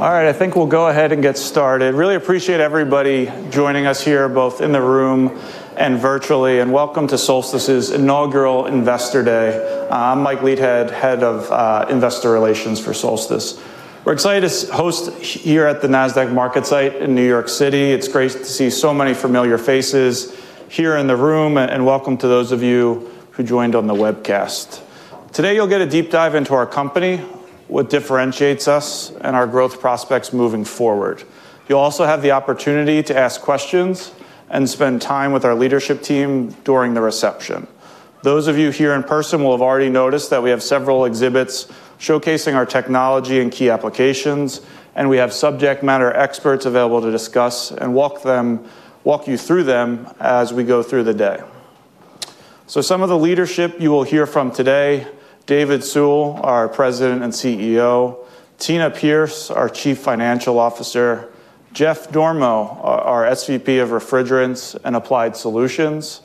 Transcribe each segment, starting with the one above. All right, I think we'll go ahead and get started. Really appreciate everybody joining us here, both in the room and virtually, and welcome to Solstice inaugural Investor Day. I'm Mike Leithead, Head of Investor Relations for Solstice. We're excited to host you here at the Nasdaq Market Site in New York City. It's great to see so many familiar faces here in the room, and welcome to those of you who joined on the webcast. Today, you'll get a deep dive into our company, what differentiates us, and our growth prospects moving forward. You'll also have the opportunity to ask questions and spend time with our leadership team during the reception. Those of you here in person will have already noticed that we have several exhibits showcasing our technology and key applications, and we have subject matter experts available to discuss and walk you through them as we go through the day. Some of the leadership you will hear from today: David Sewell, our President and CEO; Tina Pierce, our Chief Financial Officer; Jeff Dormo, our SVP of Refrigerants and Applied Solutions;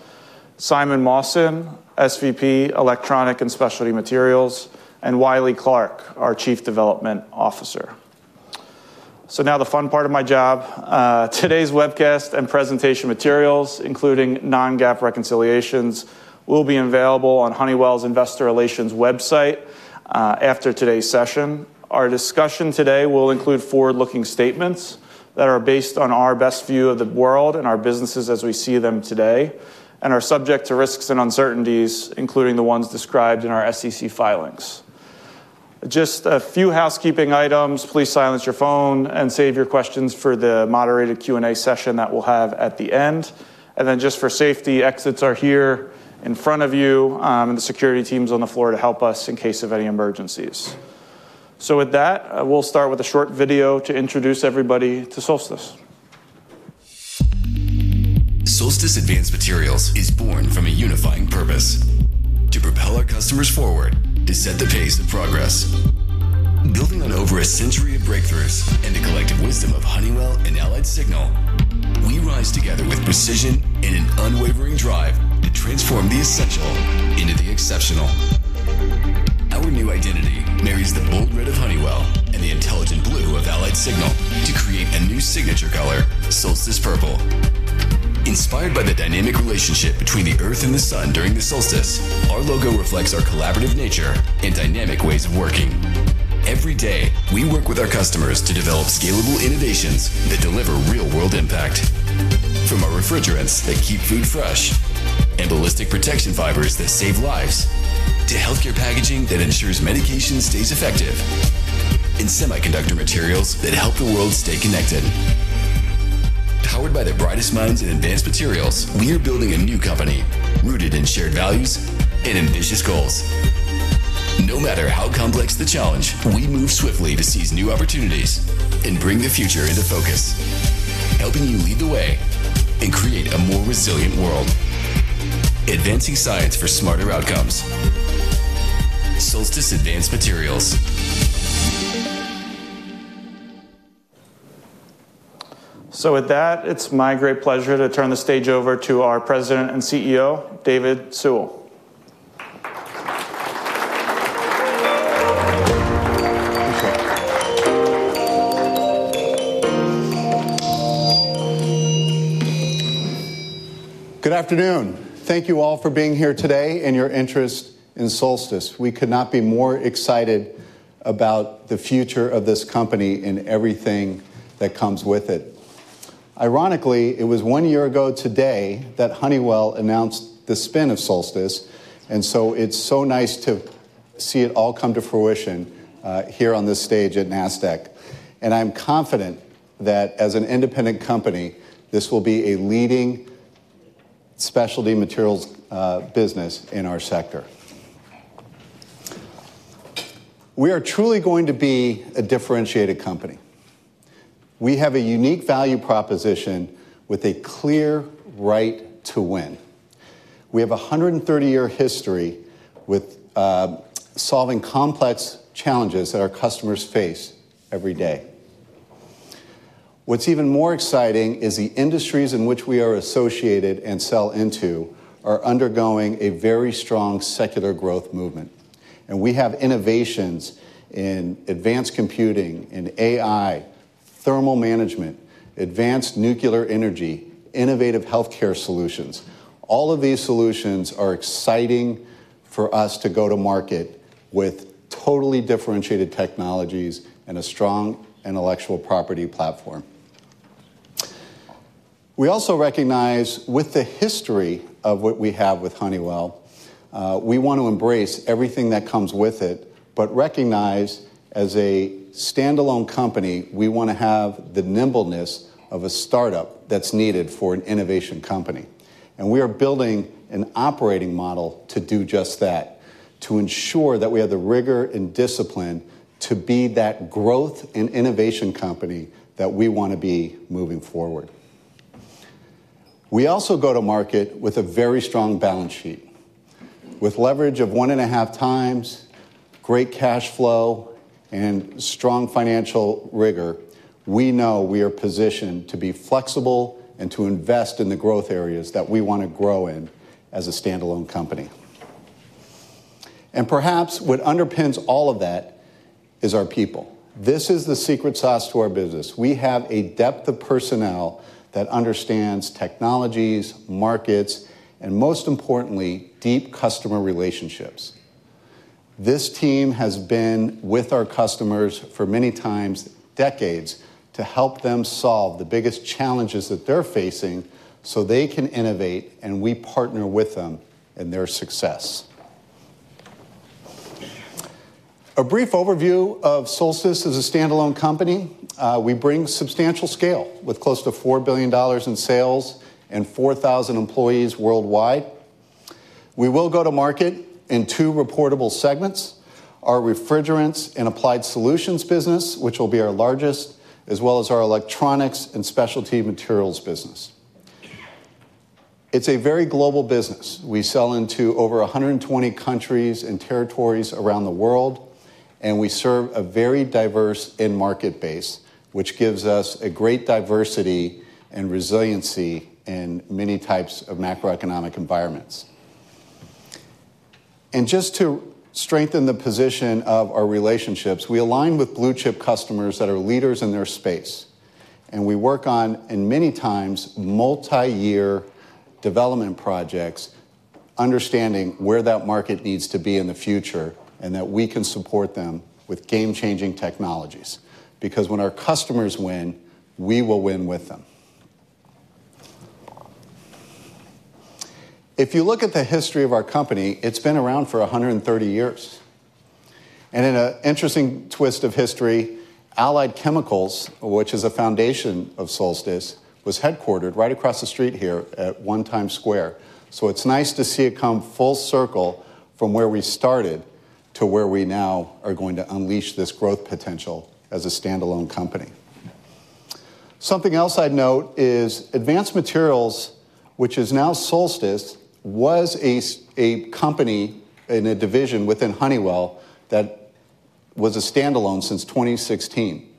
Simon Mawson, SVP of Electronics and Specialty Materials; and Wiley Clark, our Chief Development Officer. Now the fun part of my job. Today's webcast and presentation materials, including non-GAAP reconciliations, will be available on Honeywell's Investor Relations website after today's session. Our discussion today will include forward-looking statements that are based on our best view of the world and our businesses as we see them today, and are subject to risks and uncertainties, including the ones described in our SEC filings. Just a few housekeeping items. Please silence your phone and save your questions for the moderated Q&A session that we'll have at the end. For safety, exits are here in front of you, and the security team's on the floor to help us in case of any emergencies. With that, we'll start with a short video to introduce everybody to Solstice. Solstice Advanced Materials is born from a unifying purpose: to propel our customers forward, to set the pace of progress. Building on over a century of breakthroughs and the collective wisdom of Honeywell and AlliedSignal, we rise together with precision and an unwavering drive to transform the essential into the exceptional. Our new identity marries the bold red of Honeywell and the intelligent blue of AlliedSignal to create a new signature color, Solstice Purple. Inspired by the dynamic relationship between the Earth and the Sun during the Solstice, our logo reflects our collaborative nature and dynamic ways of working. Every day, we work with our customers to develop scalable innovations that deliver real-world impact. From our refrigerants that keep food fresh and ballistic protection fibers that save lives, to healthcare packaging that ensures medication stays effective, and semiconductor materials that help the world stay connected. Powered by the brightest minds in advanced materials, we are building a new company rooted in shared values and ambitious goals. No matter how complex the challenge, we move swiftly to seize new opportunities and bring the future into focus, helping you lead the way and create a more resilient world. Advancing science for smarter outcomes. Solstice Advanced Materials. With that, it's my great pleasure to turn the stage over to our President and CEO, David Sewell. Good afternoon. Thank you all for being here today and your interest in Solstice. We could not be more excited about the future of this company and everything that comes with it. Ironically, it was one year ago today that Honeywell announced the spin of Solstice, and it's so nice to see it all come to fruition here on this stage at Nasdaq. I'm confident that, as an independent company, this will be a leading specialty materials business in our sector. We are truly going to be a differentiated company. We have a unique value proposition with a clear right to win. We have a 130-year history with solving complex challenges that our customers face every day. What's even more exciting is the industries in which we are associated and sell into are undergoing a very strong secular growth movement. We have innovations in advanced computing, in AI, thermal management, advanced nuclear energy, and innovative healthcare solutions. All of these solutions are exciting for us to go to market with totally differentiated technologies and a strong intellectual property platform. We also recognize, with the history of what we have wi th Honeywell, we want to embrace everything that comes with it, but recognize, as a standalone company, we want to have the nimbleness of a startup that's needed for an innovation company. We are building an operating model to do just that, to ensure that we have the rigor and discipline to be that growth and innovation company that we want to be moving forward. We also go to market with a very strong balance sheet. With leverage of 1.5x, great cash flow, and strong financial rigor, we know we are positioned to be flexible and to invest in the growth areas that we want to grow in as a standalone company. Perhaps what underpins all of that is our people. This is the secret sauce to our business. We have a depth of personnel that understands technologies, markets, and most importantly, deep customer relationships. This team has been with our customers for many times, decades, to help them solve the biggest challenges that they're facing so they can innovate, and we partner with them in their success. A brief overview of Solstice as a standalone company: we bring substantial scale with close to $4 billion in sales and 4,000 employees worldwide. We will go to market in two reportable segments: our refrigerants and applied solutions business, which will be our largest, as well as our electronics and specialty materials business. It's a very global business. We sell into over 120 countries and territories around the world, and we serve a very diverse end-market base, which gives us a great diversity and resiliency in many types of macroeconomic environments. To strengthen the position of our relationships, we align with blue-chip customers that are leaders in their space. We work on, in manyx, multi-year development projects, understanding where that market needs to be in the future and that we can support them with game-changing technologies. Because when our customers win, we will win with them. If you look at the history of our company, it's been around for 130 years. In an interesting twist of history, Allied Chemicals, which is a foundation of Solstice, was headquartered right across the street here at One Times Square. It's nice to see it come full circle from where we started to where we now are going to unleash this growth potential as a standalone company. Something else I'd note is Advanced Materials, which is now Solstice, was a company in a division within Honeywell that was a standalone since 2016.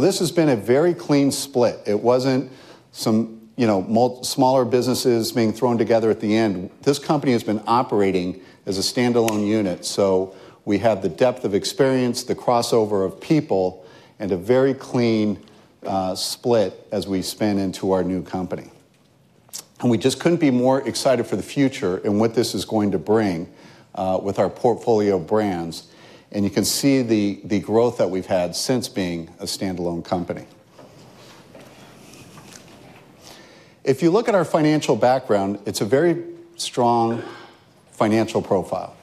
This has been a very clean split. It wasn't some smaller businesses being thrown together at the end. This company has been operating as a standalone unit. We have the depth of experience, the crossover of people, and a very clean split as we span into our new company. We just couldn't be more excited for the future and what this is going to bring with our portfolio brands. You can see the growth that we've had since being a standalone company. If you look at our financial background, it's a very strong financial profile.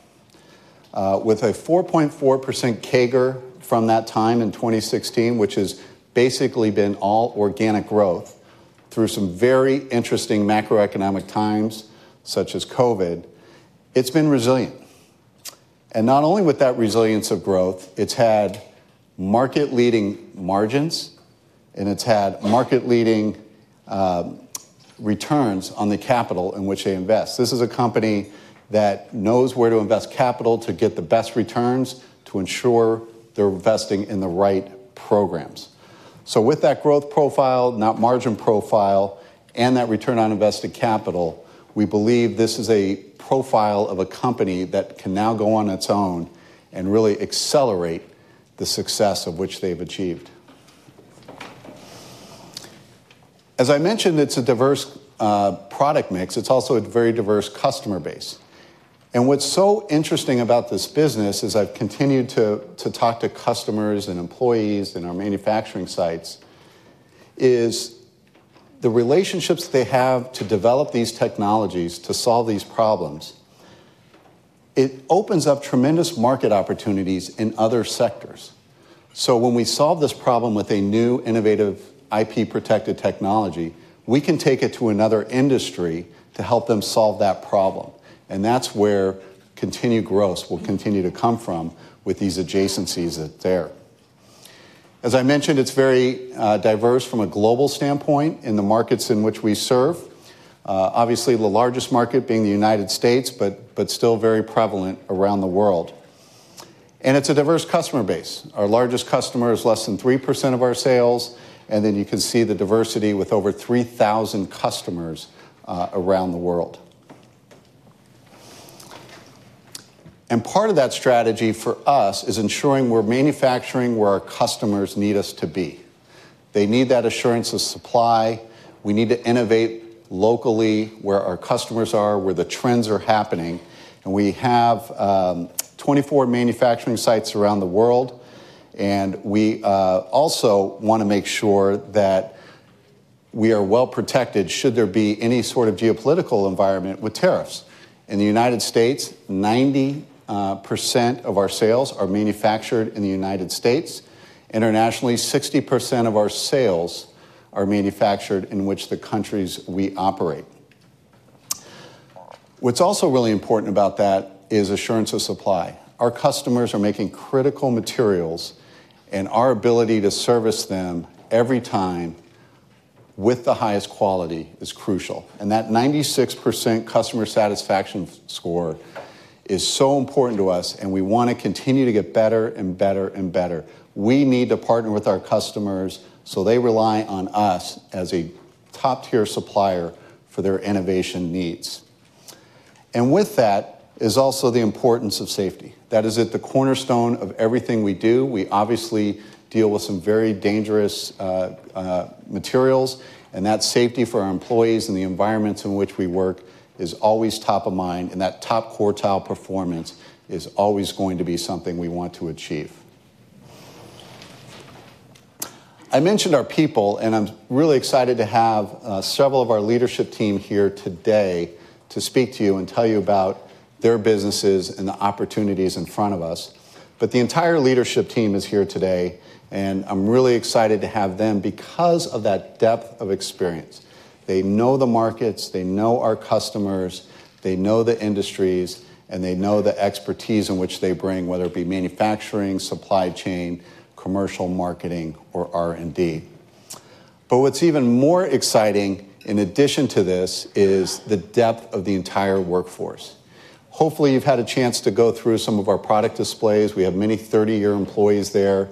With a 4.4% CAGR from that time in 2016, which has basically been all organic growth through some very interesting macroeconmic times, such as COVID, it's been resilient. Not only with that resilience of growth, it's had market-leading margins, and it's had market-leading returns on the capital in which they invest. This is a company that knows where to invest capital to get the best returns to ensure they're investing in the right programs. With that growth profile, that margin profile, and that return on invested capital, we believe this is a profile of a company that can now go on its own and really accelerate the success of which they've achieved. As I mentioned, it's a diverse product mix. It's also a very diverse customer base. What's so interesting about this business, as I've continued to talk to customers and employees in our manufacturing sites, is the relationships they have to develop these technologies to solve these problems. It opens up tremendous market opportunities in other sectors. When we solve this problem with a new, innovative, IP-protected technology, we can take it to another industry to help them solve that problem. That's where continued growth will continue to come from with these adjacencies there. As I mentioned, it's very diverse from a global standpoint in the markets in which we serve. Obviously, the largest market being the United States, but still very prevalent around the world. It's a diverse customer base. Our largest customer is less than 3% of our sales, and then you can see the diversity with over 3,000 customers around the world. Part of that strategy for us is ensuring we're manufacturing where our customers need us to be. They need that assurance of supply. We need to innovate locally where our customers are, where the trends are happening. We have 24 manufacturing sites around the world. We also want to make sure that we are well protected should there be any sort of geopolitical environment with tariffs. In the United States, 90% of our sales are manufactured in the United States. Internationally, 60% of our sales are manufactured in the countries in which we operate. What's also really important about that is assurance of supply. Our customers are making critical materials, and our ability to service them every time with the highest quality is crucial. That 96% customer satisfaction score is so important to us, and we want to continue to get better and better and better. We need to partner with our customers so they rely on us as a top-tier supplier for their innovation needs. With that is also the importance of safety. That is at the cornerstone of everything we do. We obviously deal with some very dangerous materials, and that safety for our employees and the environments in which we work is always top of mind. That top quartile performance is always going to be something we want to achieve. I mentioned our people, and I'm really excited to have several of our leadership team here today to speak to you and tell you about their businesses and the opportunities in front of us. The entire leadership team is here today, and I'm really excited to have them because of that depth of experience. They know the markets, they know our customers, they know the industries, and they know the expertise in which they bring, whether it be manufacturing, supply chain, commercial marketing, or R&D. What's even more exciting, in addition to this, is the depth of the entire workforce. Hopefully, you've had a chance to go through some of our product displays. We have many 30-year employees there.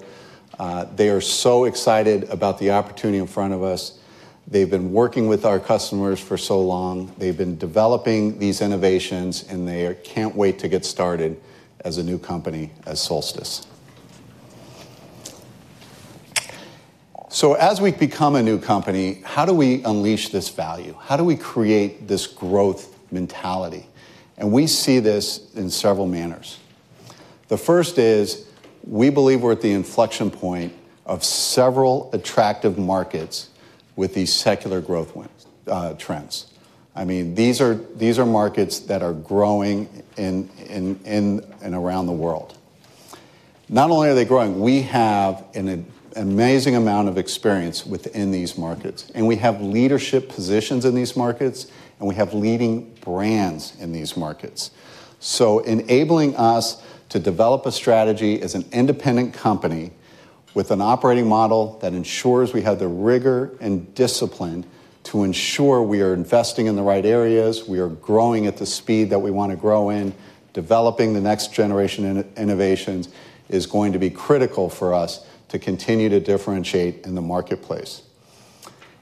They are so excited about the opportunity in front of us. They've been working with our customers for so long. They've been developing these innovations, and they can't wait to get started as a new company as Solstice. As we become a new company, how do we unleash this value? How do we create this growth mentality? We see this in several manners. The first is we believe we're at the inflection point of several attractive markets with these secular growth trends. These are markets that are growing in and around the world. Not only are they growing, we have an amazing amount of experience within these markets, and we have leadership positions in these markets, and we have leading brands in these markets. This enables us to develop a strategy as an independent company with an operating model that ensures we have the rigor and discipline to ensure we are investing in the right areas, we are growing at the speed that we want to grow in, developing the next generation in innovations is going to be critical for us to continue to differentiate in the marketplace.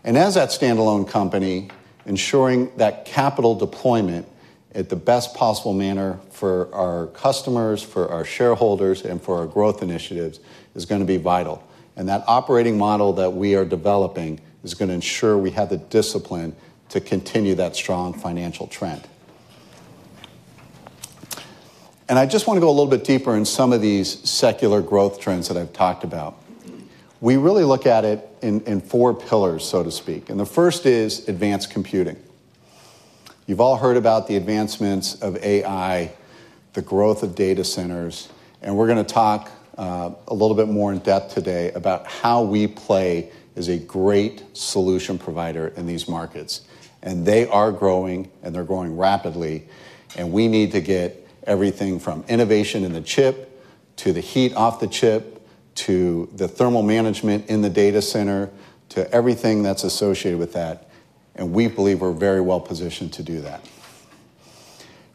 As that standalone company, ensuring that capital deployment in the best possible manner for our customers, for our shareholders, and for our growth initiatives is going to be vital. That operating model that we are developing is going to ensure we have the discipline to continue that strong financial trend. I just want to go a little bit deeper in some of these secular growth trends that I've talked about. We really look at it in four pillars, so to speak. The first is advanced computing. You've all heard about the advancements of AI, the growth of data centers, and we're going to talk a little bit more in depth today about how we play as a great solution provider in these markets. They are growing, and they're growing rapidly, and we need to get everything from innovation in the chip to the heat off the chip to the thermal management in the data center to everything that's associated with that. We believe we're very well positioned to do that.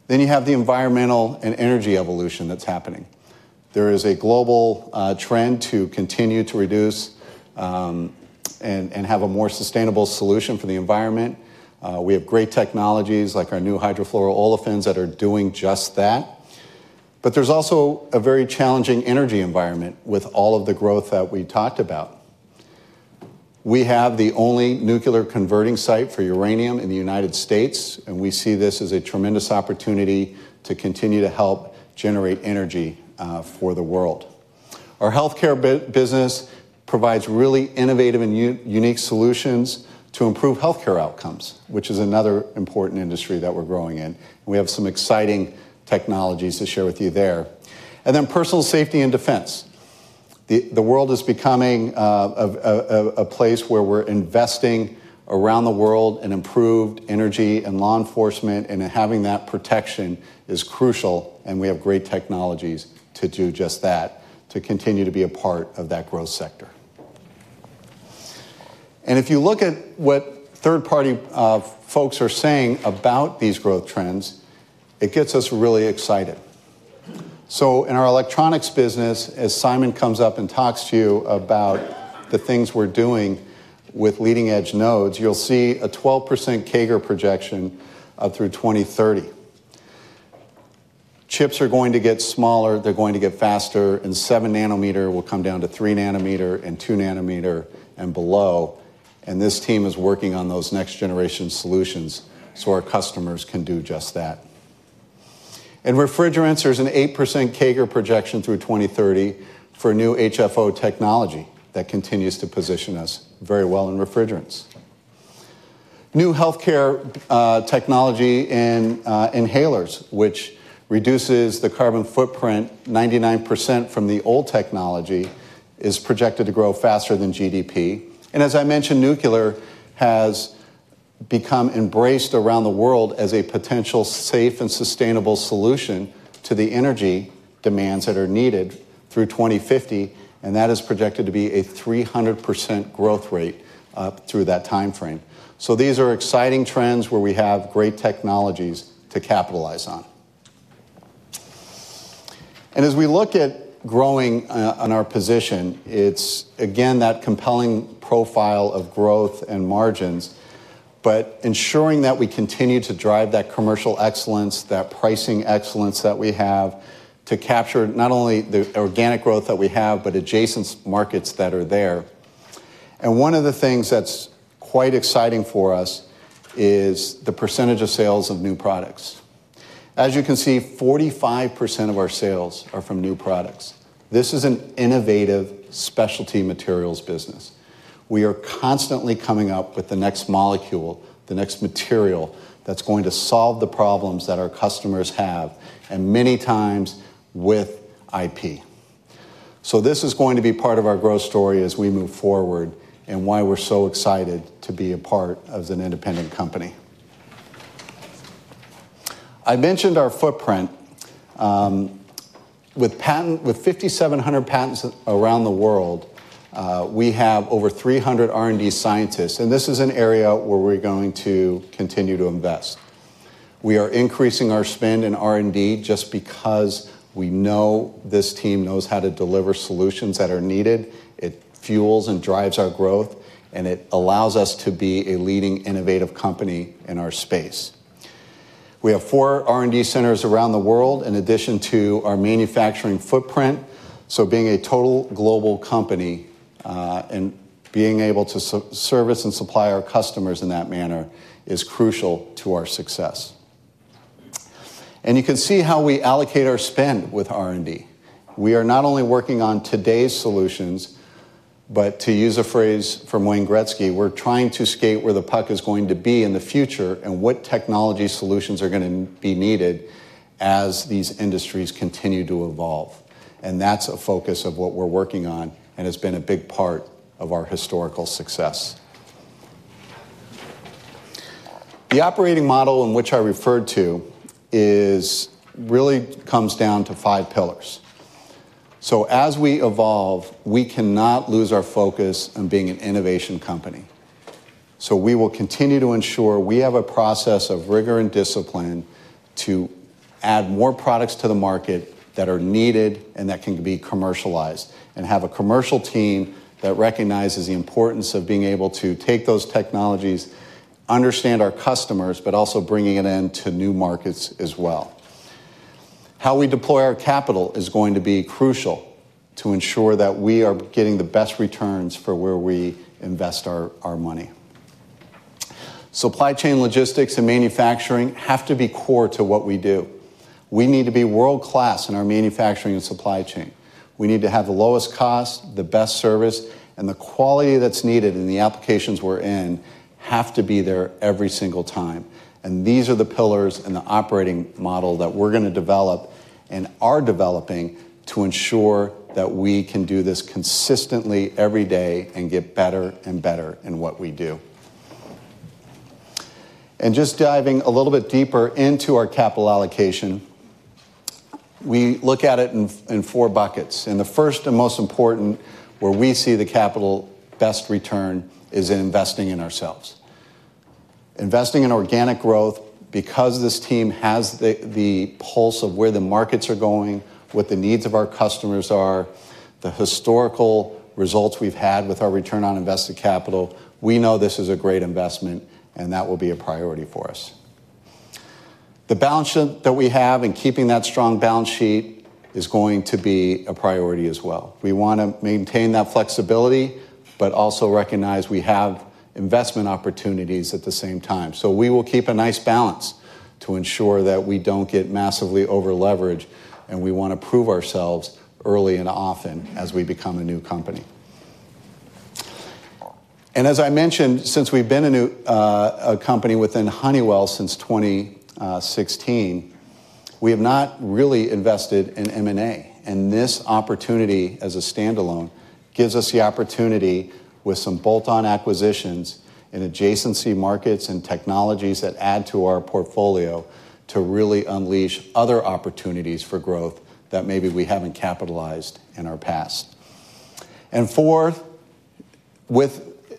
You have the environmental and energy evolution that's happening. There is a global trend to continue to reduce and have a more sustainable solution for the environment. We have great technologies like our new hydrofluoroolefins that are doing just that. There is also a very challenging energy environment with all of the growth that we talked about. We have the only nuclear converting site for uranium in the U.S., and we see this as a tremendous opportunity to continue to help generate energy for the world. Our healthcare business provides really innovative and unique solutions to improve healthcare outcomes, which is another important industry that we're growing in. We have some exciting technologies to share with you there. Personal safety and defense are also important. The world is becoming a place where we're investing around the world in improved energy and law enforcement, and having that protection is crucial, and we have great technologies to do just that, to continue to be a part of that growth sector. If you look at what third-party folks are saying about these growth trends, it gets us really excited. In our electronics business, as Simon comes up and talks to you about the things we're doing with leading-edge nodes, you'll see a 12% CAGR projection through 2030. Chips are going to get smaller, they're going to get faster, and 7 nm will come down to 3 nm and 2 nm and below. This team is working on those next-generation solutions so our customers can do just that. In refrigerants, there's an 8% CAGR projection through 2030 for new HFO technology that continues to position us very well in refrigerants. New healthcare technology in inhalers, which reduces the carbon footprint 99% from the old technology, is projected to grow faster than GDP. As I mentioned, nuclear has become embraced around the world as a potential safe and sustainable solution to the energy demands that are needed through 2050, and that is projected to be a 300% growth rate through that timeframe. These are exciting trends where we have great technologies to capitalize on. As we look at growing on our position, it's again that compelling profile of growth and margins, but ensuring that we continue to drive that commercial excellence, that pricing excellence that we have to capture not only the organic growth that we have, but adjacent markets that are there. One of the things that's quite exciting for us is the percentage of sales of new products. As you can see, 45% of our sales are from new products. This is an innovative specialty materials business. We are constantly coming up with the next molecule, the next material that's going to solve the problems that our customers have, and many times with IP. This is going to be part of our growth story as we move forward and why we're so excited to be a part of an independent company. I mentioned our footprint. With 5,700 patents around the world, we have over 300 R&D scientists, and this is an area where we're going to continue to invest. We are increasing our spend in R&D just because we know this team knows how to deliver solutions that are needed. It fuels and drives our growth, and it allows us to be a leading innovative company in our space. We have four R&D centers around the world in addition to our manufacturing footprint. Being a total global company and being able to service and supply our customers in that manner is crucial to our success. You can see how we allocate our spend with R&D. We are not only working on today's solutions, but to use a phrase from Wayne Gretzky, we're trying to skate where the puck is going to be in the future and what technology solutions are going to be needed as these industries continue to evolve. That's a focus of what we're working on and has been a big part of our historical success. The operating model in which I referred to really comes down to five pillars. As we evolve, we cannot lose our focus on being an innovation company. We will continue to ensure we have a process of rigor and discipline to add more products to the market that are needed and that can be commercialized and have a commercial team that recognizes the importance of being able to take those technologies, understand our customers, but also bringing it into new markets as well. How we deploy our capital is going to be crucial to ensure that we are getting the best returns for where we invest our money. Supply chain logistics and manufacturing have to be core to what we do. We need to be world-class in our manufacturing and supply chain. We need to have the lowest cost, the best service, and the quality that's needed in the applications we're in have to be there every single time. These are the pillars and the operating model that we're going to develop and are developing to ensure that we can do this consistently every day and get better and better in what we do. Diving a little bit deeper into our capital allocation, we look at it in four buckets. The first and most important, where we see the capital best return, is in investing in ourselves. Investing in organic growth, because this team has the pulse of where the markets are going, what the needs of our customers are, the historical results we've had with our return on invested capital, we know this is a great investment and that will be a priority for us. The balance sheet that we have and keeping that strong balance sheet is going to be a priority as well. We want to maintain that flexibility, but also recognize we have investment opportunities at the same time. We will keep a nice balance to ensure that we don't get massively over-leveraged, and we want to prove ourselves early and often as we become a new company. As I mentioned, since we've been a new company within Honeywell since 2016, we have not really invested in M&A. This opportunity as a standalone gives us the opportunity, with some bolt-on acquisitions in adjacency markets and technologies that add to our portfolio, to really unleash other opportunities for growth that maybe we haven't capitalized in our past. Fourth,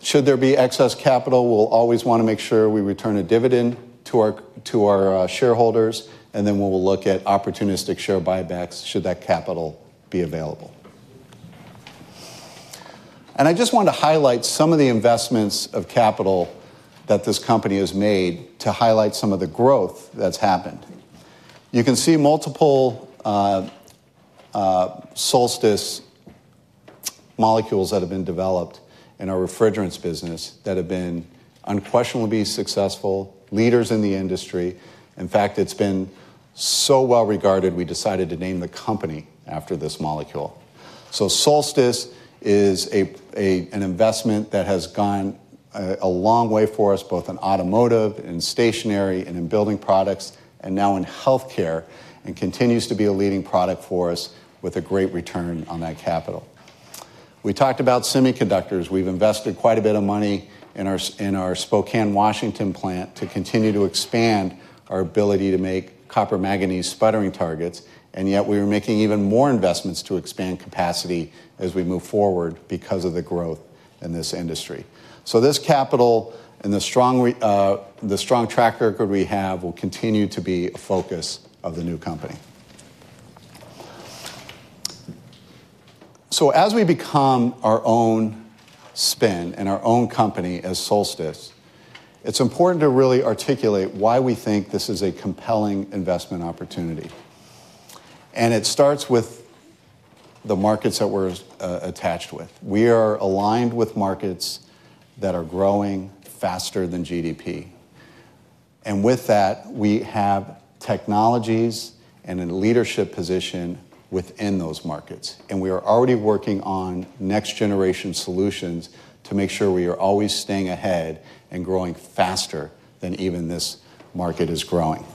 should there be excess capital, we'll always want to make sure we return a dividend to our shareholders, and then we'll look at opportunistic share buybacks should that capital be available. I just want to highlight some of the investments of capital that this company has made to highlight some of the growth that's happened. You can see multiple Solstice molecules that have been developed in our refrigerants business that have been unquestionably successful, leaders in the industry. In fact, it's been so well regarded, we decided to name the company after this molecule. Solstice is an investment that has gone a long way for us, both in automotive and stationary and in building products, and now in healthcare, and continues to be a leading product for us with a great return on that capital. We talked about semiconductors. We've invested quite a bit of money in our Spokane, Washington plant to continue to expand our ability to make copper manganese sputtering targets, and we are making even more investments to expand capacity as we move forward because of the growth in this industry. This capital and the strong track record we have will continue to be a focus of the new company. As we become our own spin and our own company as Solstice, it's important to really articulate why we think this is a compelling investment opportunity. It starts with the markets that we're attached with. We are aligned with markets that are growing faster than GDP. With that, we have technologies and a leadership position within those markets. We are already working on next-generation solutions to make sure we are always staying ahead and growing faster than even this market is growing.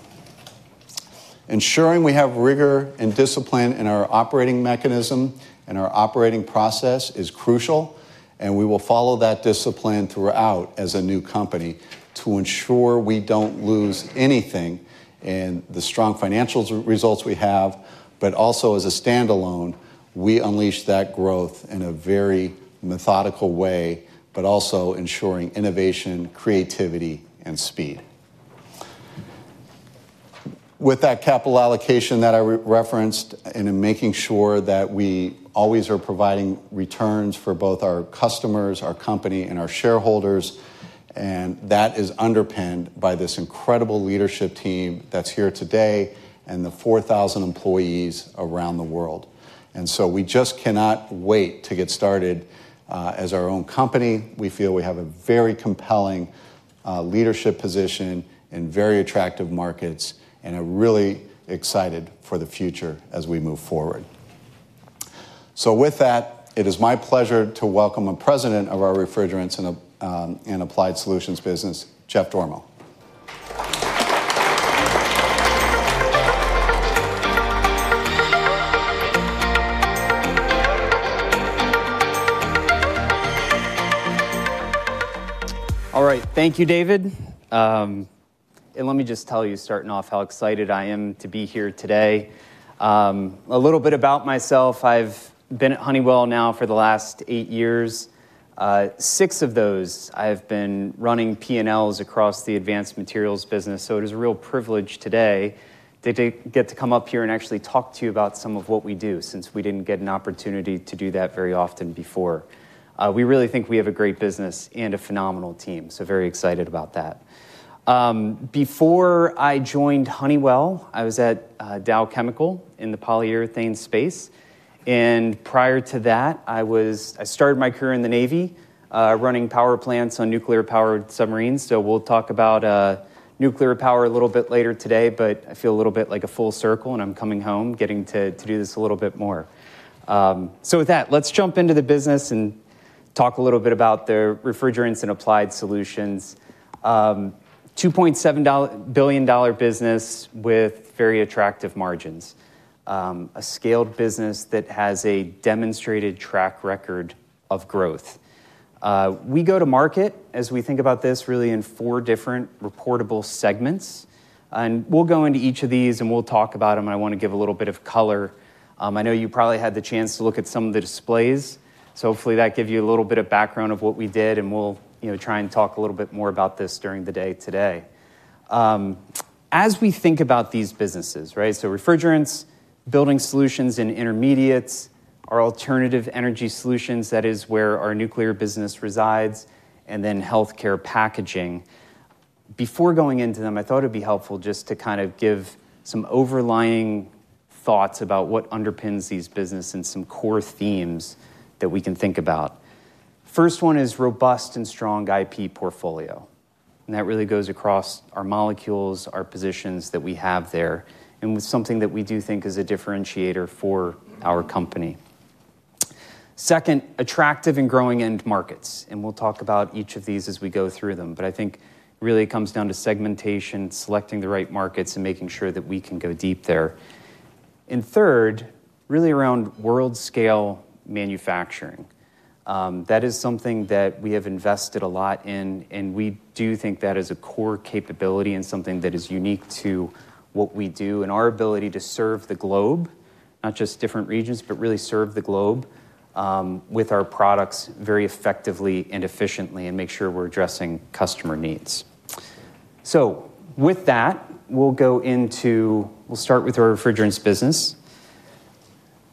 Ensuring we have rigor and discipline in our operating mechanism and our operating process is crucial, and we will follow that discipline throughout as a new company to ensure we don't lose anything in the strong financial results we have, but also as a standalone, we unleash that growth in a very methodical way, also ensuring innovation, creativity, and speed. With that capital allocation that I referenced and in making sure that we always are providing returns for both our customers, our company, and our shareholders, and that is underpinned by this incredible leadership team that's here today and the 4,000 employees around the world. We just cannot wait to get started as our own company. We feel we have a very compelling leadership position in very attractive markets and are really excited for the future as we move forward. With that, it is my pleasure to welcome a President of our Refrigerants and Applied Solutions business, Jeff Dormo. All right, thank you, David. Let me just tell you, starting off, how excited I am to be here today. A little bit about myself, I've been at Honeywell now for the last eight years. Six of those, I've been running P&Ls across the Advanced Materials business, so it is a real privilege today to get to come up here and actually talk to you about some of what we do, since we didn't get an opportunity to do that very often before. We really think we have a great business and a phenomenal team, so very excited about that. Before I joined Honeywell, I was at Dow Chemical in the polyurethane space, and prior to that, I started my career in the Navy, running power plants on nuclear-powered submarines. We'll talk about nuclear power a little bit later today. I feel a little bit like a full circle, and I'm coming home, getting to do this a little bit more. With that, let's jump into the business and talk a little bit about the Refrigerants and Applied Solutions. $2.7 billion business with very attractive margins. A scaled business that has a demonstrated track record of growth. We go to market, as we think about this, really in four different reportable segments. We'll go into each of these, and we'll talk about them, and I want to give a little bit of color. I know you probably had the chance to look at some of the displays, so hopefully that gives you a little bit of background of what we did, and we'll try and talk a little bit more about this during the day today. As we think about these businesses, right, so Refrigerants, Building Solutions and Intermediates, our Alternative Energy Solutions, that is where our nuclear business resides, and then Healthcare Packaging. Before going into them, I thought it'd be helpful just to kind of give some overlying thoughts about what underpins these businesses and some core themes that we can think about. First one is robust and strong IP portfolio, and that really goes across our molecules, our positions that we have there, and with something that we do think is a differentiator for our company. Second, attractive and growing end markets, and we'll talk about each of these as we go through them, but I think really it comes down to segmentation, selecting the right markets, and making sure that we can go deep there. Third, really around world-scale manufacturing. That is something that we have invested a lot in, and we do think that is a core capability and something that is unique to what we do and our ability to serve the globe, not just different regions, but really serve the globe with our products very effectively and efficiently and make sure we're addressing customer needs. With that, we'll go into, we'll start with the Refrigerants business.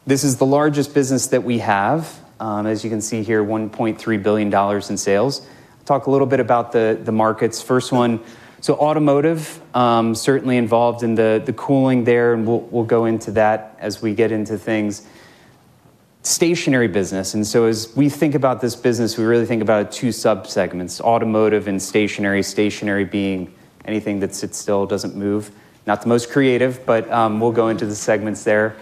This is the largest business that we have, as you can see here, $1.3 billion in sales. Talk a little bit about the markets. First one, automotive, certainly involved in the cooling there, and we'll go into that as we get into things. Stationary business, and as we think about this business, we really think about it in two sub-segments: automotive and stationary, stationary being anything that sits still, doesn't move. Not the most creative, but we'll go into the segments there.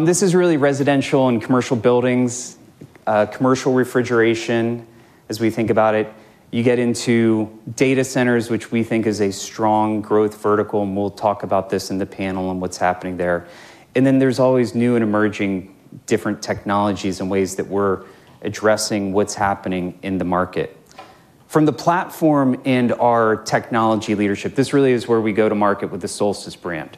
This is really residential and commercial buildings, commercial refrigeration, as we think about it. You get into data centers, which we think is a strong growth vertical, and we'll talk about this in the panel and what's happening there. There are always new and emerging different technologies and ways that we're addressing what's happening in the market. From the platform and our technology leadership, this really is where we go to market with the Solstice brand.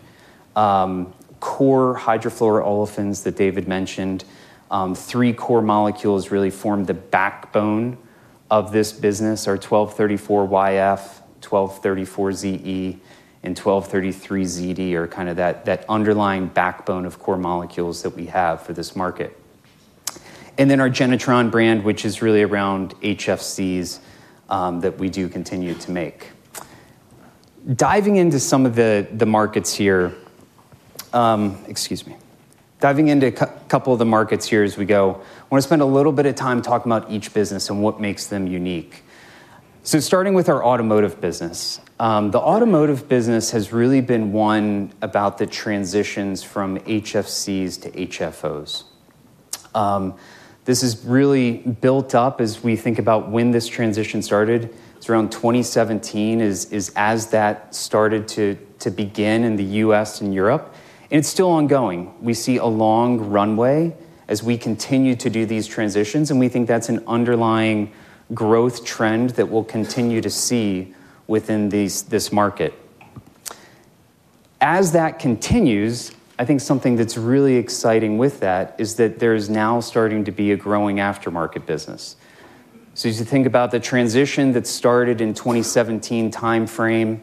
Core hydrofluoroolefins that David mentioned, three core molecules really form the backbone of this business. Our R-1234yf, R-1234ze, and R-1233zd are kind of that underlying backbone of core molecules that we have for this market. Our Genetron brand is really around HFCs that we do continue to make. Diving into some of the markets here, diving into a couple of the markets here as we go, I want to spend a little bit of time talking about each business and what makes them unique. Starting with our automotive business, the automotive business has really been one about the transitions from HFCs to HFOs. This has really built up as we think about when this transition started. It's around 2017 as that started to begin in the U.S. and Europe, and it's still ongoing. We see a long runway as we continue to do these transitions, and we think that's an underlying growth trend that we'll continue to see within this market. As that continues, I think something that's really exciting with that is that there is now starting to be a growing aftermarket business. As you think about the transition that started in the 2017 timeframe,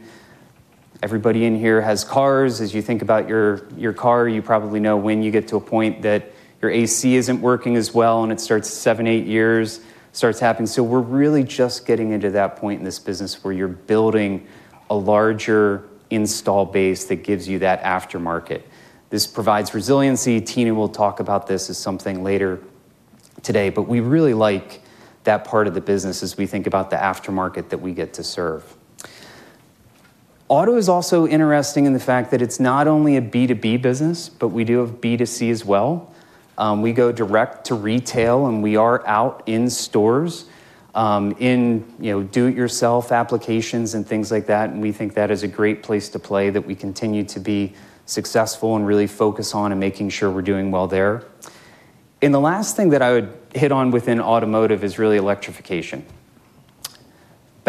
everybody in here has cars. As you think about your car, you probably know when you get to a point that your AC isn't working as well, and it starts seven, eight years, starts happening. We're really just getting into that point in this business where you're building a larger install base that gives you that aftermarket. This provides resiliency. Tina will talk about this as something later today, but we really like that part of the business as we think about the aftermarket that we get to serve. Auto is also interesting in the fact that it's not only a B2B business, but we do have B2C as well. We go direct to retail, and we are out in stores, in do-it-yourself applications and things like that, and we think that is a great place to play that we continue to be successful and really focus on and making sure we're doing well there. The last thing that I would hit on within automotive is really electrification.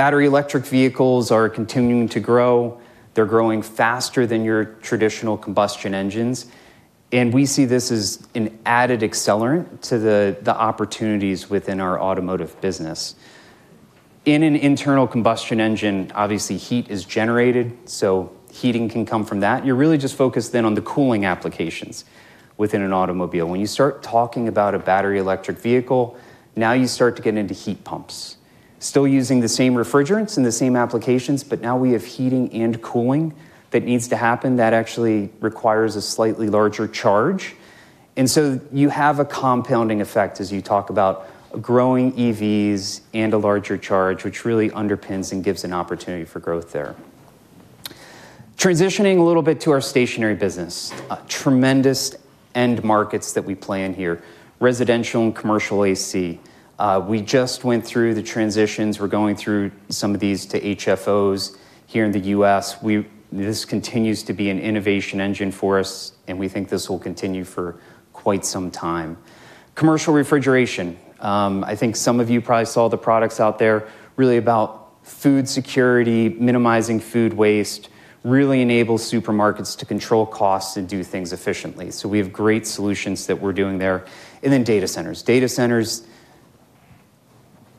Battery electric vehicles are continuing to grow. They're growing faster than your traditional combustion engines, and we see this as an added accelerant to the opportunities within our automotive business. In an internal combustion engine, obviously, heat is generated, so heating can come from that. You're really just focused then on the cooling applications within an automobile. When you start talking about a battery electric vehicle, now you start to get into heat pumps. Still using the same refrigerants and the same applications, but now we have heating and cooling that needs to happen that actually requires a slightly larger charge. You have a compounding effect as you talk about growing EVs and a larger charge, which really underpins and gives an opportunity for growth there. Transitioning a little bit to our stationary business, tremendous end markets that we plan here, residential and commercial AC. We just went through the transitions. We're going through some of these to HFOs here in the U.S. This continues to be an innovation engine for us, and we think this will continue for quite some time. Commercial refrigeration, I think some of you probably saw the products out there, really about food security, minimizing food waste, really enables supermarkets to control costs and do things efficiently. We have great solutions that we're doing there. Then data centers. Data centers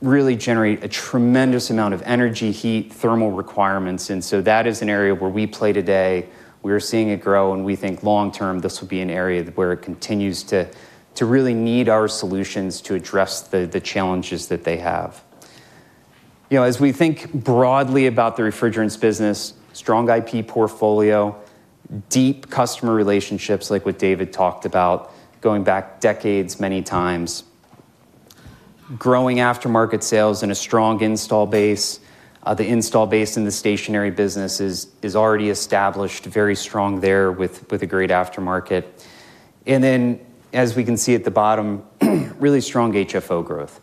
really generate a tremendous amount of energy, heat, thermal requirements, and that is an area where we play today. We are seeing it grow, and we think long-term this will be an area where it continues to really need our solutions to address the challenges that they have. As we think broadly about the refrigerants business, strong IP portfolio, deep customer relationships, like what David talked about, going back decades, manyx, growing aftermarket sales and a strong install base. The install base in the stationary business is already established, very strong there with a great aftermarket. As we can see at the bottom, really strong HFO growth.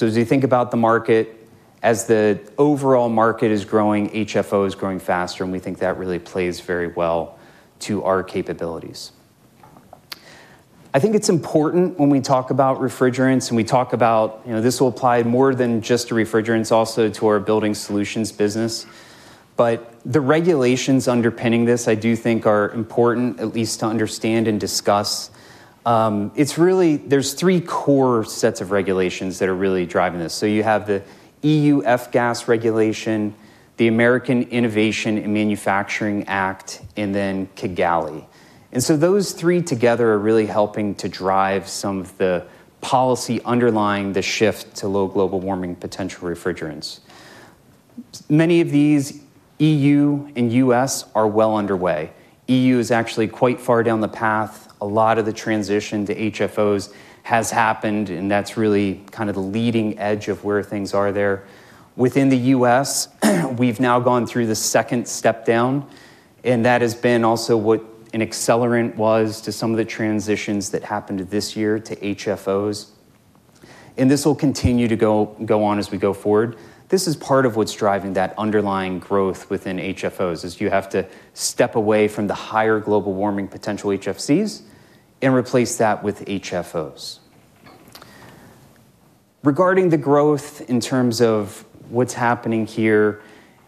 As you think about the market, as the overall market is growing, HFO is growing faster, and we think that really plays very well to our capabilities. I think it's important when we talk about refrigerants, and we talk about, you know, this will apply more than just to refrigerants, also to our building solutions business. The regulations underpinning this, I do think, are important, at least to understand and discuss. There are three core sets of regulations that are really driving this. You have the EU F-gas regulation, the American Innovation and Manufacturing Act, and then Kigali. Those three together are really helping to drive some of the policy underlying the shift to low global warming potential refrigerants. Many of these EU and U.S. are well underway. EU is actually quite far down the path. A lot of the transition to HFOs has happened, and that's really kind of the leading edge of where things are there. Within the U.S., we've now gone through the second step down, and that has been also what an accelerant was to some of the transitions that happened this year to HFOs. This will continue to go on as we go forward. This is part of what's driving that underlying growth within HFOs, as you have to step away from the higher global warming potential HFCs and replace that with HFOs. Regarding the growth in terms of what's happening here,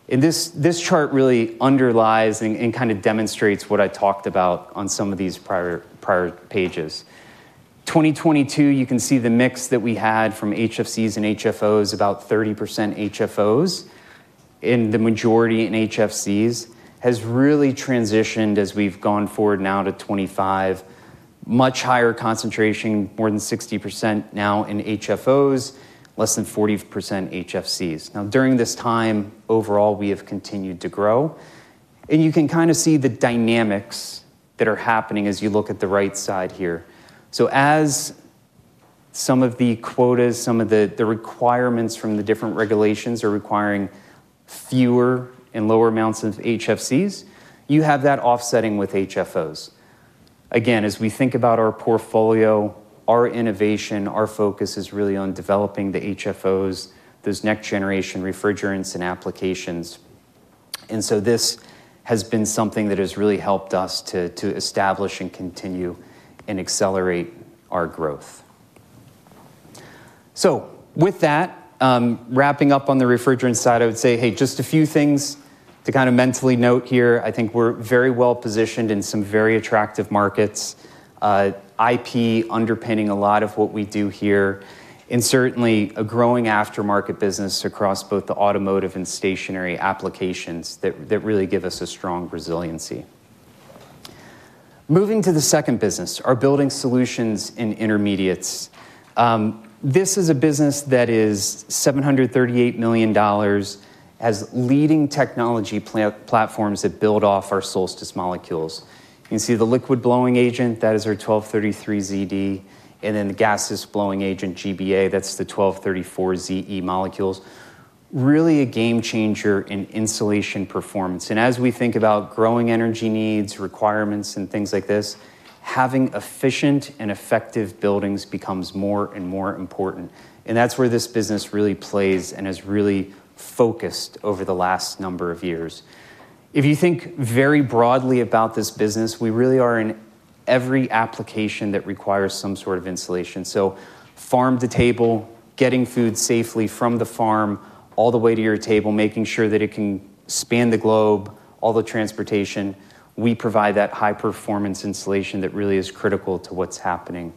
and this chart really underlies and kind of demonstrates what I talked about on some of these prior pages. 2022, you can see the mix that we had from HFCs and HFOs, about 30% HFOs, and the majority in HFCs has really transitioned as we've gone forward now to 2025. Much higher concentration, more than 60% now in HFOs, less than 40% HFCs. During this time, overall, we have continued to grow. You can kind of see the dynamics that are happening as you look at the right side here. As some of the quotas, some of the requirements from the different regulations are requiring fewer and lower amounts of HFCs, you have that offsetting with HFOs. Again, as we think about our portfolio, our innovation, our focus is really on developing the HFOs, those next-generation refrigerants and applications. This has been something that has really helped us to establish and continue and accelerate our growth. Wrapping up on the refrigerant side, I would say, hey, just a few things to kind of mentally note here. I think we're very well positioned in some very attractive markets. IP underpinning a lot of what we do here, and certainly a growing aftermarket business across both the automotive and stationary applications that really give us a strong resiliency. Moving to the second business, our building solutions and intermediates. This is a business that is $738 million as leading technology platforms that build off our Solstice molecules. You can see the liquid blowing agent, that is our R-1233zd, and then the gaseous blowing agent, GBA, that's the R-1234ze molecules. Really a game changer in insulation performance. As we think about growing energy needs, requirements, and things like this, having efficient and effective buildings becomes more and more important. That's where this business really plays and has really focused over the last number of years. If you think very broadly about this business, we really are in every application that requires some sort of insulation. Farm to table, getting food safely from the farm all the way to your table, making sure that it can span the globe, all the transportation. We provide that high-performance insulation that really is critical to what's happening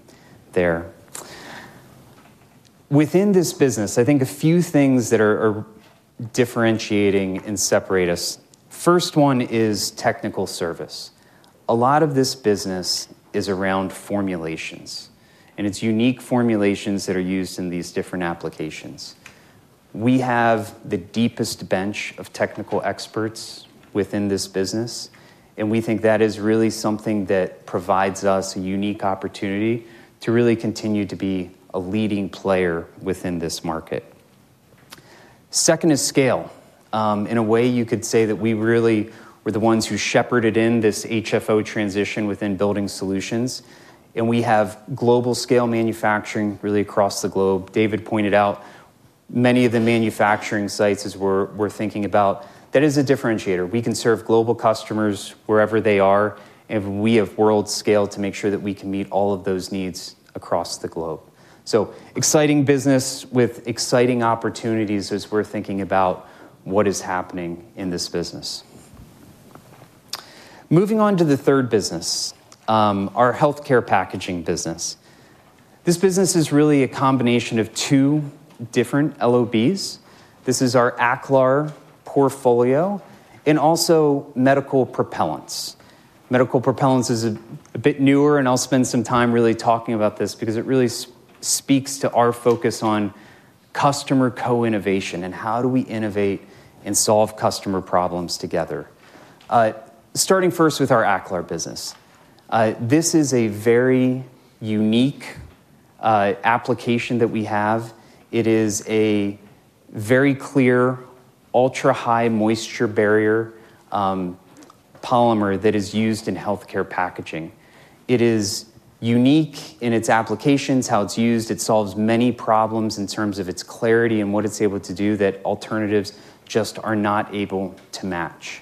there. Within this business, I think a few things that are differentiating and separate us. First one is technical service. A lot of this business is around formulations, and it's unique formulations that are used in these different applications. We have the deepest bench of technical experts within this business, and we think that is really something that provides us a unique opportunity to really continue to be a leading player within this market. Second is scale. In a way, you could say that we really were the ones who shepherded in this HFO transition within building solutions, and we have global scale manufacturing really across the globe. David pointed out many of the manufacturing sites as we're thinking about. That is a differentiator. We can serve global customers wherever they are, and we have world scale to make sure that we can meet all of those needs across the globe. Exciting business with exciting opportunities as we're thinking about what is happening in this business. Moving on to the third business, our healthcare packaging business. This business is really a combination of two different LOBs. This is our Aclar portfolio and also medical propellants. Medical propellants is a bit newer, and I'll spend some time really talking about this because it really speaks to our focus on customer co-innovation and how do we innovate and solve customer problems together. Starting first with our Aclar business. This is a very unique application that we have. It is a very clear ultra-high moisture barrier polymer that is used in healthcare packaging. It is unique in its applications, how it's used. It solves many problems in terms of its clarity and what it's able to do that alternatives just are not able to match.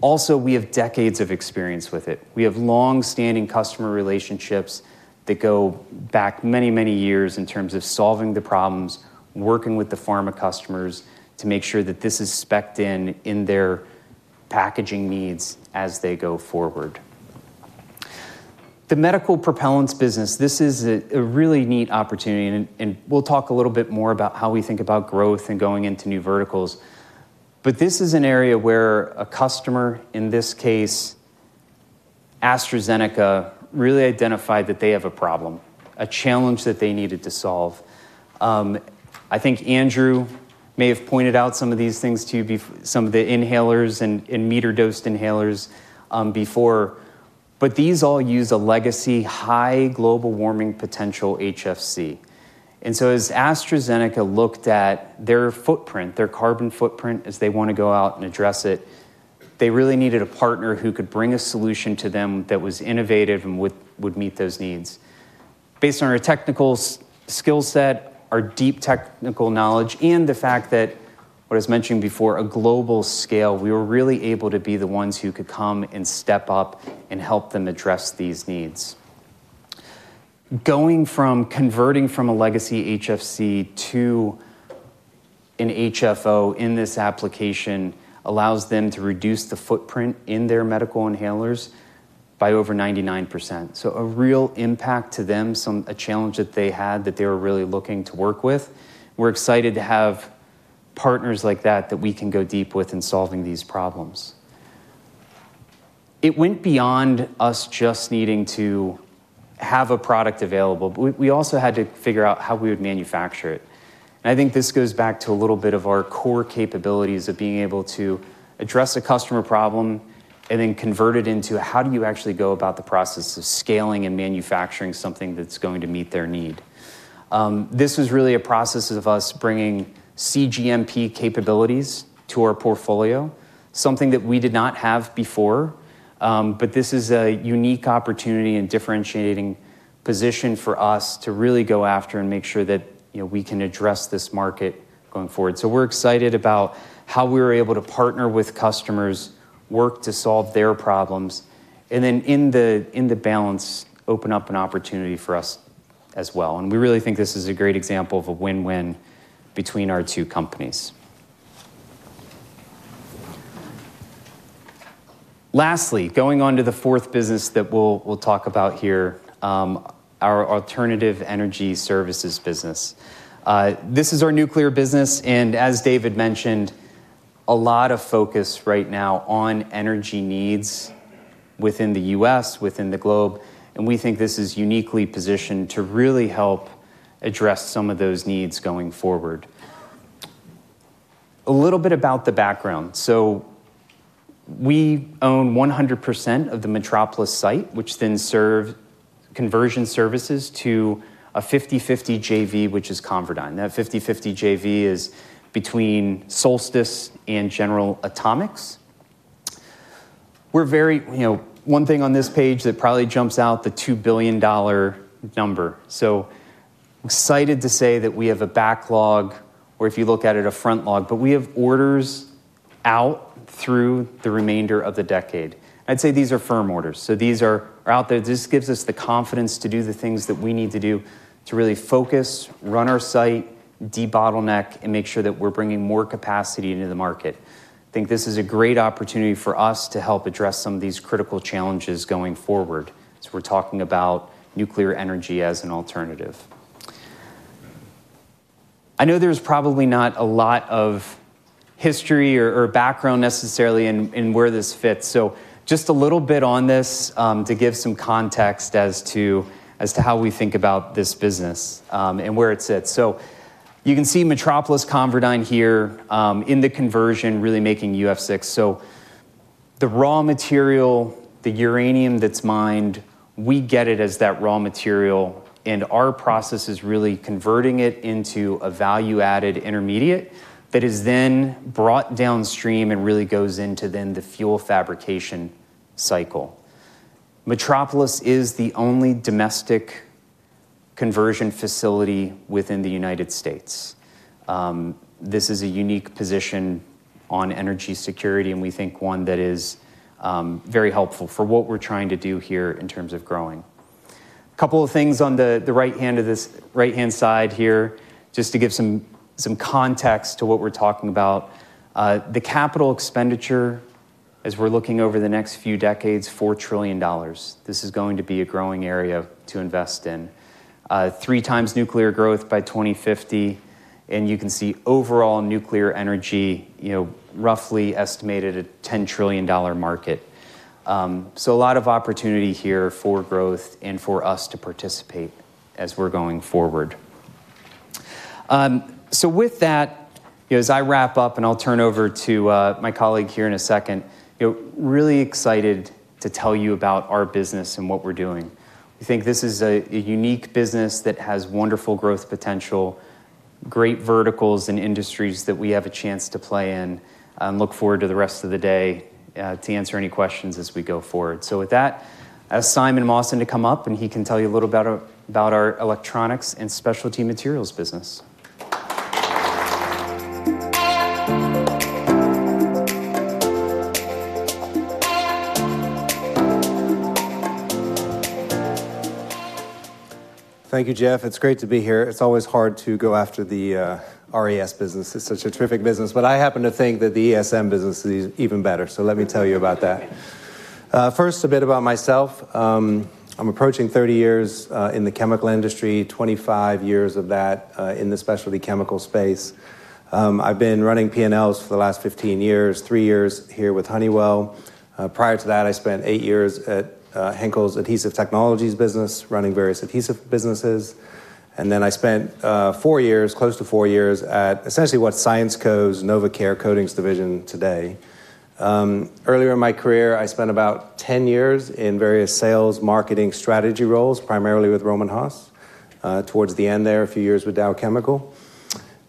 Also, we have decades of experience with it. We have longstanding customer relationships that go back many, many years in terms of solving the problems, working with the pharma customers to make sure that this is specced in in their packaging needs as they go forward. The medical propellants business, this is a really neat opportunity, and we'll talk a little bit more about how we think about growth and going into new verticals. This is an area where a customer, in this case, AstraZeneca, really identified that they have a problem, a challenge that they needed to solve. I think Andrew may have pointed out some of these things to you before, some of the inhalers and meter-dosed inhalers before. These all use a legacy high global warming potential HFC. As AstraZeneca looked at their footprint, their carbon footprint, as they want to go out and address it, they really needed a partner who could bring a solution to them that was innovative and would meet those needs. Based on our technical skill set, our deep technical knowledge, and the fact that, as mentioned before, a global scale, we were really able to be the ones who could come and step up and help them address these needs. Going from converting from a legacy HFC to an HFO in this application allows them to reduce the footprint in their medical inhalers by over 99%. A real impact to them, a challenge that they had that they were really looking to work with. We're excited to have partners like that that we can go deep with in solving these problems. It went beyond us just needing to have a product available. We also had to figure out how we would manufacture it. I think this goes back to a little bit of our core capabilities of being able to address a customer problem and then convert it into how do you actually go about the process of scaling and manufacturing something that's going to meet their need. This was really a process of us bringing CGMP capabilities to our portfolio, something that we did not have before. This is a unique opportunity and differentiating position for us to really go after and make sure that we can address this market going forward. We're excited about how we were able to partner with customers, work to solve their problems, and then in the balance, open up an opportunity for us as well. We really think this is a great example of a win-win between our two companies. Lastly, going on to the fourth business that we'll talk about here, our alternative energy services business. This is our nuclear business, and as David mentioned, a lot of focus right now on energy needs within the U.S., within the globe. We think this is uniquely positioned to really help address some of those needs going forward. A little bit about the background. We own 100% of the Metropolis site, which then serves conversion services to a 50/50 JV, which is ConverDyn. That 50/50 JV is been Solstice and General Atomics. One thing on this page that probably jumps out, the $2 billion number. I'm excited to say that we have a backlog, or if you look at it, a frontlog, but we have orders out through the remainder of the decade. I'd say these are firm orders. These are out there. This gives us the confidence to do the things that we need to do to really focus, run our site, debottleneck, and make sure that we're bringing more capacity into the market. I think this is a great opportunity for us to help address some of these critical challenges going forward. We're talking about nuclear energy as an alternative. I know there's probably not a lot of history or background necessarily in where this fits. Just a little bit on this to give some context as to how we think about this business and where it sits. You can see Metropolis ConverDyn here in the conversion, really making UF6. The raw material, the uranium that's mined, we get it as that raw material, and our process is really converting it into a value-added intermediate that is then brought downstream and really goes into the fuel fabrication cycle. Metropolis is the only domestic conversion facility within the United States. This is a unique position on energy security, and we think one that is very helpful for what we're trying to do here in terms of growing. A couple of things on the right-hand side here, just to give some context to what we're talking about. The capital expenditure, as we're looking over the next few decades, is $4 trillion. This is going to be a growing area to invest in. Threex nuclear growth by 2050, and you can see overall nuclear energy, roughly estimated at a $10 trillion market. A lot of opportunity here for growth and for us to participate as we're going forward. As I wrap up, and I'll turn over to my colleague here in a second, really excited to tell you about our business and what we're doing. We think this is a unique business that has wonderful growth potential, great verticals and industries that we have a chance to play in, and look forward to the rest of the day to answer any questions as we go forward. With that, I ask Simon to come up, and he can tell you a little bit about our electronics and specialty materials business. Thank you, Jeff. It's great to be here. It's always hard to go after the RES business. It's such a terrific business, but I happen to think that the ESM business is even better. Let me tell you about that. First, a bit about myself. I'm approaching 30 years in the chemical industry, 25 years of that in the specialty chemical space. I've been running P&Ls for the last 15 years, three years here with Honeywell. Prior to that, I spent eight years at Henkel's Adhesive Technologies business, running various adhesive businesses. I spent four years, close to four years, at essentially what's ScienceCo's NovaCare Coatings division today. Earlier in my career, I spent about 10 years in various sales, marketing, strategy roles, primarily with Rohm and Haas. Towards the end there, a few years with Dow Chemical.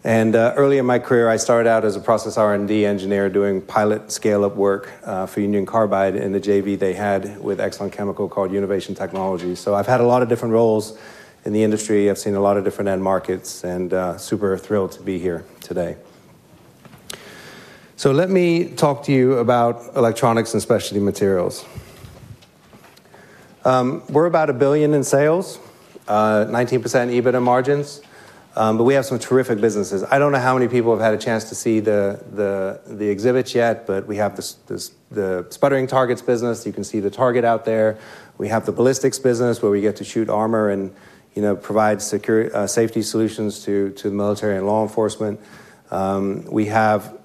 Earlier in my career, I started out as a process R&D engineer doing pilot scale-up work for Union Carbide in the JV they had with Exxon Chemical called Innovation Technologies. I've had a lot of different roles in the industry. I've seen a lot of different end markets and super thrilled to be here today. Let me talk to you about electronics and specialty materials. We're about $1 billion in sales, 19% EBITDA margins, but we have some terrific businesses. I don't know how many people have had a chance to see the exhibits yet, but we have the sputtering targets business. You can see the target out there. We have the ballistics business where we get to shoot armor and provide safety solutions to the military and law enforcement. We have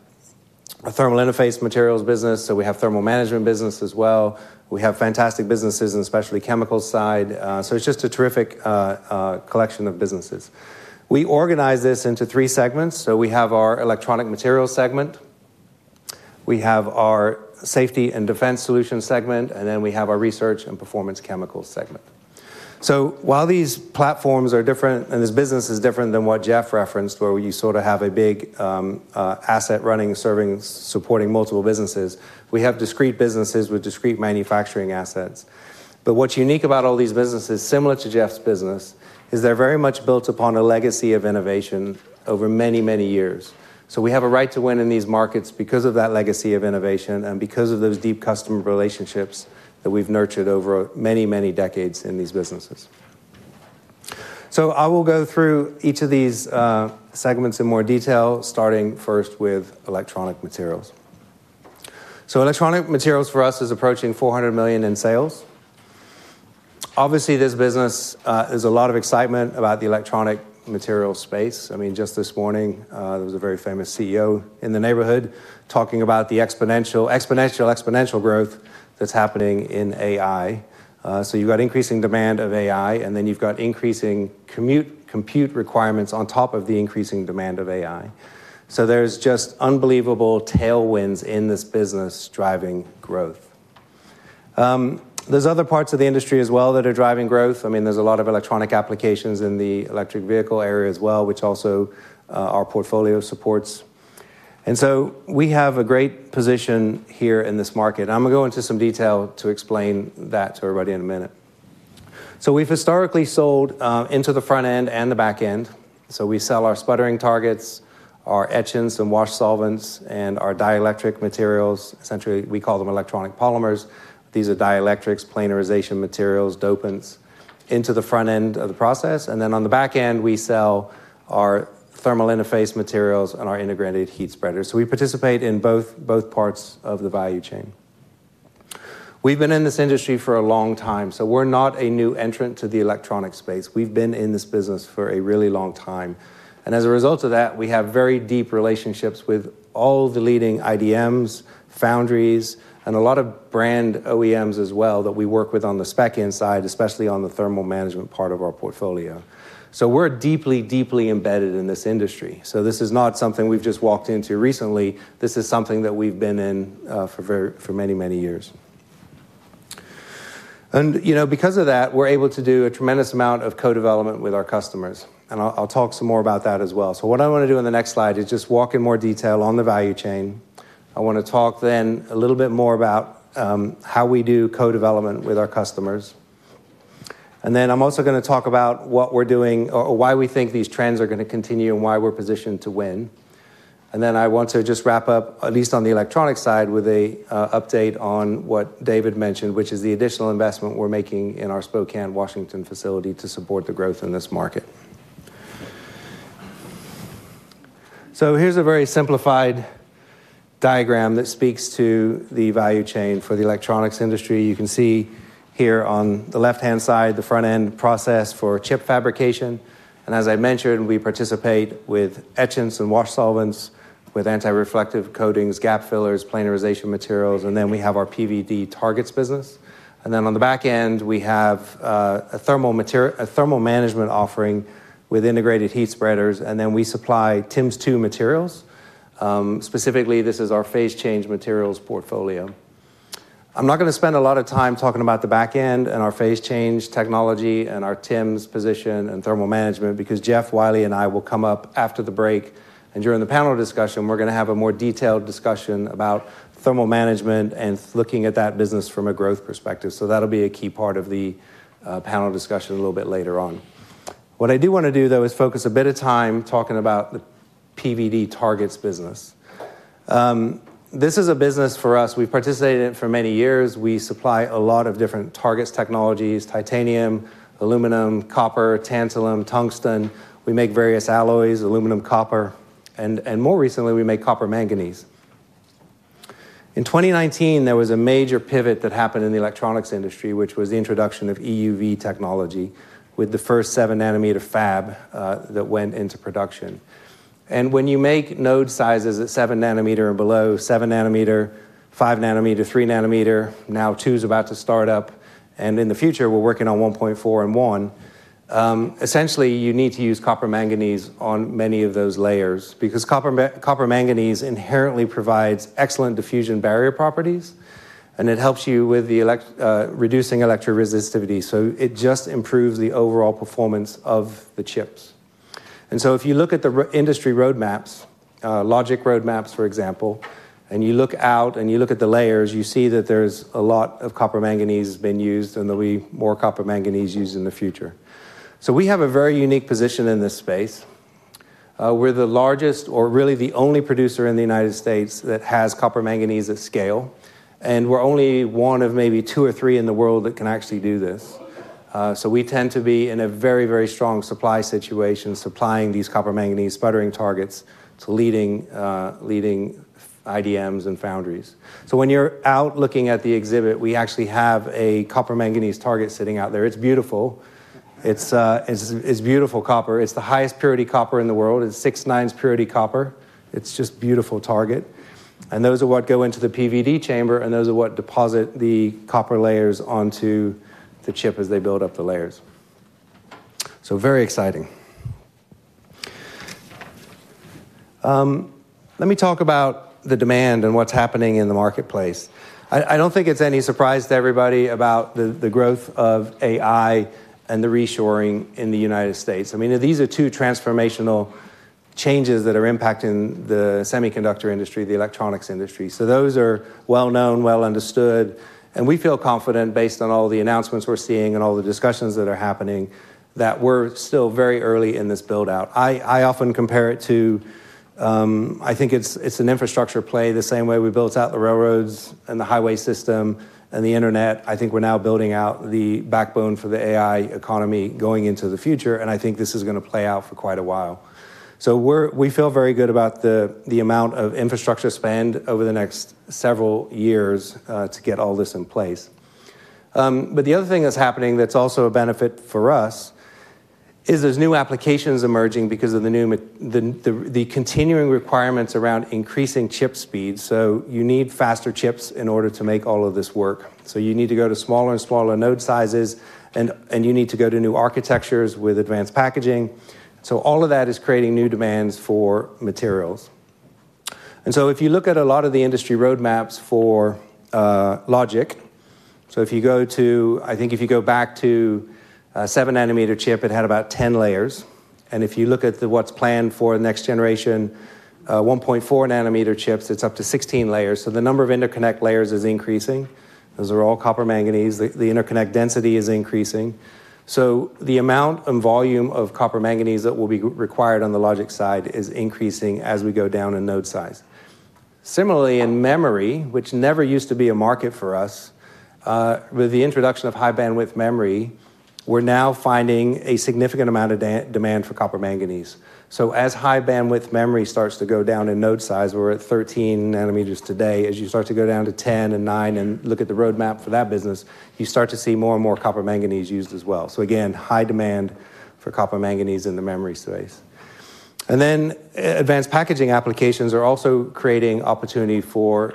a thermal interface materials business, so we have thermal management businesses as well. We have fantastic businesses in the specialty chemicals side. It's just a terrific collection of businesses. We organize this into three segments. We have our electronic materials segment, we have our safety and defense solutions segment, and then we have our research and performance chemicals segment. While these platforms are different and this business is different than what Jeff referenced, where you sort of have a big asset running, serving, supporting multiple businesses, we have discrete businesses with discrete manufacturing assets. What's unique about all these businesses, similar to Jeff's business, is they're very much built upon a legacy of innovation over many, many years. We have a right to win in these markets because of that legacy of innovation and because of those deep customer relationships that we've nurtured over many, many decades in these businesses. I will go through each of these segments in more detail, starting first with electronic materials. Electronic materials for us is approaching $400 million in sales. Obviously, this business, there's a lot of excitement about the electronic materials space. I mean, just this morning, there was a very famous CEO in the neighborhood talking about the exponential, exponential, exponential growth that's happening in AI. You've got increasing demand of AI, and then you've got increasing compute requirements on top of the increasing demand of AI. There's just unbelievable tailwinds in this business driving growth. There are other parts of the industry as well that are driving growth. I mean, there's a lot of electronic applications in the electric vehicle area as well, which also our portfolio supports. We have a great position here in this market. I'm going to go into some detail to explain that to everybody in a minute. We've historically sold into the front end and the back end. We sell our sputtering targets, our etchants and wash solvents, and our dielectric materials. Essentially, we call them electronic polymers. These are dielectrics, planarization materials, dopants into the front end of the process. On the back end, we sell our thermal interface materials and our integrated heat spreaders. We participate in both parts of the value chain. We've been in this industry for a long time, so we're not a new entrant to the electronic space. We've been in this business for a really long time. As a result of that, we have very deep relationships with all the leading IDMs, foundries, and a lot of brand OEMs as well that we work with on the spec inside, especially on the thermal management part of our portfolio. We're deeply, deeply embedded in this industry. This is not something we've just walked into recently. This is something that we've been in for many, many years. You know, because of that, we're able to do a tremendous amount of co-development with our customers. I'll talk some more about that as well. What I want to do in the next slide is just walk in more detail on the value chain. I want to talk then a little bit more about how we do co-development with our customers. I'm also going to talk about what we're doing or why we think these trends are going to continue and why we're positioned to win. I want to just wrap up, at least on the electronic side, with an update on what David mentioned, which is the additional investment we're making in our Spokane, Washington facility to support the growth in this market. Here's a very simplified diagram that speaks to the value chain for the electronics industry. You can see here on the left-hand side the front-end process for chip fabrication. As I mentioned, we participate with etchants and wash solvents, with anti-reflective coatings, gap fillers, planarization materials, and then we have our PVD targets business. On the back end, we have a thermal management offering with integrated heat spreaders, and we supply TIMS II materials. Specifically, this is our phase change materials portfolio. I'm not going to spend a lot of time talking about the back end and our phase change technology and our TIMS position and thermal management because Jeff, Wiley, and I will come up after the break and during the panel discussion. We're going to have a more detailed discussion about thermal management and looking at that business from a growth perspective. That'll be a key part of the panel discussion a little bit later on. What I do want to do, though, is focus a bit of time talking about the PVD targets business. This is a business for us. We've participated in it for many years. We supply a lot of different targets technologies: titanium, aluminum, copper, tantalum, tungsten. We make various alloys: aluminum, copper, and more recently, we make copper manganese. In 2019, there was a major pivot that happened in the electronics industry, which was the introduction of EUV technology with the first 7 nm fab that went into production. When you make node sizes at 7 nm and below, 7 nm, 5 nm, 3 nm, now 2 nm is about to start up, and in the future, we're working on 1.4 nm and 1 nm. Essentially, you need to use copper manganese on many of those layers because copper manganese inherently provides excellent diffusion barrier properties, and it helps you with reducing electroresistivity. It just improves the overall performance of the chips. If you look at the industry roadmaps, logic roadmaps, for example, and you look out and you look at the layers, you see that there's a lot of copper manganese that's been used and there'll be more copper manganese used in the future. We have a very unique position in this space. We're the largest or really the only producer in the United States that has copper manganese at scale, and we're only one of maybe two or three in the world that can actually do this. We tend to be in a very, very strong supply situation, supplying these copper manganese sputtering targets to leading IDMs and foundries. When you're out looking at the exhibit, we actually have a copper manganese target sitting out there. It's beautiful. It's beautiful copper. It's the highest purity copper in the world. It's 6-9's purity copper. It's just a beautiful target. Those are what go into the PVD chamber, and those are what deposit the copper layers onto the chip as they build up the layers. Very exciting. Let me talk about the demand and what's happening in the marketplace. I don't think it's any surprise to everybody about the growth of AI and the reshoring in the United States. These are two transformational changes that are impacting the semiconductor industry, the electronics industry. Those are well-known, well-understood, and we feel confident based on all the announcements we're seeing and all the discussions that are happening that we're still very early in this build-out. I often compare it to, I think it's an infrastructure play the same way we built out the railroads and the highway system and the internet. I think we're now building out the backbone for the AI economy going into the future, and I think this is going to play out for quite a while. We feel very good about the amount of infrastructure spend over the next several years to get all this in place. The other thing that's happening that's also a benefit for us is there's new applications emerging because of the continuing requirements around increasing chip speeds. You need faster chips in order to make all of this work. You need to go to smaller and smaller node sizes, and you need to go to new architectures with advanced packaging. All of that is creating new demands for materials. If you look at a lot of the industry roadmaps for logic, if you go to, I think if you go back to a 7 nm chip, it had about 10 layers. If you look at what's planned for the next generation, 1.4 nm chips, it's up to 16 layers. The number of interconnect layers is increasing. Those are all copper manganese. The interconnect density is increasing. The amount and volume of copper manganese that will be required on the logic side is increasing as we go down in node size. Similarly, in memory, which never used to be a market for us, with the introduction of high-bandwidth memory, we're now finding a significant amount of demand for copper manganese. As high-bandwidth memory starts to go down in node size, we're at 13 nm today. As you start to go down to 10 and 9 and look at the roadmap for that business, you start to see more and more copper manganese used as well. There is high demand for copper manganese in the memory space. Advanced packaging applications are also creating opportunity for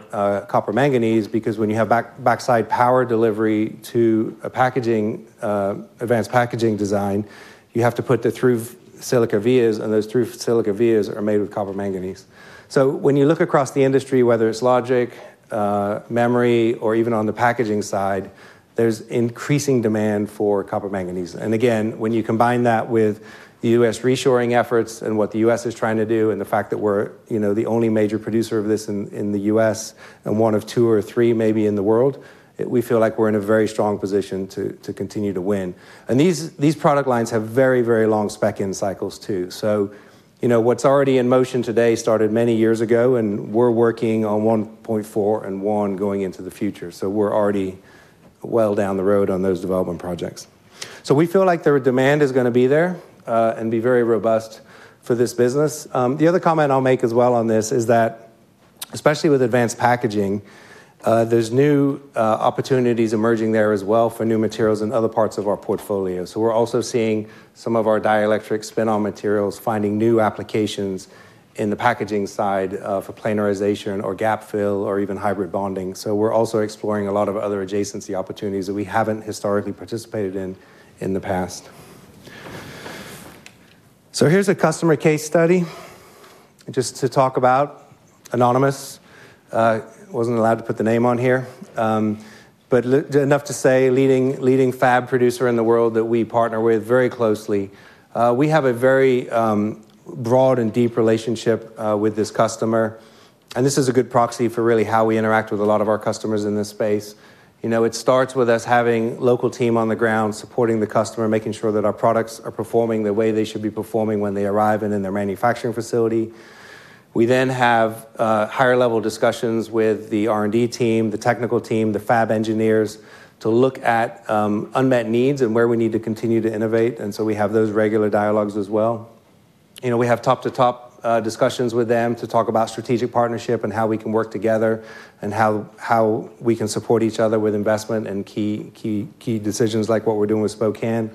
copper manganese because when you have backside power delivery to advanced packaging design, you have to put the through silica vias, and those through silica vias are made with copper manganese. When you look across the industry, whether it's logic, memory, or even on the packaging side, there's increasing demand for copper manganese. When you combine that with the U.S. reshoring efforts and what the U.S. is trying to do and the fact that we're the only major producer of this in the U.S. and one of two or three maybe in the world, we feel like we're in a very strong position to continue to win. These product lines have very, very long spec-in cycles too. What's already in motion today started many years ago, and we're working on 1.4 nm and 1 nm going into the future. We're already well down the road on those development projects. We feel like the demand is going to be there and be very robust for this business. The other comment I'll make as well on this is that, especially with advanced packaging, there's new opportunities emerging there as well for new materials in other parts of our portfolio. We're also seeing some of our dielectric spin-on materials finding new applications in the packaging side for planarization or gap fill or even hybrid bonding. We're also exploring a lot of other adjacency opportunities that we haven't historically participated in in the past. Here's a customer case study just to talk about. Anonymous. I wasn't allowed to put the name on here. Enough to say, leading fab producer in the world that we partner with very closely. We have a very broad and deep relationship with this customer. This is a good proxy for really how we interact with a lot of our customers in this space. It starts with us having a local team on the ground supporting the customer, making sure that our products are performing the way they should be performing when they arrive and in their manufacturing facility. We then have higher-level discussions with the R&D team, the technical team, the fab engineers to look at unmet needs and where we need to continue to innovate. We have those regular dialogues as well. We have top-to-top discussions with them to talk about strategic partnership and how we can work together and how we can support each other with investment and key decisions like what we're doing with Spokane.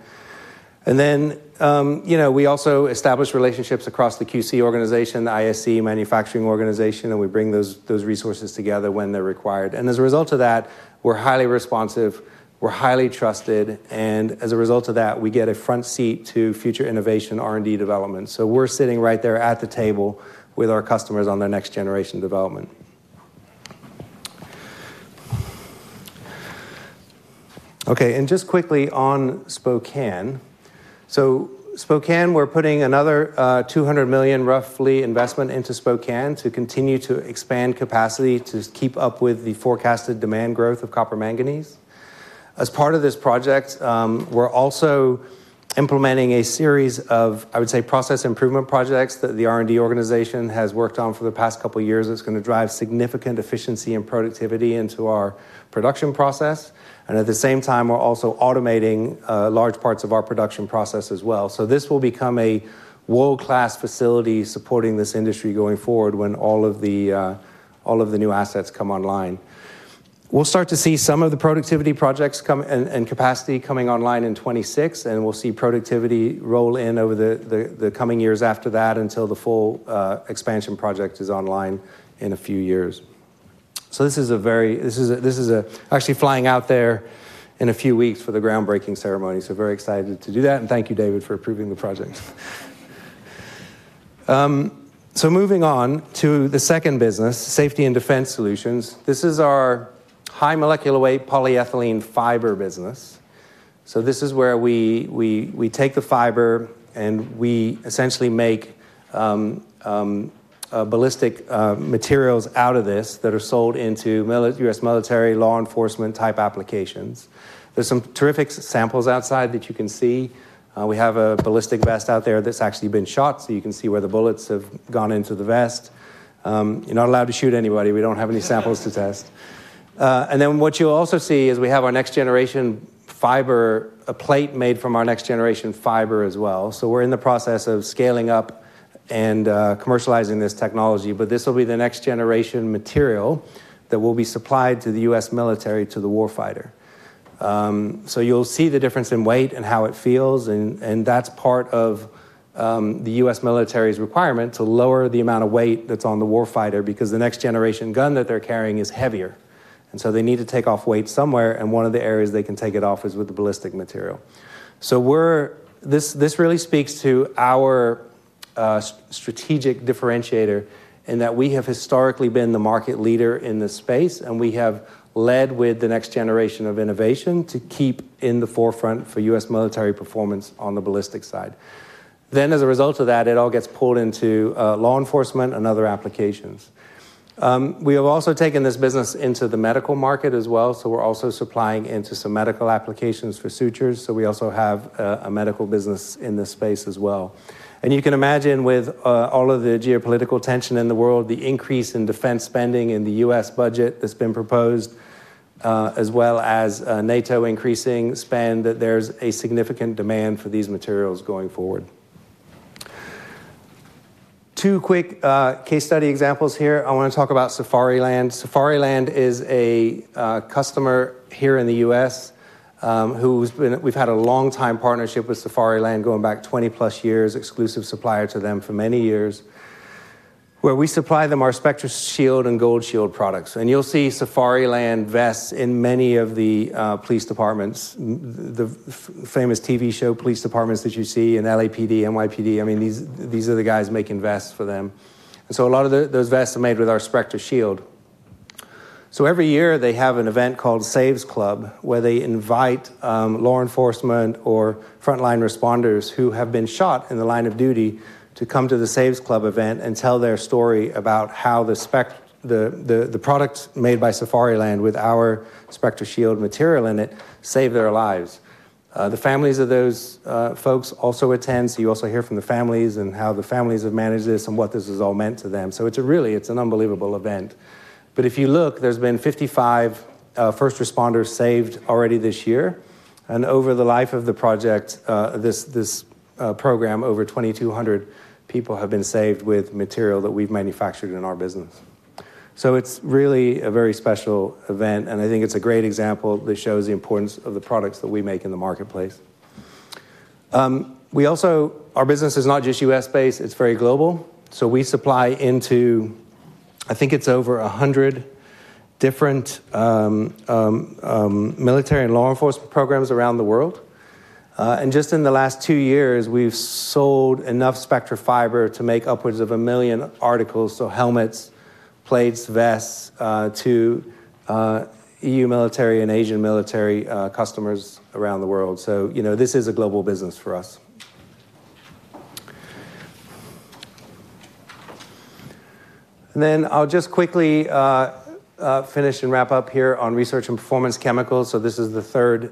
We also establish relationships across the QC organization, the ISC, manufacturing organization, and we bring those resources together when they're required. As a result of that, we're highly responsive, we're highly trusted, and as a result of that, we get a front seat to future innovation R&D development. We're sitting right there at the table with our customers on their next generation development. Quickly on Spokane. Spokane, we're putting another $200 million roughly investment into Spokane to continue to expand capacity to keep up with the forecasted demand growth of copper manganese. As part of this project, we're also implementing a series of process improvement projects that the R&D organization has worked on for the past couple of years that's going to drive significant efficiency and productivity into our production process. At the same time, we're also automating large parts of our production process as well. This will become a world-class facility supporting this industry going forward when all of the new assets come online. We'll start to see some of the productivity projects and capacity coming online in 2026, and we'll see productivity roll in over the coming years after that until the full expansion project is online in a few years. This is actually flying out there in a few weeks for the groundbreaking ceremony. Very excited to do that, and thank you, David, for approving the project. Moving on to the second business, safety and defense solutions. This is our high molecular weight polyethylene fiber business. This is where we take the fiber and we essentially make ballistic materials out of this that are sold into U.S. military, law enforcement type applications. There are some terrific samples outside that you can see. We have a ballistic vest out there that's actually been shot, so you can see where the bullets have gone into the vest. You're not allowed to shoot anybody. We don't have any samples to test. What you'll also see is we have our next generation fiber, a plate made from our next generation fiber as well. We're in the process of scaling up and commercializing this technology, but this will be the next generation material that will be supplied to the U.S. military to the warfighter. You'll see the difference in weight and how it feels, and that's part of the U.S. military's requirement to lower the amount of weight that's on the warfighter because the next generation gun that they're carrying is heavier. They need to take off weight somewhere, and one of the areas they can take it off is with the ballistic material. This really speaks to our strategic differentiator in that we have historically been the market leader in this space, and we have led with the next generation of innovation to keep in the forefront for U.S. military performance on the ballistic side. As a result of that, it all gets pulled into law enforcement and other applications. We have also taken this business into the medical market as well, so we're also supplying into some medical applications for sutures, so we also have a medical business in this space as well. You can imagine with all of the geopolitical tension in the world, the increase in defense spending. U.S. budget that's been proposed, as well as NATO increasing spend, that there's a significant demand for these materials going forward. Two quick case study examples here. I want to talk about Safariland. Safariland is a customer here in the U.S., we've had a long-time partnership with Safariland, going back 20+ years, exclusive supplier to them for many years, where we supply them our Spectra Shield and Gold Shield products. You'll see Safariland vests in many of the police departments, the famous TV show police departments that you see in LAPD, NYPD. These are the guys making vests for them. A lot of those vests are made with our Spectra Shield. Every year they have an event called Save Club, where they invite law enforcement or frontline responders who have been shot in the line of duty to come to the Save Club event and tell their story about how the products made by Safariland with our Spectra Shield material in it saved their lives. The families of those folks also attend, so you also hear from the families and how the families have managed this and what this has all meant to them. It's really, it's an unbelievable event. If you look, there's been 55 first responders saved already this year. Over the life of the program, over 2,200 people have been saved with material that we've manufactured in our business. It's really a very special event, and I think it's a great example that shows the importance of the products that we make in the marketplace. Our business is not just U.S. based, it's very global. We supply into, I think it's over 100 different military and law enforcement programs around the world. Just in the last two years, we've sold enough Spectra fiber to make upwards of a million articles, so helmets, plates, vests, to EU military and Asian military customers around the world. This is a global business for us. I'll just quickly finish and wrap up here on research and performance chemicals. This is the third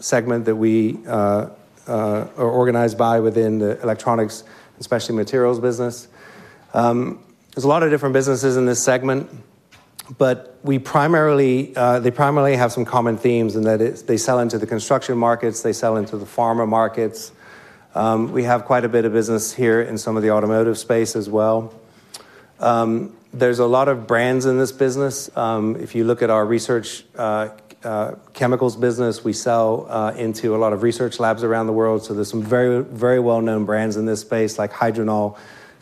segment that we are organized by within the electronics and specialty materials business. There's a lot of different businesses in this segment, but they primarily have some common themes in that they sell into the construction markets, they sell into the pharma markets. We have quite a bit of business here in some of the automotive space as well. There's a lot of brands in this business. If you look at our research chemicals business, we sell into a lot of research labs around the world. There are some very, very well-known brands in this space, like Hydronol.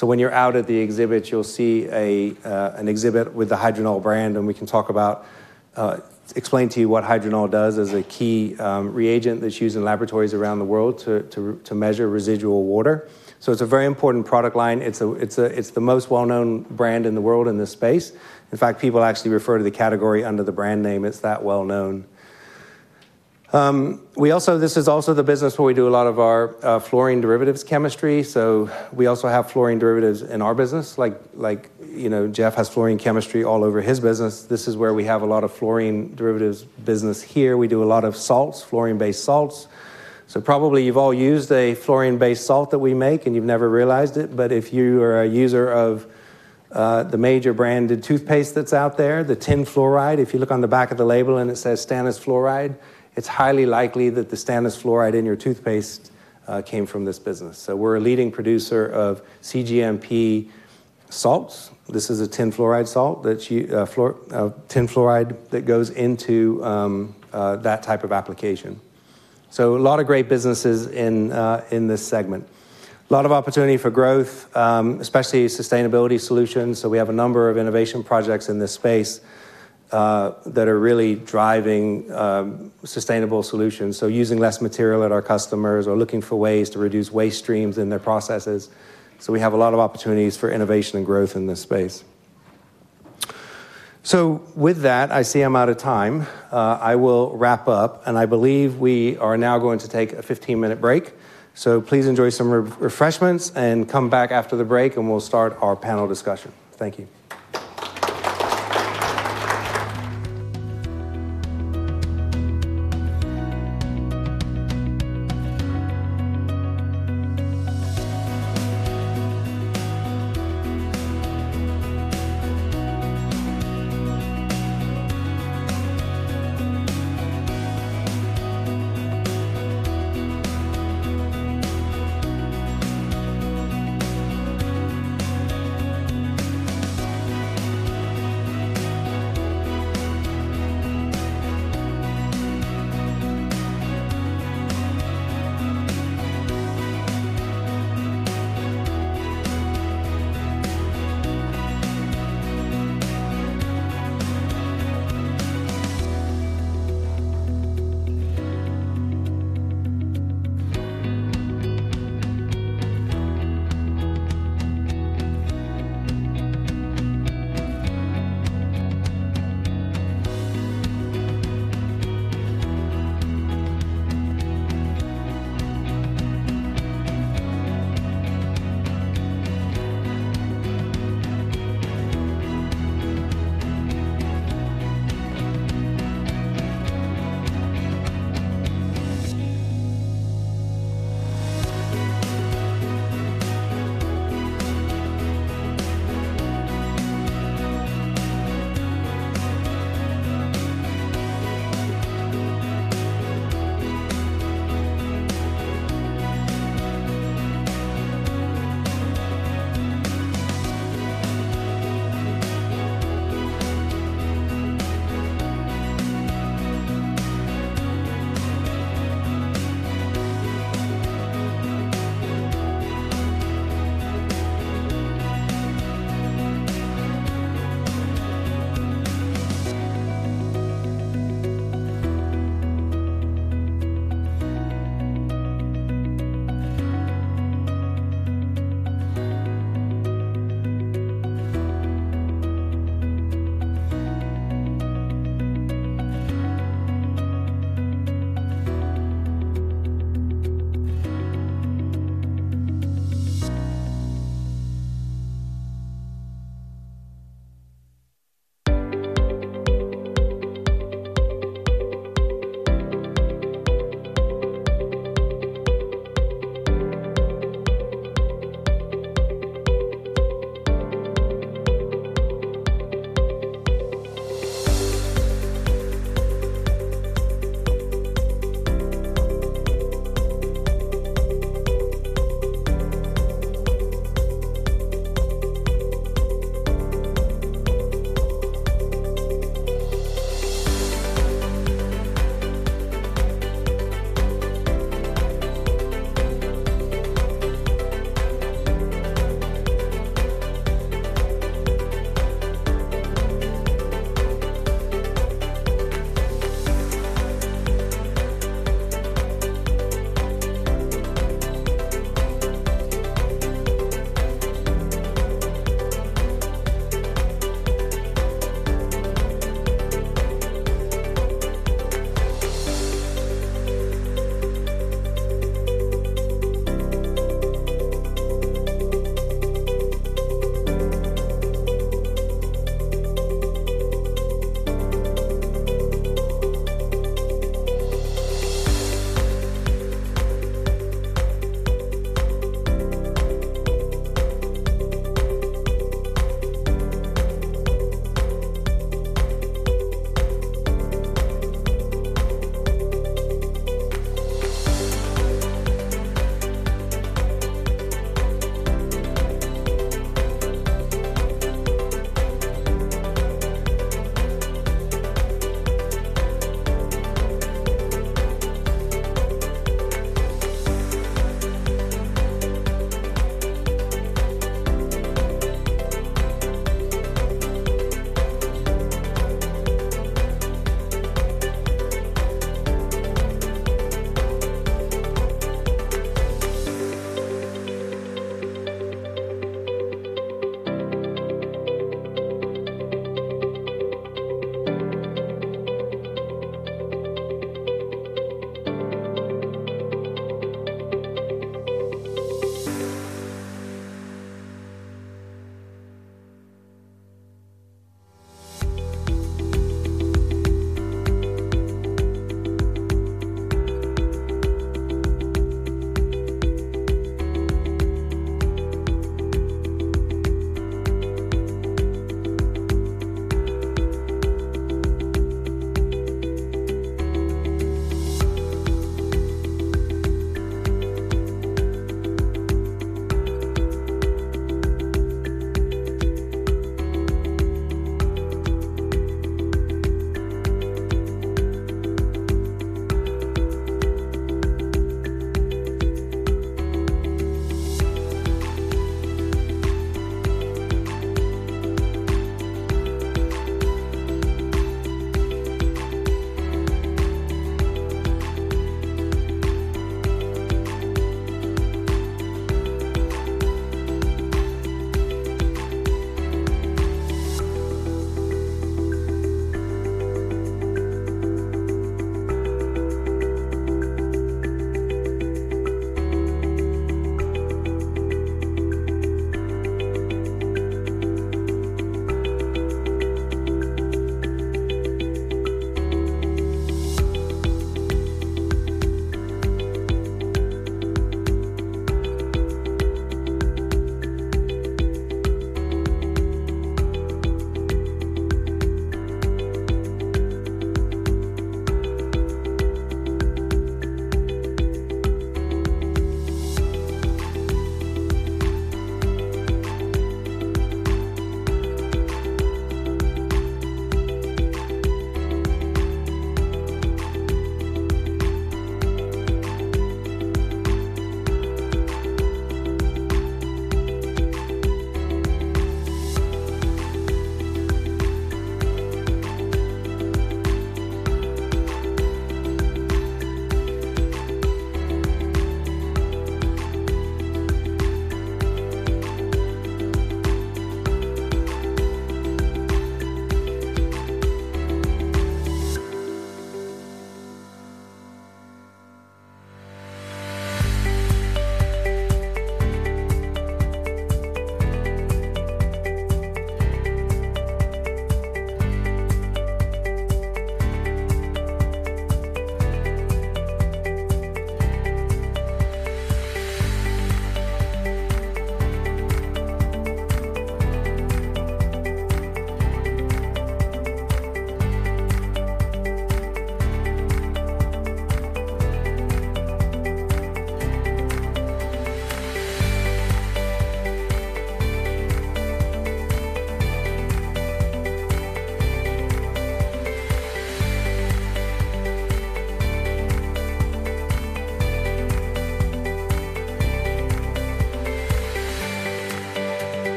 When you're out at the exhibits, you'll see an exhibit with the Hydronol brand, and we can talk about, explain to you what Hydronol does as a key reagent that's used in laboratories around the world to measure residual water. It's a very important product line. It's the most well-known brand in the world in this space. In fact, people actually refer to the category under the brand name. It's that well-known. This is also the business where we do a lot of our fluorine derivatives chemistry. We also have fluorine derivatives in our business. Like, you know, Jeff has fluorine chemistry all over his business. This is where we have a lot of fluorine derivatives business here. We do a lot of salts, fluorine-based salts. Probably you've all used a fluorine-based salt that we make and you've never realized it. If you are a user of the major branded toothpaste that's out there, the tin fluoride, if you look on the back of the label and it says stannous fluoride, it's highly likely that the stannous fluoride in your toothpaste came from this business. We're a leading producer of CGMP salts. This is a tin fluoride salt that goes into that type of application. There are a lot of great businesses in this segment. There is a lot of opportunity for growth, especially sustainability solutions. We have a number of innovation projects in this space that are really driving sustainable solutions, using less material at our customers or looking for ways to reduce waste streams in their processes. We have a lot of opportunities for innovation and growth in this space. With that, I see I'm out of time. I will wrap up, and I believe we are now going to take a 15-minute break. Please enjoy some refreshments and come back after the break, and we'll start our panel discussion. Thank you.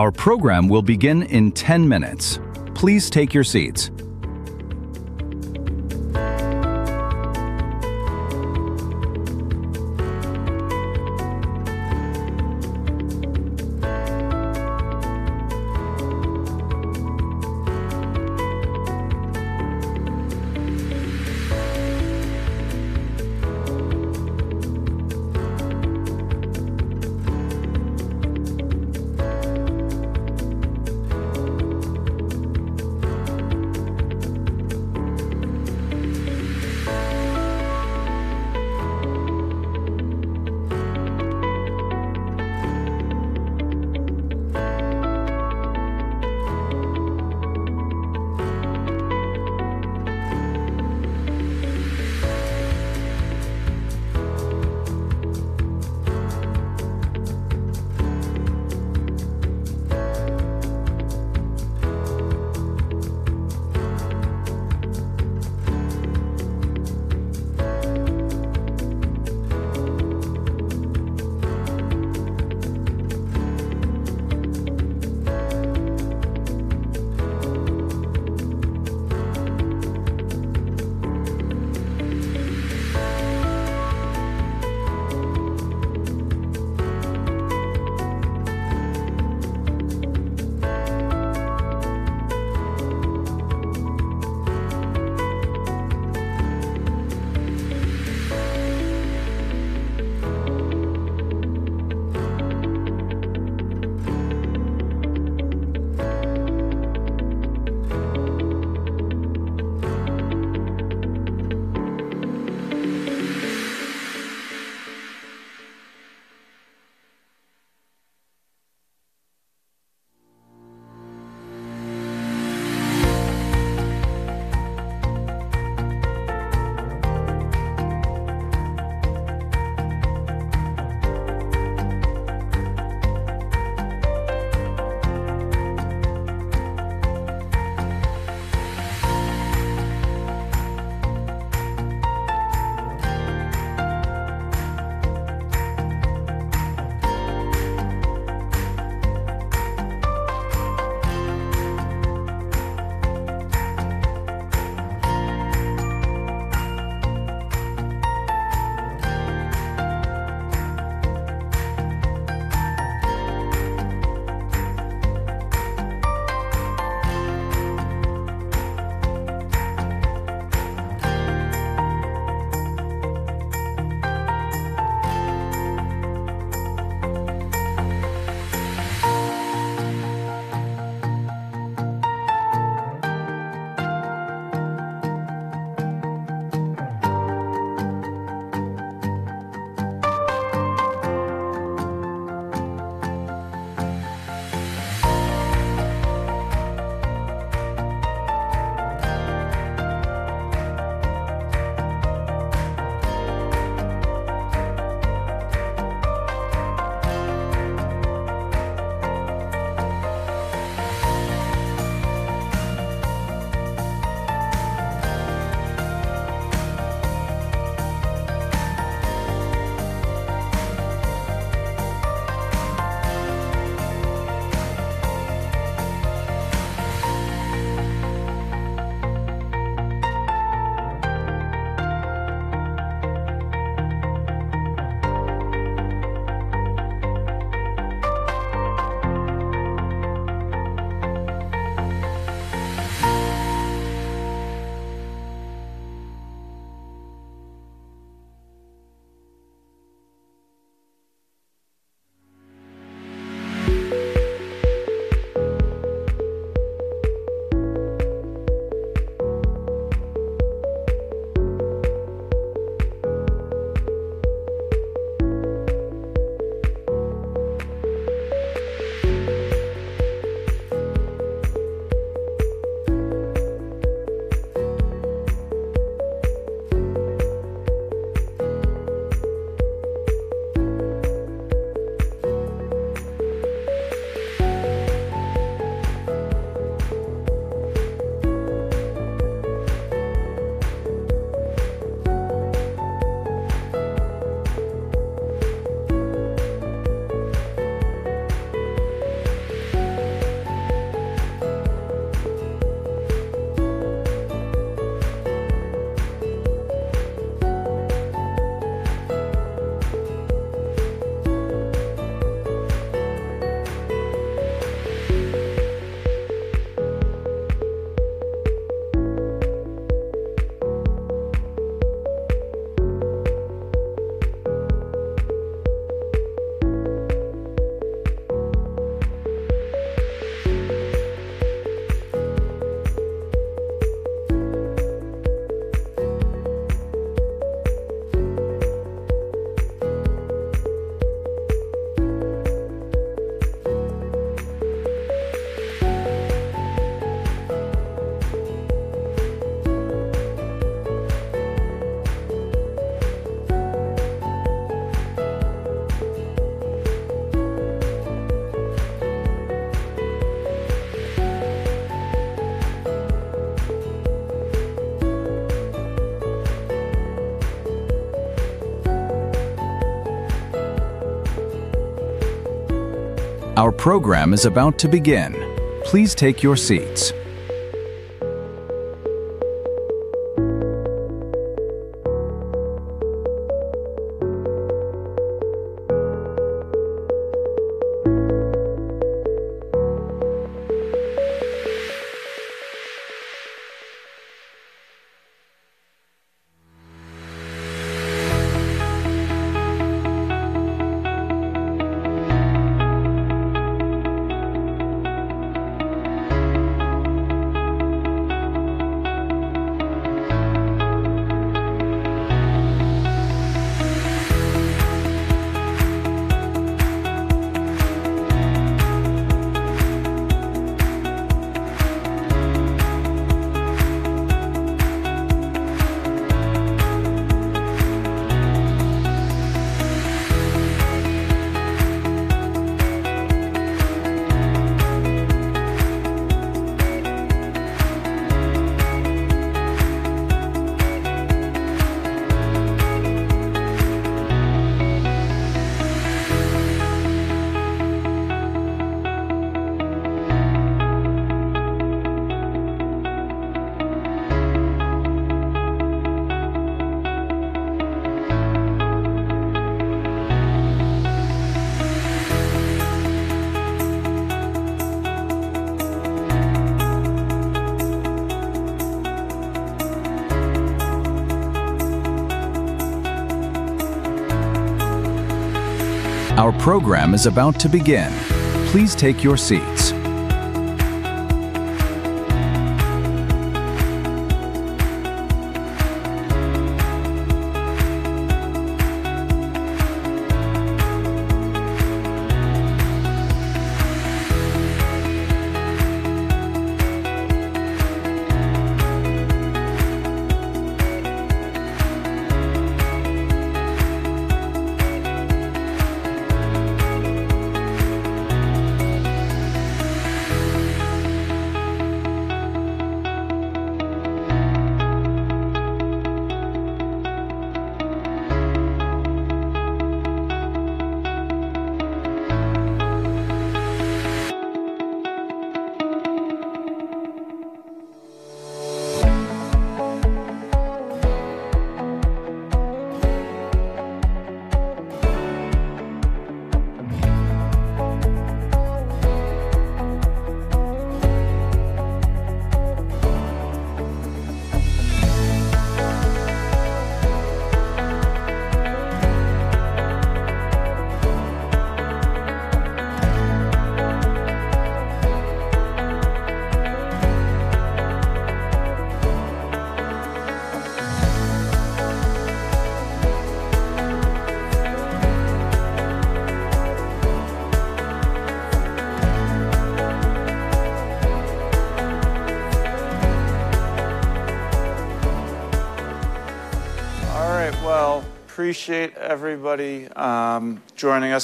Our program will begin in 10 minutes. Please take your you. All right, appreciate everybody joining us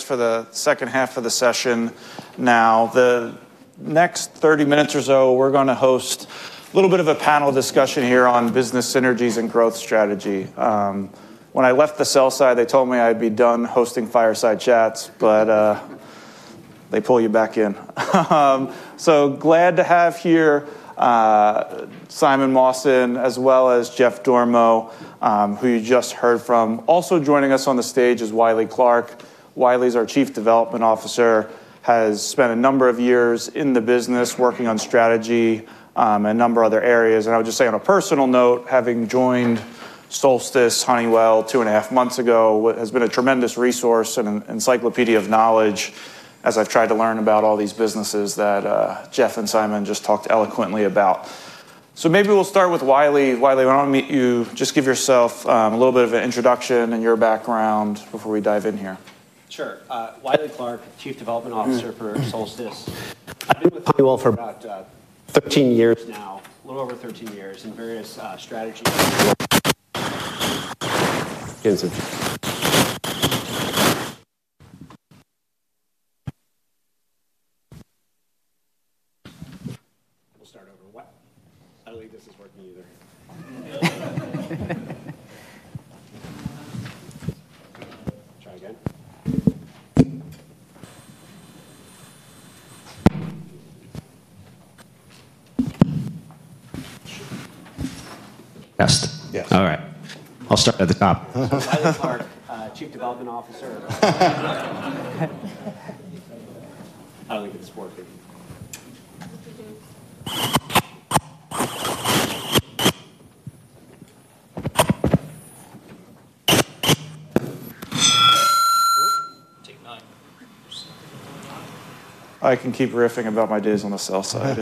for the second half of the session. Now, the next 30 minutes or so, we're going to host a little bit of a panel discussion here on business synergies and growth strategy. When I left the sell side, they told me I'd be done hosting fireside chats, but they pull you back in. Glad to have here Simon Mawson, as well as Jeff Dormo, who you just heard from. Also joining us on the stage is Wiley Clark. Wiley's our Chief Development Officer, has spent a number of years in the business working on strategy and a number of other areas. I would just say on a personal note, having joined Solstice two and a half months ago, what has been a tremendous resource and encyclopedia of knowledge as I've tried to learn about all these businesses that Jeff and Simon just talked eloquently about. Maybe we'll start with Wiley. Wiley, I want to meet you. Just give yourself a little bit of an introduction and your background before we dive in here. Sure. Wiley Clark, Chief Development Officer for Solstice. I've been with Honeywell for about 13 years now, a little over 13 years in various strategy and... Let's start over. I don't think this is working either. Yes. All right, I'll start at the top. Wiley Clark, Chief Development Officer. I don't think this is working. Oof. To nine. I can keep riffing about my days on the sell side.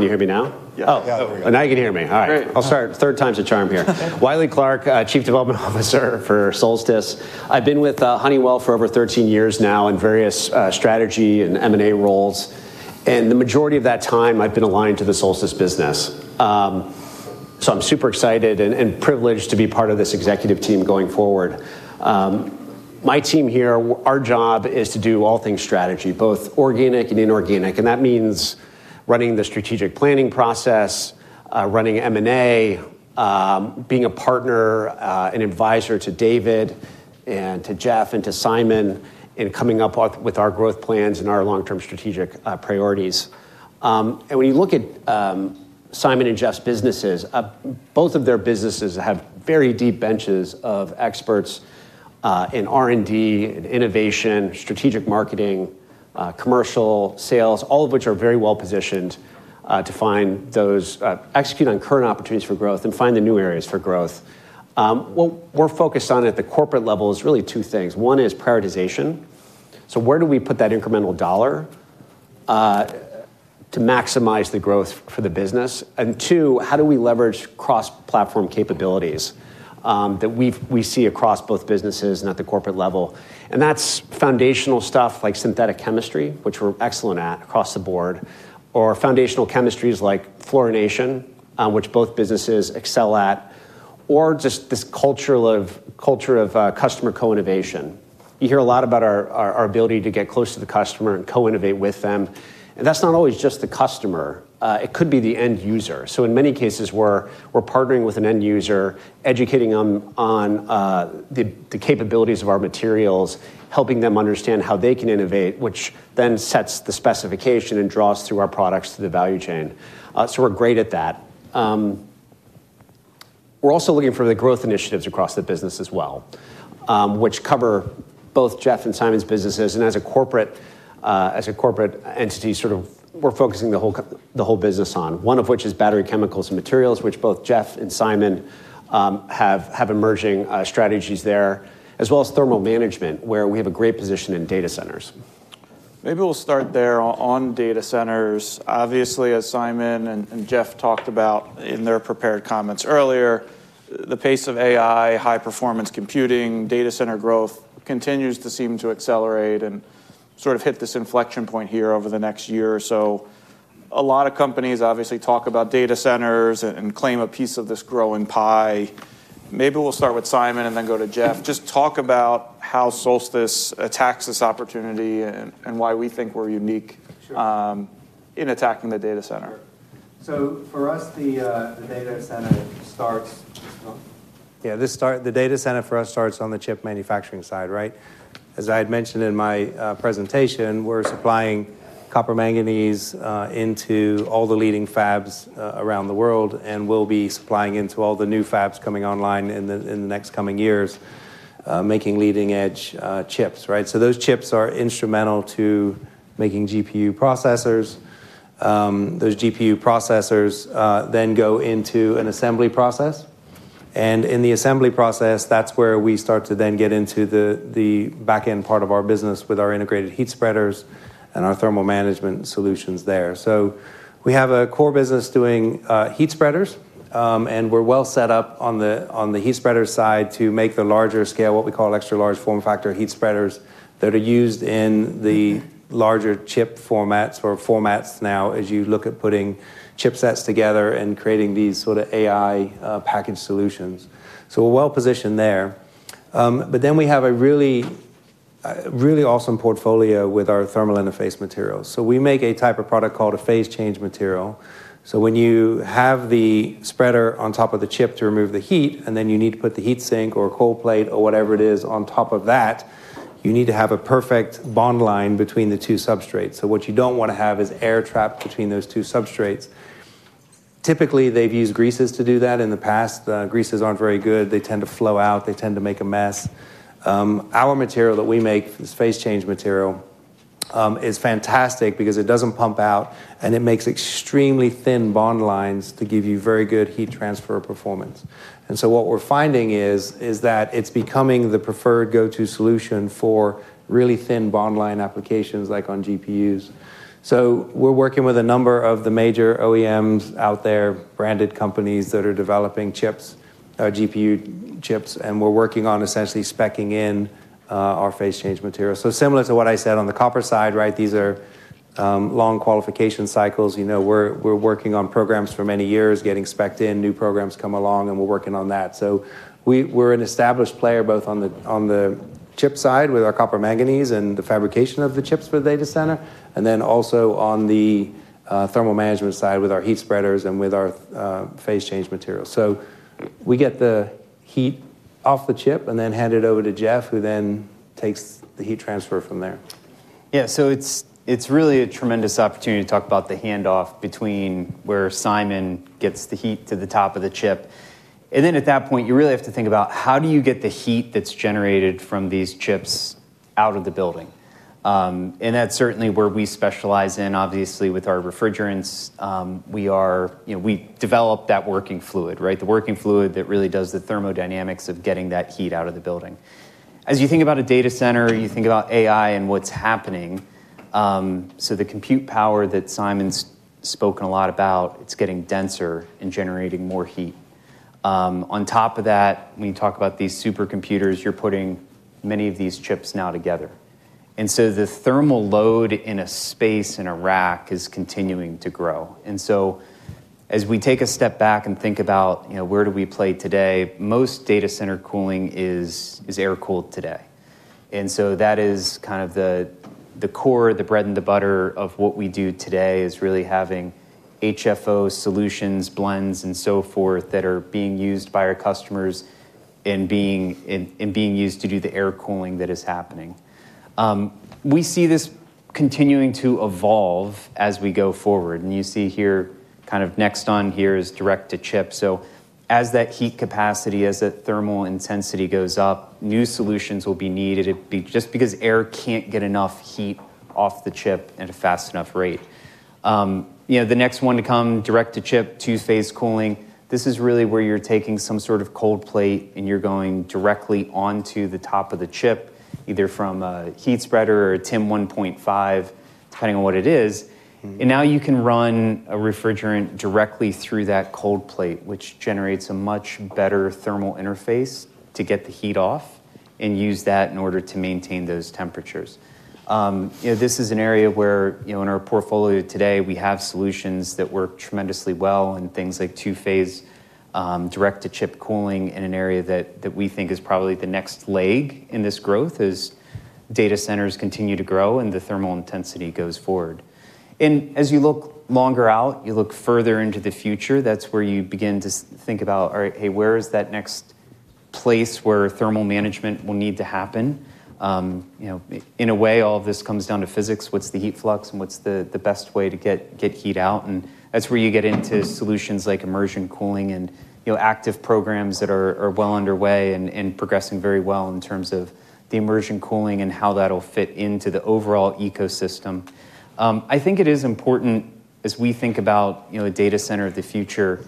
Can you hear me now? Here we go. Now you can hear me. All right. I'll start. Third time's the charm here. Wiley Clark, Chief Development Officer for Solstice. I've been with Honeywell for over 13 years now in various strategy and M&A roles. The majority of that time, I've been aligned to the Solstice business. I'm super excited and privileged to be part of this executive team going forward. My team here, our job is to do all things strategy, both organic and inorganic. That means running the strategic planning process, running M&A, being a partner, an advisor to David and to Jeff and to Simon, and coming up with our growth plans and our long-term strategic priorities. When you look at Simon and Jeff's businesses, both of their businesses have very deep benches of experts in R&D, innovation, strategic marketing, commercial sales, all of which are very well positioned to find those, execute on current opportunities for growth, and find the new areas for growth. What we're focused on at the corporate level is really two things. One is prioritization. Where do we put that incremental dollar to maximize the growth for the business? Two, how do we leverage cross-platform capabilities that we see across both businesses and at the corporate level? That's foundational stuff like synthetic chemistry, which we're excellent at across the board, or foundational chemistries like fluorination, which both businesses excel at, or just this culture of customer co-innovation. You hear a lot about our ability to get close to the customer and co-innovate with them. That's not always just the customer. It could be the end user. In many cases, we're partnering with an end user, educating them on the capabilities of our materials, helping them understand how they can innovate, which then sets the specification and draws through our products to the value chain. We're great at that. We're also looking for the growth initiatives across the business as well, which cover both Jeff and Simon's businesses. As a corporate entity, we're focusing the whole business on one of which is battery chemicals and materials, which both Jeff and Simon have emerging strategies there, as well as thermal management, where we have a great position in data centers. Maybe we'll start there on data centers. Obviously, as Simon and Jeff talked about in their prepared comments earlier, the pace of AI, high-performance computing, data center growth continues to seem to accelerate and sort of hit this inflection point here over the next year or so. A lot of companies obviously talk about data centers and claim a piece of this growing pie. Maybe we'll start with Simon and then go to Jeff. Just talk about how Solstice attacks this opportunity and why we think we're unique in attacking the data center. For us, the data center starts on the chip manufacturing side, right? As I had mentioned in my presentation, we're supplying copper manganese into all the leading fabs around the world, and we'll be supplying into all the new fabs coming online in the next coming years, making leading-edge chips, right? Those chips are instrumental to making GPU processors. Those GPU processors then go into an assembly process. In the assembly process, that's where we start to get into the backend part of our business with our integrated heat spreaders and our thermal management solutions there. We have a core business doing heat spreaders, and we're well set up on the heat spreader side to make the larger scale, what we call extra large form factor heat spreaders that are used in the larger chip formats now as you look at putting chip sets together and creating these sort of AI packaged solutions. We're well positioned there. We have a really, really awesome portfolio with our thermal interface materials. We make a type of product called a phase change material. When you have the spreader on top of the chip to remove the heat, and then you need to put the heat sink or a cold plate or whatever it is on top of that, you need to have a perfect bond line between the two substrates. What you don't want to have is air trapped between those two substrates. Typically, they've used greases to do that in the past. The greases aren't very good. They tend to flow out. They tend to make a mess. Our material that we make, this phase change material, is fantastic because it doesn't pump out, and it makes extremely thin bond lines to give you very good heat transfer performance. What we're finding is that it's becoming the preferred go-to solution for really thin bond line applications like on GPUs. We're working with a number of the major OEMs out there, branded companies that are developing GPU chips, and we're working on essentially speccing in our phase change material. Similar to what I said on the copper side, right? These are long qualification cycles. We're working on programs for many years, getting specced in, new programs come along, and we're working on that. We're an established player both on the chip side with our copper manganese and the fabrication of the chips for the data center, and also on the thermal management side with our heat spreaders and with our phase change material. We get the heat off the chip and then hand it over to Jeff, who then takes the heat transfer from there. Yeah, so it's really a tremendous opportunity to talk about the handoff between where Simon gets the heat to the top of the chip. At that point, you really have to think about how do you get the heat that's generated from these chips out of the building. That's certainly where we specialize in, obviously, with our refrigerants. We develop that working fluid, right? The working fluid that really does the thermodynamics of getting that heat out of the building. As you think about a data center, you think about AI and what's happening. The compute power that Simon's spoken a lot about, it's getting denser and generating more heat. On top of that, when you talk about these supercomputers, you're putting many of these chips now together. The thermal load in a space, in a rack, is continuing to grow. As we take a step back and think about where do we play today, most data center cooling is air-cooled today. That is kind of the core, the bread and the butter of what we do today, really having HFO solutions, blends, and so forth that are being used by our customers and being used to do the air cooling that is happening. We see this continuing to evolve as we go forward. You see here, kind of next on here is direct-to-chip. As that heat capacity, as that thermal intensity goes up, new solutions will be needed just because air can't get enough heat off the chip at a fast enough rate. The next one to come, direct-to-chip, two-phase cooling, this is really where you're taking some sort of cold plate and you're going directly onto the top of the chip, either from a heat spreader or a TIM 1.5, depending on what it is. Now you can run a refrigerant directly through that cold plate, which generates a much better thermal interface to get the heat off and use that in order to maintain those temperatures. This is an area where, in our portfolio today, we have solutions that work tremendously well in things like two-phase direct-to-chip cooling in an area that we think is probably the next leg in this growth as data centers continue to grow and the thermal intensity goes forward. As you look longer out, you look further into the future, that's where you begin to think about, all right, hey, where is that next place where thermal management will need to happen? In a way, all of this comes down to physics. What's the heat flux and what's the best way to get heat out? That's where you get into solutions like immersion cooling and active programs that are well underway and progressing very well in terms of the immersion cooling and how that'll fit into the overall ecosystem. I think it is important as we think about a data center of the future,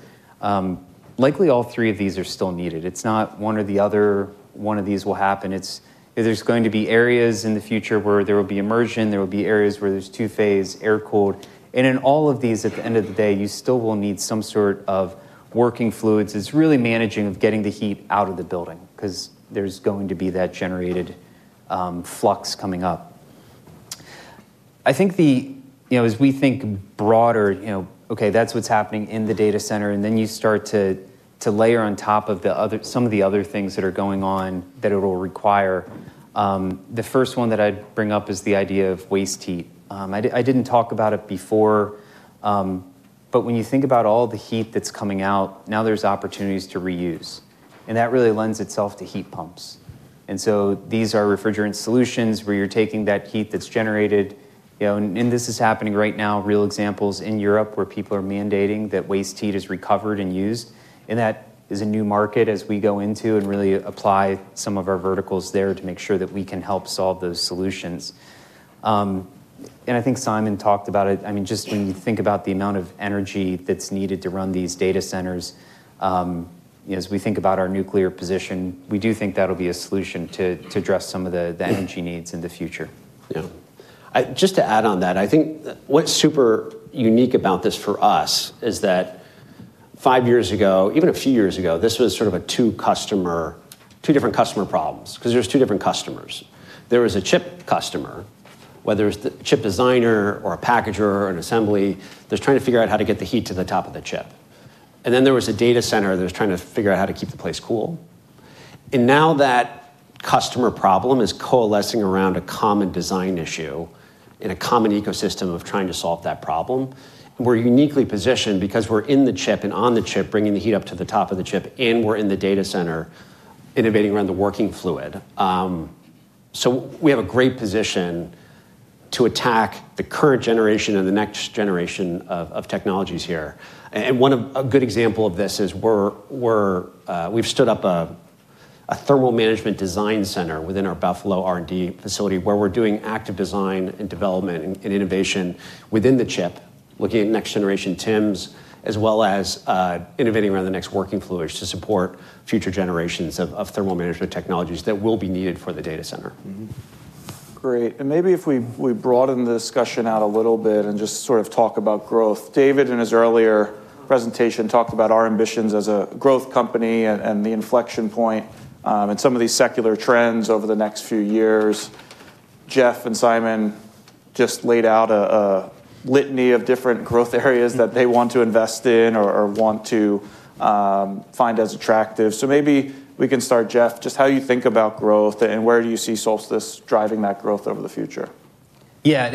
likely all three of these are still needed. It's not one or the other, one of these will happen. There are going to be areas in the future where there will be immersion, there will be areas where there's two-phase, air-cooled. In all of these, at the end of the day, you still will need some sort of working fluids. It's really managing getting the heat out of the building because there's going to be that generated flux coming up. As we think broader, that's what's happening in the data center. You start to layer on top of some of the other things that are going on that it will require. The first one that I'd bring up is the idea of waste heat. I didn't talk about it before, but when you think about all the heat that's coming out, now there's opportunities to reuse. That really lends itself to heat pumps. These are refrigerant solutions where you're taking that heat that's generated. This is happening right now, real examples in Europe where people are mandating that waste heat is recovered and used. That is a new market as we go into and really apply some of our verticals there to make sure that we can help solve those solutions. I think Simon talked about it. Just when you think about the amount of energy that's needed to run these data centers, as we think about our nuclear position, we do think that'll be a solution to address some of the energy needs in the future. Yeah. Just to add on that, I think what's super unique about this for us is that five years ago, even a few years ago, this was sort of a two customer, two different customer problems because there's two different customers. There was a chip customer, whether it's the chip designer or a packager or an assembly that's trying to figure out how to get the heat to the top of the chip. There was a data center that was trying to figure out how to keep the place cool. Now that customer problem is coalescing around a common design issue in a common ecosystem of trying to solve that problem. We're uniquely positioned because we're in the chip and on the chip, bringing the heat up to the top of the chip, and we're in the data center innovating around the working fluid. We have a great position to attack the current generation and the next generation of technologies here. One good example of this is we've stood up a thermal management design center within our Buffalo R&D facility where we're doing active design and development and innovation within the chip, looking at next generation TIMs, as well as innovating around the next working fluids to support future generations of thermal management technologies that will be needed for the data center. Great. Maybe if we broaden the discussion out a little bit and just sort of talk about growth. David, in his earlier presentation, talked about our ambitions as a growth company and the inflection point and some of these secular trends over the next few years. Jeff and Simon just laid out a litany of different growth areas that they want to invest in or want to find as attractive. Maybe we can start, Jeff, just how you think about growth and where do you see Solstice driving that growth over the future? Yeah,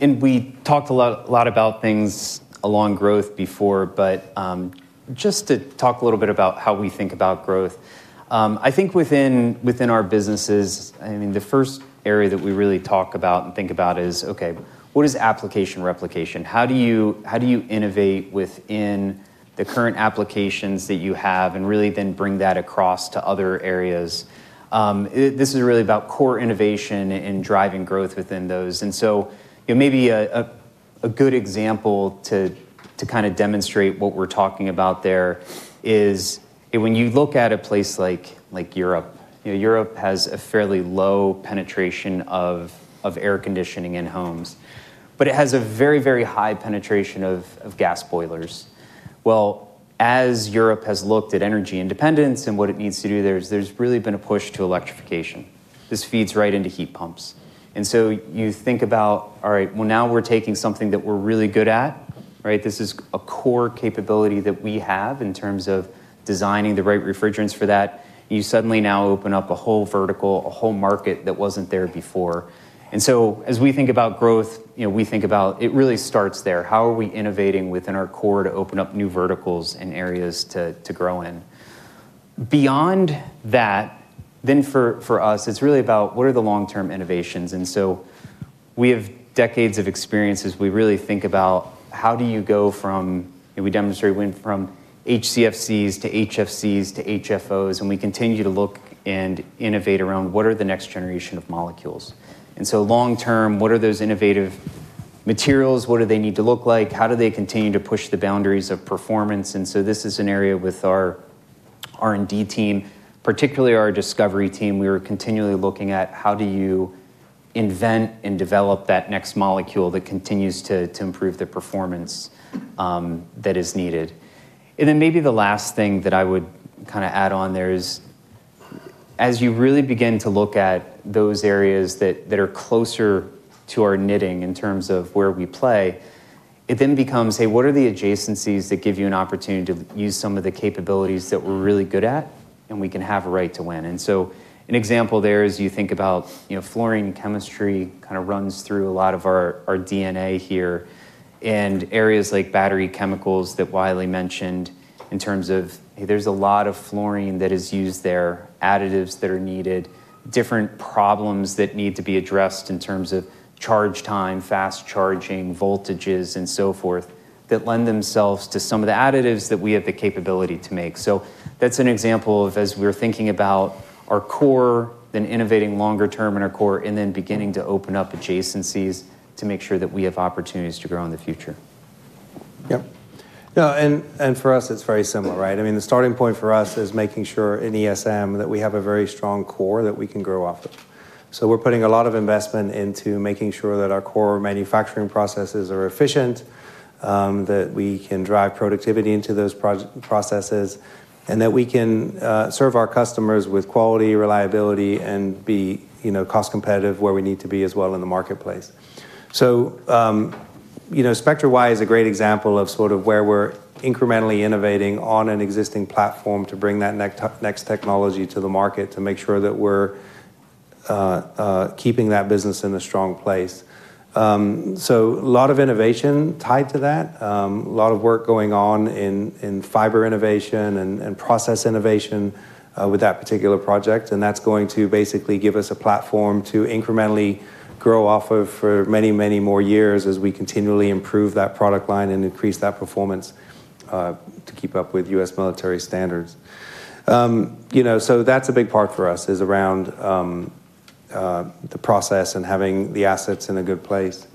and we talked a lot about things along growth before, but just to talk a little bit about how we think about growth. I think within our businesses, the first area that we really talk about and think about is, okay, what is application replication? How do you innovate within the current applications that you have and really then bring that across to other areas? This is really about core innovation and driving growth within those. Maybe a good example to kind of demonstrate what we're talking about there is when you look at a place like Europe. Europe has a fairly low penetration of air conditioning in homes, but it has a very, very high penetration of gas boilers. As Europe has looked at energy independence and what it needs to do, there's really been a push to electrification. This feeds right into heat pumps. You think about, all right, now we're taking something that we're really good at, right? This is a core capability that we have in terms of designing the right refrigerants for that. You suddenly now open up a whole vertical, a whole market that wasn't there before. As we think about growth, we think about it really starts there. How are we innovating within our core to open up new verticals and areas to grow in? Beyond that, for us, it's really about what are the long-term innovations. We have decades of experience as we really think about how do you go from, we demonstrate, went from HCFCs to HFCs to HFOs, and we continue to look and innovate around what are the next generation of molecules. Long-term, what are those innovative materials? What do they need to look like? How do they continue to push the boundaries of performance? This is an area with our R&D team, particularly our discovery team. We were continually looking at how do you invent and develop that next molecule that continues to improve the performance that is needed. Maybe the last thing that I would kind of add on there is as you really begin to look at those areas that are closer to our knitting in terms of where we play, it then becomes, hey, what are the adjacencies that give you an opportunity to use some of the capabilities that we're really good at and we can have a right to win? An example there is you think about fluorine chemistry kind of runs through a lot of our DNA here, and areas like battery chemicals that Wiley mentioned in terms of, hey, there's a lot of fluorine that is used there, additives that are needed, different problems that need to be addressed in terms of charge time, fast charging, voltages, and so forth that lend themselves to some of the additives that we have the capability to make. That's an example of as we're thinking about our core and innovating longer term in our core and then beginning to open up adjacencies to make sure that we have opportunities to grow in the future. Yep. Yeah, and for us, it's very similar, right? I mean, the starting point for us is making sure in ESM that we have a very strong core that we can grow off of. We are putting a lot of investment into making sure that our core manufacturing processes are efficient, that we can drive productivity into those processes, and that we can serve our customers with quality, reliability, and be cost-competitive where we need to be as well in the marketplace. Spectra Shield is a great example of where we're incrementally innovating on an existing platform to bring that next technology to the market to make sure that we're keeping that business in a strong place. A lot of innovation is tied to that, and a lot of work is going on in fiber innovation and process innovation with that particular project. That is going to basically give us a platform to incrementally grow off of for many more years as we continually improve that product line and increase that performance to keep up with U.S. military standards. A big part for us is around the process and having the assets in a good place.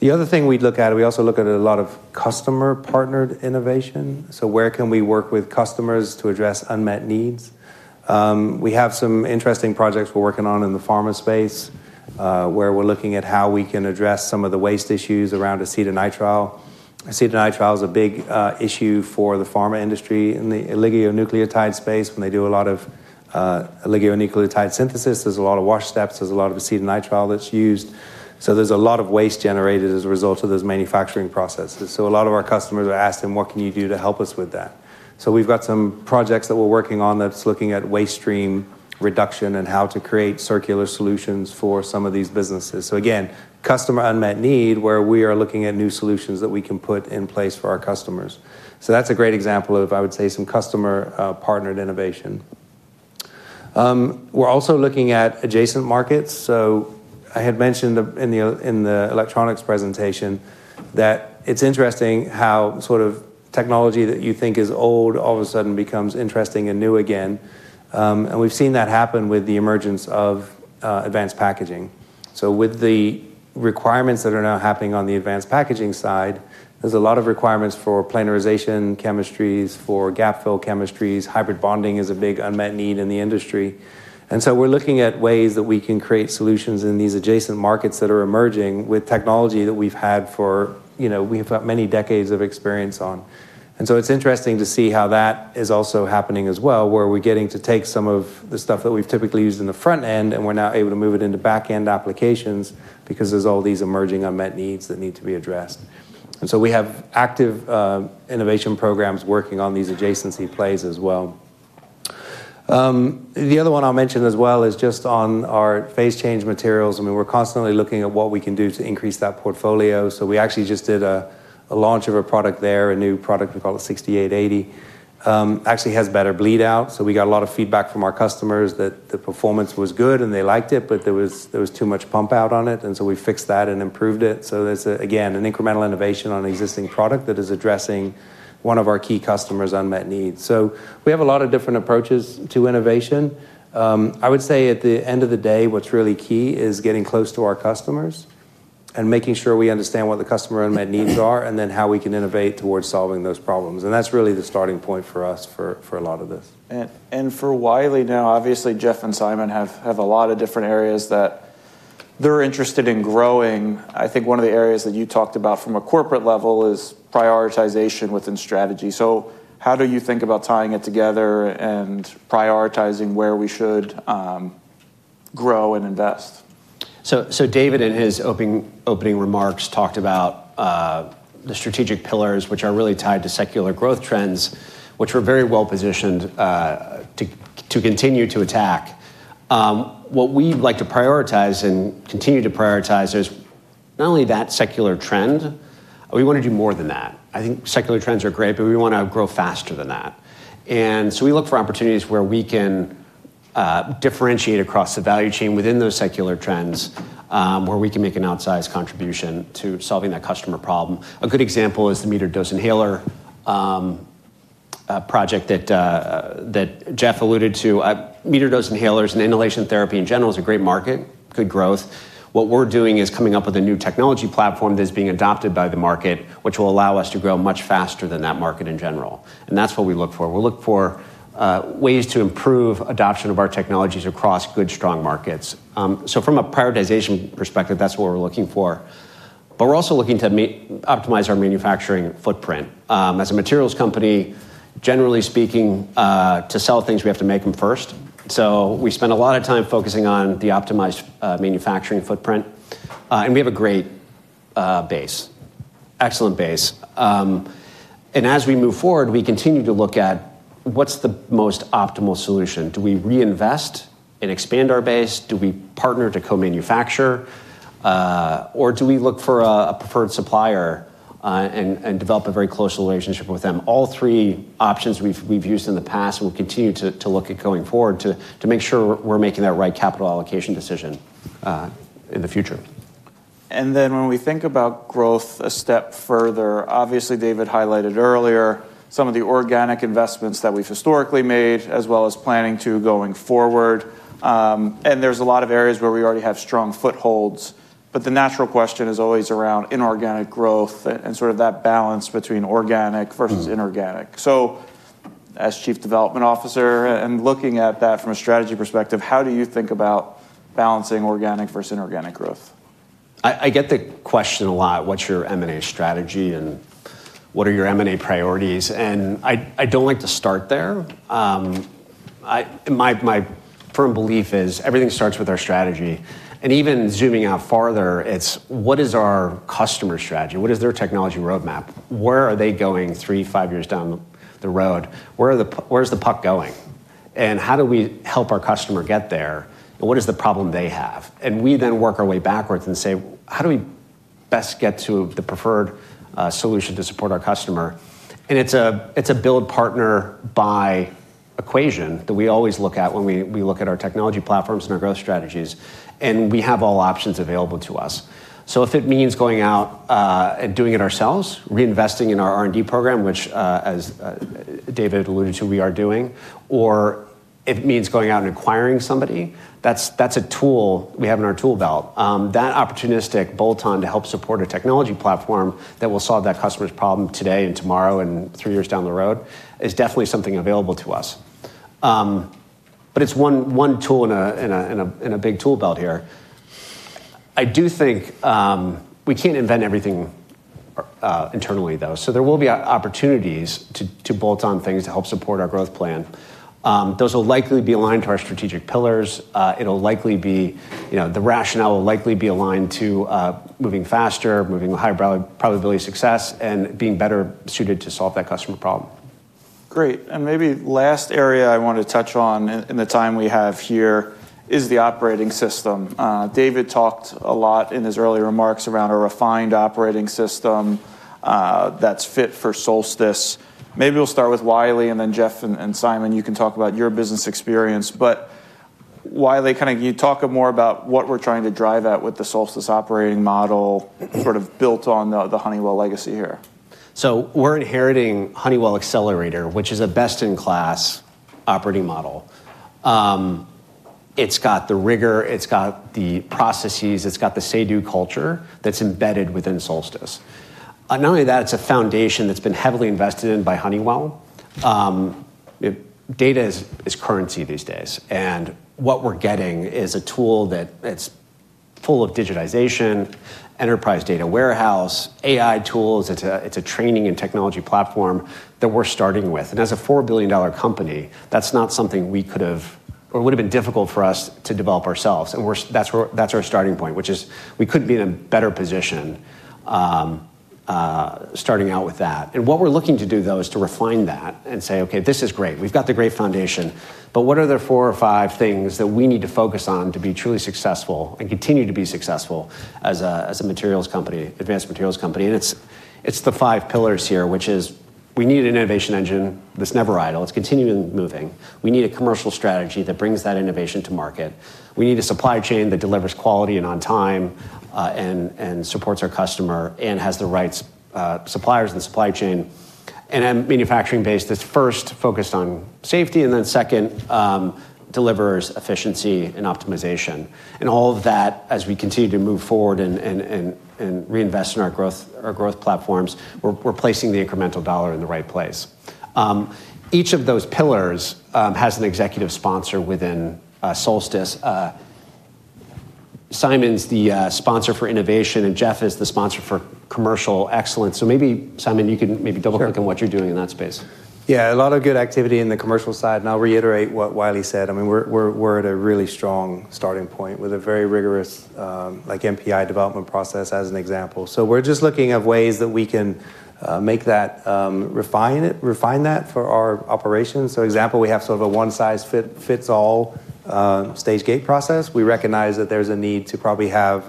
The other thing we look at, we also look at a lot of customer-partnered innovation. Where can we work with customers to address unmet needs? We have some interesting projects we're working on in the pharma space where we're looking at how we can address some of the waste issues around acetonitrile. Acetonitrile is a big issue for the pharma industry in the oligonucleotide space. When they do a lot of oligonucleotide synthesis, there are a lot of wash steps. There's a lot of acetonitrile that's used, so there's a lot of waste generated as a result of those manufacturing processes. A lot of our customers are asking, what can you do to help us with that? We've got some projects that we're working on that's looking at waste stream reduction and how to create circular solutions for some of these businesses. Again, customer unmet need where we are looking at new solutions that we can put in place for our customers. That's a great example of, I would say, some customer-partnered innovation. We're also looking at adjacent markets. I had mentioned in the electronics presentation that it's interesting how technology that you think is old all of a sudden becomes interesting and new again. We've seen that happen with the emergence of advanced packaging. With the requirements that are now happening on the advanced packaging side, there's a lot of requirements for planarization chemistries and for gap-fill chemistries. Hybrid bonding is a big unmet need in the industry. We are looking at ways that we can create solutions in these adjacent markets that are emerging with technology that we've had for, you know, we've got many decades of experience on. It's interesting to see how that is also happening as well, where we're getting to take some of the stuff that we've typically used in the front end and we're now able to move it into backend applications because there are all these emerging unmet needs that need to be addressed. We have active innovation programs working on these adjacency plays as well. The other one I'll mention is just on our phase change materials. We're constantly looking at what we can do to increase that portfolio. We actually just did a launch of a product there, a new product called 6880, which actually has better bleed out. We got a lot of feedback from our customers that the performance was good and they liked it, but there was too much pump out on it. We fixed that and improved it. There is, again, an incremental innovation on an existing product that is addressing one of our key customers' unmet needs. We have a lot of different approaches to innovation. I would say at the end of the day, what's really key is getting close to our customers and making sure we understand what the customer unmet needs are and then how we can innovate towards solving those problems. That's really the starting point for us for a lot of this. For Wiley, now obviously Jeff and Simon have a lot of different areas that they're interested in growing. I think one of the areas that you talked about from a corporate level is prioritization within strategy. How do you think about tying it together and prioritizing where we should grow and invest? David, in his opening remarks, talked about the strategic pillars, which are really tied to secular growth trends, which we are very well positioned to continue to attack. What we would like to prioritize and continue to prioritize is not only that secular trend, we want to do more than that. I think secular trends are great, but we want to grow faster than that. We look for opportunities where we can differentiate across the value chain within those secular trends, where we can make an outsized contribution to solving that customer problem. A good example is the metered-dose inhaler project that Jeff alluded to. Metered-dose inhalers and inhalation therapy in general is a great market, good growth. What we are doing is coming up with a new technology platform that is being adopted by the market, which will allow us to grow much faster than that market in general. That is what we look for. We will look for ways to improve adoption of our technologies across good, strong markets. From a prioritization perspective, that is what we are looking for. We are also looking to optimize our manufacturing footprint. As a materials company, generally speaking, to sell things, we have to make them first. We spend a lot of time focusing on the optimized manufacturing footprint. We have a great base, excellent base. As we move forward, we continue to look at what is the most optimal solution. Do we reinvest and expand our base? Do we partner to co-manufacture? Do we look for a preferred supplier and develop a very close relationship with them? All three options we have used in the past, we will continue to look at going forward to make sure we are making that right capital allocation decision in the future. When we think about growth a step further, obviously David highlighted earlier some of the organic investments that we've historically made, as well as planning to going forward. There are a lot of areas where we already have strong footholds. The natural question is always around inorganic growth and sort of that balance between organic versus inorganic. As Chief Development Officer and looking at that from a strategy perspective, how do you think about balancing organic versus inorganic growth? I get the question a lot, what's your M&A strategy and what are your M&A priorities? I don't like to start there. My firm belief is everything starts with our strategy. Even zooming out farther, it's what is our customer strategy? What is their technology roadmap? Where are they going three, five years down the road? Where's the puck going? How do we help our customer get there? What is the problem they have? We then work our way backwards and say, how do we best get to the preferred solution to support our customer? It's a build-partner-buy equation that we always look at when we look at our technology platforms and our growth strategies. We have all options available to us. If it means going out and doing it ourselves, reinvesting in our R&D program, which, as David alluded to, we are doing, or if it means going out and acquiring somebody, that's a tool we have in our tool belt. That opportunistic bolt-on to help support a technology platform that will solve that customer's problem today and tomorrow and three years down the road is definitely something available to us. It's one tool in a big tool belt here. I do think we can't invent everything internally, though. There will be opportunities to bolt on things to help support our growth plan. Those will likely be aligned to our strategic pillars. The rationale will likely be aligned to moving faster, moving higher probability of success, and being better suited to solve that customer problem. Great. Maybe the last area I want to touch on in the time we have here is the operating system. David talked a lot in his early remarks around a refined operating system that's fit for Solstice. Maybe we'll start with Wiley and then Jeff and Simon, you can talk about your business experience. Wiley, can you talk more about what we're trying to drive at with the Solstice operating model, sort of built on the Honeywell legacy here. We're inheriting Honeywell Accelerator, which is a best-in-class operating model. It's got the rigor, it's got the processes, it's got the say-do culture that's embedded within Solstice. Not only that, it's a foundation that's been heavily invested in by Honeywell. Data is currency these days. What we're getting is a tool that's full of digitization, enterprise data warehouse, AI tools. It's a training and technology platform that we're starting with. As a $4 billion company, that's not something we could have, or would have been difficult for us to develop ourselves. That's our starting point, which is we couldn't be in a better position starting out with that. What we're looking to do, though, is to refine that and say, okay, this is great. We've got the great foundation. What are the four or five things that we need to focus on to be truly successful and continue to be successful as a materials company, advanced materials company? It's the five pillars here, which is we need an innovation engine that's never idle. It's continually moving. We need a commercial strategy that brings that innovation to market. We need a supply chain that delivers quality and on time and supports our customer and has the right suppliers in the supply chain. A manufacturing base that's first focused on safety and then second delivers efficiency and optimization. All of that, as we continue to move forward and reinvest in our growth platforms, we're placing the incremental dollar in the right place. Each of those pillars has an executive sponsor within Solstice. Simon's the sponsor for innovation and Jeff is the sponsor for commercial excellence. Maybe, Simon, you can maybe double-click on what you're doing in that space. Yeah, a lot of good activity in the commercial side. I'll reiterate what Wiley said. We're at a really strong starting point with a very rigorous, like, MPI development process as an example. We're just looking at ways that we can refine that for our operations. For example, we have sort of a one-size-fits-all stage gate process. We recognize that there's a need to probably have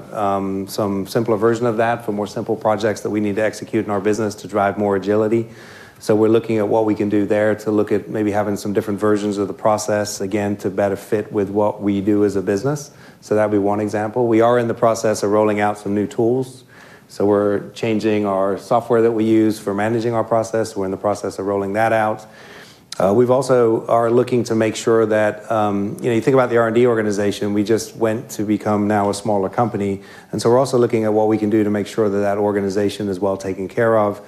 some simpler version of that for more simple projects that we need to execute in our business to drive more agility. We're looking at what we can do there to look at maybe having some different versions of the process, again, to better fit with what we do as a business. That would be one example. We are in the process of rolling out some new tools. We're changing our software that we use for managing our process. We're in the process of rolling that out. We also are looking to make sure that, you know, you think about the R&D organization. We just went to become now a smaller company. We're also looking at what we can do to make sure that that organization is well taken care of.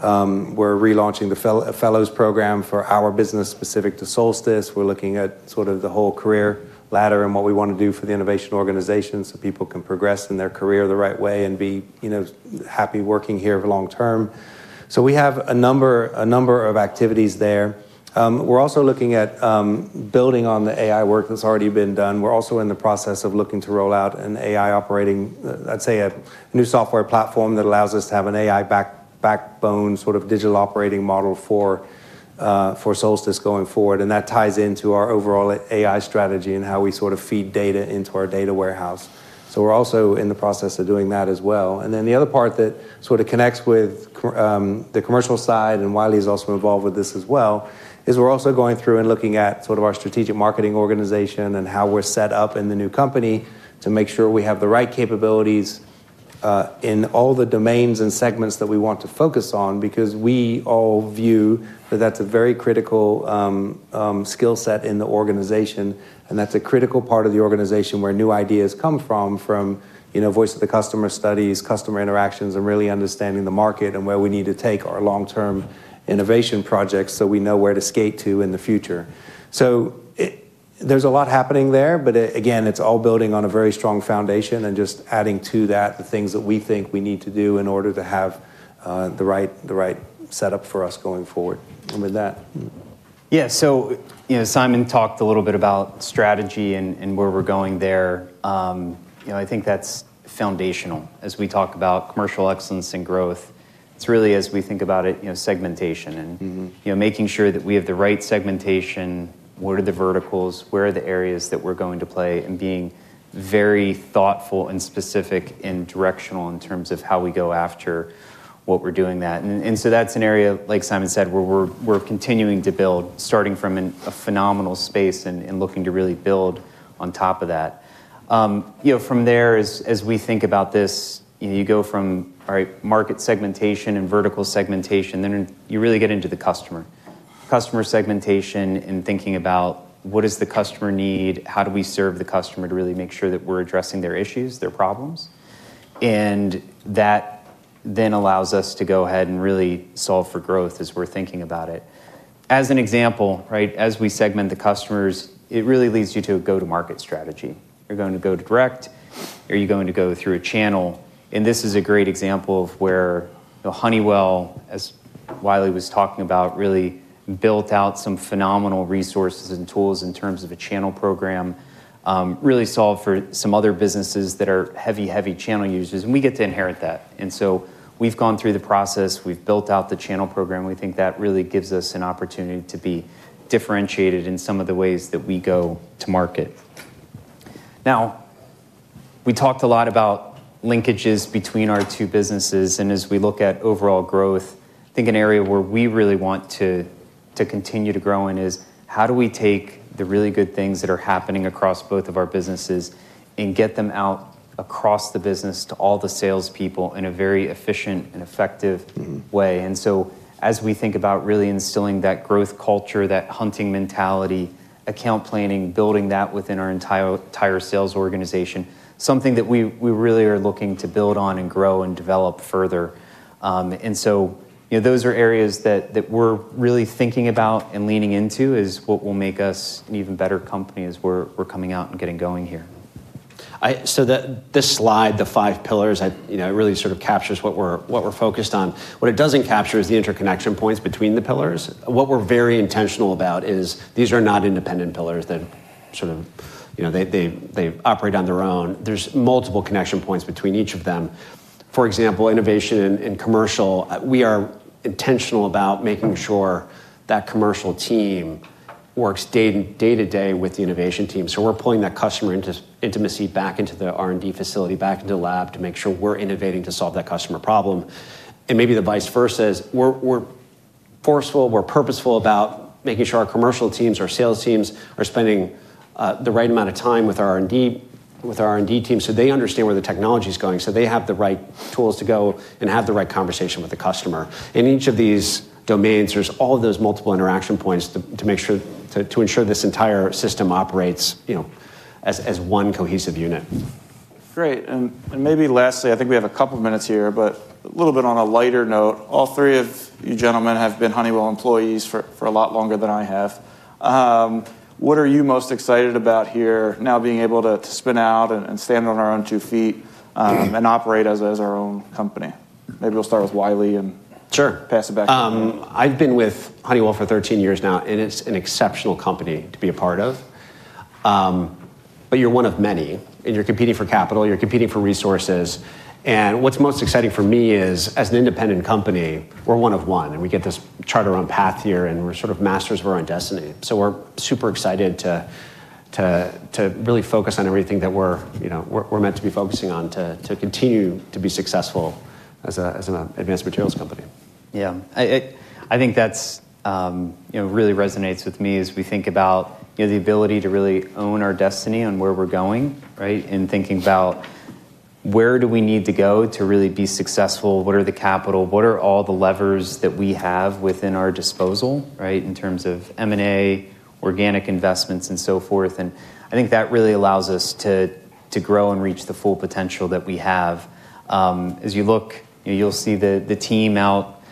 We're relaunching the Fellows program for our business specific to Honeywell. We're looking at sort of the whole career ladder and what we want to do for the innovation organization so people can progress in their career the right way and be, you know, happy working here for long term. We have a number of activities there. We're also looking at building on the AI work that's already been done. We're also in the process of looking to roll out an AI operating, I'd say, a new software platform that allows us to have an AI backbone, sort of digital operating model for Solstice going forward. That ties into our overall AI strategy and how we sort of feed data into our data warehouse. We're also in the process of doing that as well. The other part that sort of connects with the commercial side, and Wiley is also involved with this as well, is we're also going through and looking at sort of our strategic marketing organization and how we're set up in the new company to make sure we have the right capabilities in all the domains and segments that we want to focus on because we all view that that's a very critical skill set in the organization. That's a critical part of the organization where new ideas come from, you know, voice of the customer studies, customer interactions, and really understanding the market and where we need to take our long-term innovation projects so we know where to skate to in the future. There is a lot happening there, but again, it's all building on a very strong foundation and just adding to that the things that we think we need to do in order to have the right setup for us going forward. Yeah, so Simon talked a little bit about strategy and where we're going there. I think that's foundational. As we talk about commercial excellence and growth, it's really, as we think about it, segmentation and making sure that we have the right segmentation. What are the verticals? Where are the areas that we're going to play? Being very thoughtful and specific and directional in terms of how we go after what we're doing. That's an area, like Simon said, where we're continuing to build, starting from a phenomenal space and looking to really build on top of that. From there, as we think about this, you go from market segmentation and vertical segmentation, then you really get into the customer. Customer segmentation and thinking about what does the customer need. How do we serve the customer to really make sure that we're addressing their issues, their problems? That then allows us to go ahead and really solve for growth as we're thinking about it. As an example, as we segment the customers, it really leads you to a go-to-market strategy. You're going to go to direct, or are you going to go through a channel? This is a great example of where Honeywell, as Wiley was talking about, really built out some phenomenal resources and tools in terms of a channel program, really solved for some other businesses that are heavy, heavy channel users. We get to inherit that. We've gone through the process. We've built out the channel program. We think that really gives us an opportunity to be differentiated in some of the ways that we go to market. We talked a lot about linkages between our two businesses. As we look at overall growth, I think an area where we really want to continue to grow in is how do we take the really good things that are happening across both of our businesses and get them out across the business to all the salespeople in a very efficient and effective way. As we think about really instilling that growth culture, that hunting mentality, account planning, building that within our entire sales organization, something that we really are looking to build on and grow and develop further. Those are areas that we're really thinking about and leaning into as what will make us an even better company as we're coming out and getting going here. This slide, the five pillars, really sort of captures what we're focused on. What it doesn't capture is the interconnection points between the pillars. What we're very intentional about is these are not independent pillars that operate on their own. There are multiple connection points between each of them. For example, innovation and commercial, we are intentional about making sure that the commercial team works day to day with the innovation team. We're pulling that customer intimacy back into the R&D facility, back into the lab to make sure we're innovating to solve that customer problem. Maybe the vice versa is we're forceful, we're purposeful about making sure our commercial teams, our sales teams are spending the right amount of time with our R&D teams so they understand where the technology is going, so they have the right tools to go and have the right conversation with the customer. In each of these domains, there are all of those multiple interaction points to make sure this entire system operates as one cohesive unit. Great. Maybe lastly, I think we have a couple of minutes here, but a little bit on a lighter note. All three of you gentlemen have been Honeywell employees for a lot longer than I have. What are you most excited about here now being able to spin out and stand on our own two feet and operate as our own company? Maybe we'll start with Wiley and pass it back to you. I've been with Honeywell for 13 years now, and it's an exceptional company to be a part of. You're one of many, and you're competing for capital, you're competing for resources. What's most exciting for me is as an independent company, we're one of one, and we get this charter on path here, and we're sort of masters of our own destiny. We're super excited to really focus on everything that we're meant to be focusing on to continue to be successful as an advanced materials company. Yeah, I think that really resonates with me as we think about the ability to really own our destiny on where we're going, right? Thinking about where do we need to go to really be successful, what are the capital, what are all the levers that we have within our disposal, right? In terms of M&A, organic investments, and so forth, I think that really allows us to grow and reach the full potential that we have. As you look, you'll see the team out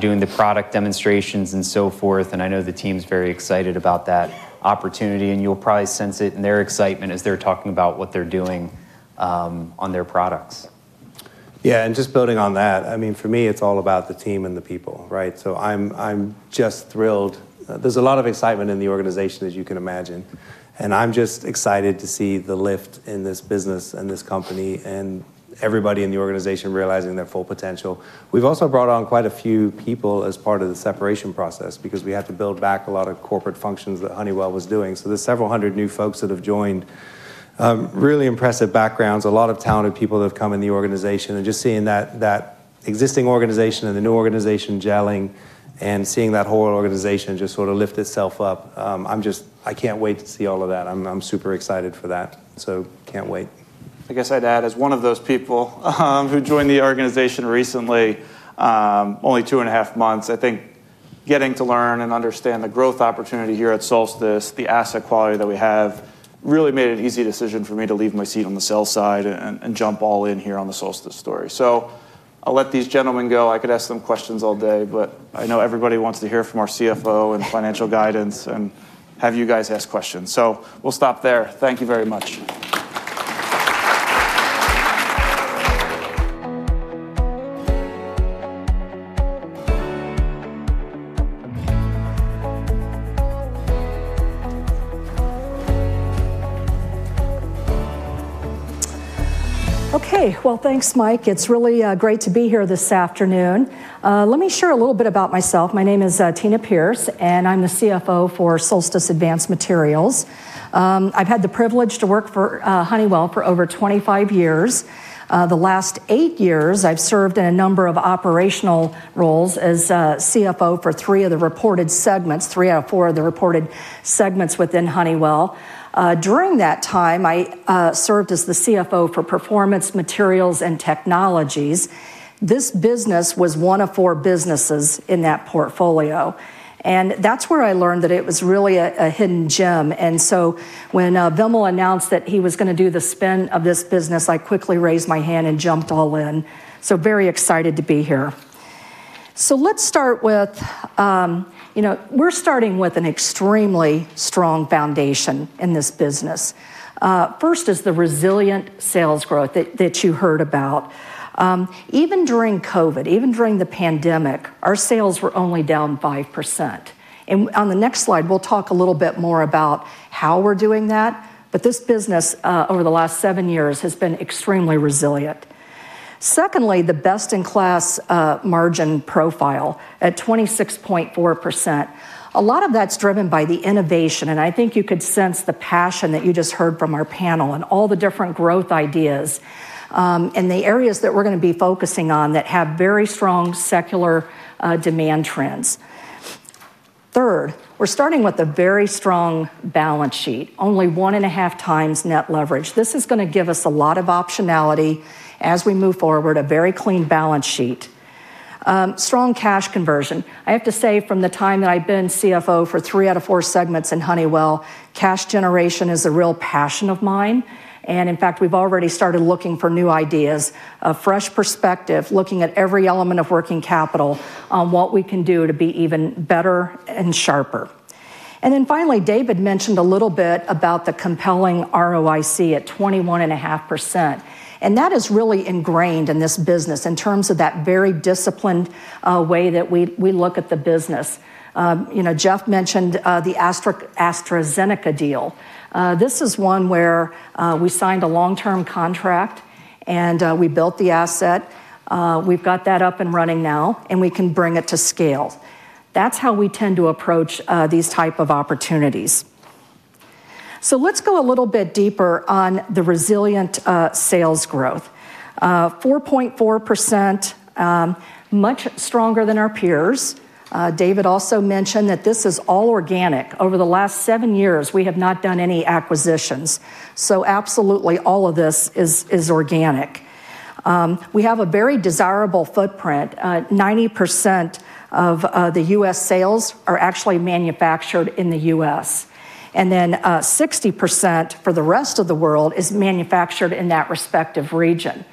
doing the product demonstrations and so forth. I know the team's very excited about that opportunity, and you'll probably sense it in their excitement as they're talking about what they're doing on their products. Yeah, and just building on that, for me, it's all about the team and the people, right? I'm just thrilled. There's a lot of excitement in the organization, as you can imagine. I'm just excited to see the lift in this business and this company and everybody in the organization realizing their full potential. We've also brought on quite a few people as part of the separation process because we had to build back a lot of corporate functions that Honeywell was doing. There are several hundred new folks that have joined, really impressive backgrounds, a lot of talented people that have come in the organization. Just seeing that existing organization and the new organization gelling and seeing that whole organization just sort of lift itself up, I can't wait to see all of that. I'm super excited for that. Can't wait. I guess I'd add, as one of those people who joined the organization recently, only two and a half months, I think getting to learn and understand the growth opportunity here at Honeywell, the asset quality that we have, really made an easy decision for me to leave my seat on the sales side and jump all in here on the Honeywell story. I'll let these gentlemen go. I could ask them questions all day, but I know everybody wants to hear from our CFO and financial guidance and have you guys ask questions. We'll stop there. Thank you very much. Okay, thanks, Mike. It's really great to be here this afternoon. Let me share a little bit about myself. My name is Tina Pierce, and I'm the CFO for Solstice Advanced Materials. I've had the privilege to work for Honeywell for over 25 years. The last eight years, I've served in a number of operational roles as CFO for three of the reported segments, three out of four of the reported segments within Honeywell. During that time, I served as the CFO for Performance Materials and Technologies. This business was one of four businesses in that portfolio. That's where I learned that it was really a hidden gem. When Vimal announced that he was going to do the spin of this business, I quickly raised my hand and jumped all in. Very excited to be here. Let's start with, you know, we're starting with an extremely strong foundation in this business. First is the resilient sales growth that you heard about. Even during COVID, even during the pandemic, our sales were only down 5%. On the next slide, we'll talk a little bit more about how we're doing that. This business over the last seven years has been extremely resilient. Secondly, the best-in-class margin profile at 26.4%. A lot of that's driven by the innovation. I think you could sense the passion that you just heard from our panel and all the different growth ideas and the areas that we're going to be focusing on that have very strong secular demand trends. Third, we're starting with a very strong balance sheet, only 1.5x net leverage. This is going to give us a lot of optionality as we move forward, a very clean balance sheet. Strong cash conversion. I have to say, from the time that I've been CFO for three out of four segments in Honeywell, cash generation is a real passion of mine. In fact, we've already started looking for new ideas, a fresh perspective, looking at every element of working capital on what we can do to be even better and sharper. Finally, David mentioned a little bit about the compelling ROIC at 21.5%. That is really ingrained in this business in terms of that very disciplined way that we look at the business. Jeff mentioned the AstraZeneca deal. This is one where we signed a long-term contract and we built the asset. We've got that up and running now and we can bring it to scale. That's how we tend to approach these types of opportunities. Let's go a little bit deeper on the resilient sales growth. 4.4%, much stronger than our peers. David also mentioned that this is all organic. Over the last seven years, we have not done any acquisitions. Absolutely, all of this is organic. We have a very desirable footprint. 90% of the U.S. sales are actually manufactured in the U.S., and 60% for the rest of the world is manufactured in that respective region.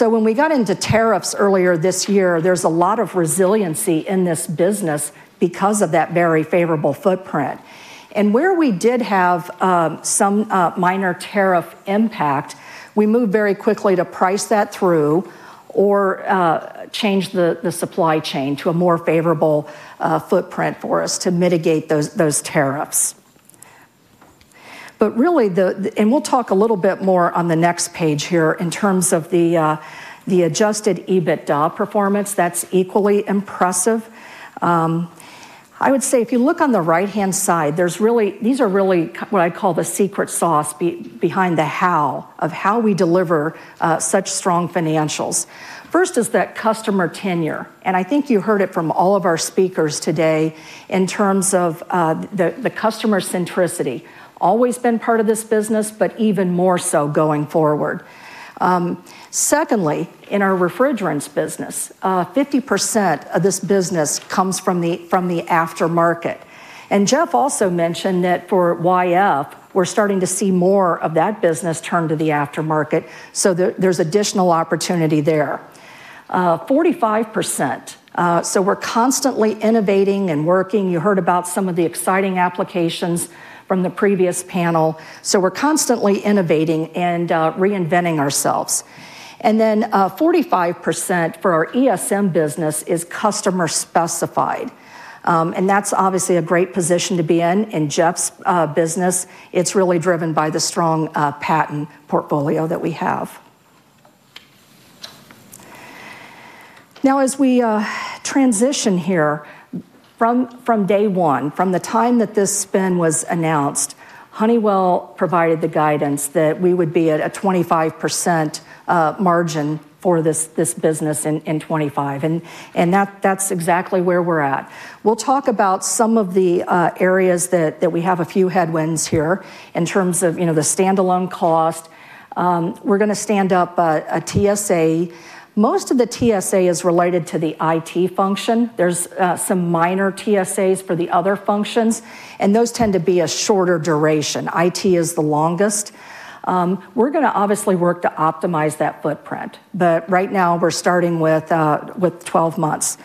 When we got into tariffs earlier this year, there is a lot of resiliency in this business because of that very favorable footprint. Where we did have some minor tariff impact, we moved very quickly to price that through or change the supply chain to a more favorable footprint for us to mitigate those tariffs. We will talk a little bit more on the next page here in terms of the adjusted EBITDA performance, that's equally important. would say if you look on the right-hand side, these are really what I call the secret sauce behind the how of how we deliver such strong financials. First is that customer tenure. I think you heard it from all of our speakers today in terms of the customer centricity. Always been part of this business, but even more so going forward. Secondly, in our refrigerants business, 50% of this business comes from the aftermarket. Jeff also mentioned that for YF, we're starting to see more of that business turn to the aftermarket. There is additional opportunity there. 45%. We're constantly innovating and working. You heard about some of the exciting applications from the previous panel. We're constantly innovating and reinventing ourselves. 45% for our ESM business is customer specified. That's obviously a great position to be in. In Jeff's business, it's really driven by the strong patent portfolio that we have. Now, as we transition here from day one, from the time that this spin was announced, Honeywell provided the guidance that we would be at a 25% margin for this business in 2025. That's exactly where we're at. We'll talk about some of the areas where we have a few headwinds here in terms of the standalone cost. We're going to stand up a TSA. Most of the TSA is related to the IT function. There are some minor TSAs for the other functions, and those tend to be a shorter duration. IT is the longest. We're going to work to optimize that footprint. Right now, we're starting with 12 months.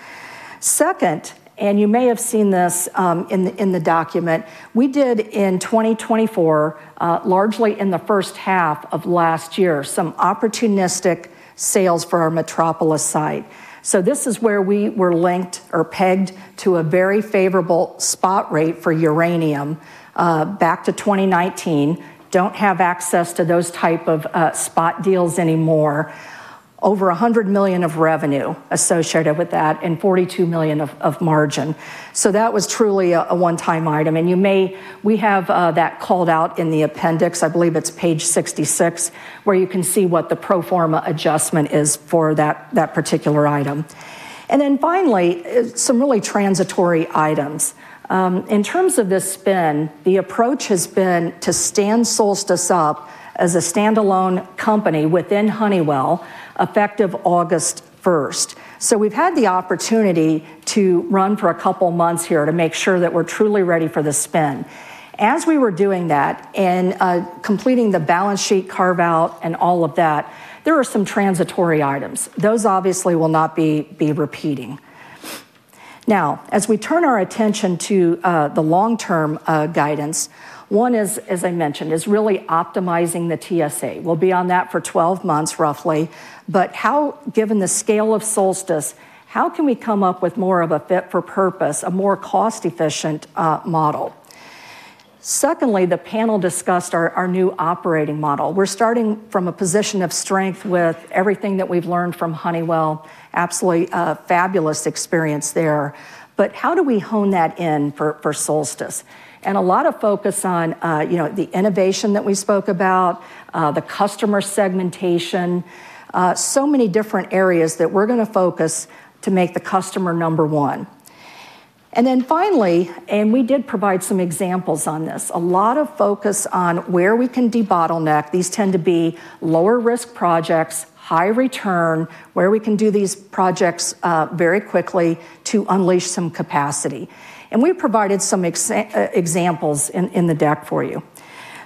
Second, you may have seen this in the document, we did in 2024, largely in the first half of last year, some opportunistic sales for our Metropolis site. This is where we were linked or pegged to a very favorable spot rate for uranium back to 2019. We don't have access to those types of spot deals anymore. Over $100 million of revenue associated with that and $42 million of margin. That was truly a one-time item. We have that called out in the appendix. I believe it's page 66, where you can see what the pro forma adjustment is for that particular item. Finally, some really transitory items. In terms of this spin, the approach has been to Solstice up as a standalone company within Honeywell effective August 1st. We've had the opportunity to run for a couple of months here to make sure that we're truly ready for the spin. As we were doing that and completing the balance sheet carve-out and all of that, there are some transitory items. Those obviously will not be repeating. Now, as we turn our attention to the long-term guidance, one is, as I mentioned, is really optimizing the TSA. We'll be on that for 12 months roughly. Given the scale of Honeywell, how can we come up with more of a fit-for-purpose, more cost-efficient model? Secondly, the panel discussed our new operating model. We're starting from a position of strength with everything that we've learned from Honeywell. Absolutely fabulous experience there. How do we hone that in for Honeywell? A lot of focus on the innovation that we spoke about, the customer segmentation, so many different areas that we're going to focus to make the customer number one. Finally, and we did provide some examples on this, a lot of focus on where we can debottleneck. These tend to be lower-risk projects, high return, where we can do these projects very quickly to unleash some capacity. We provided some examples in the deck for you.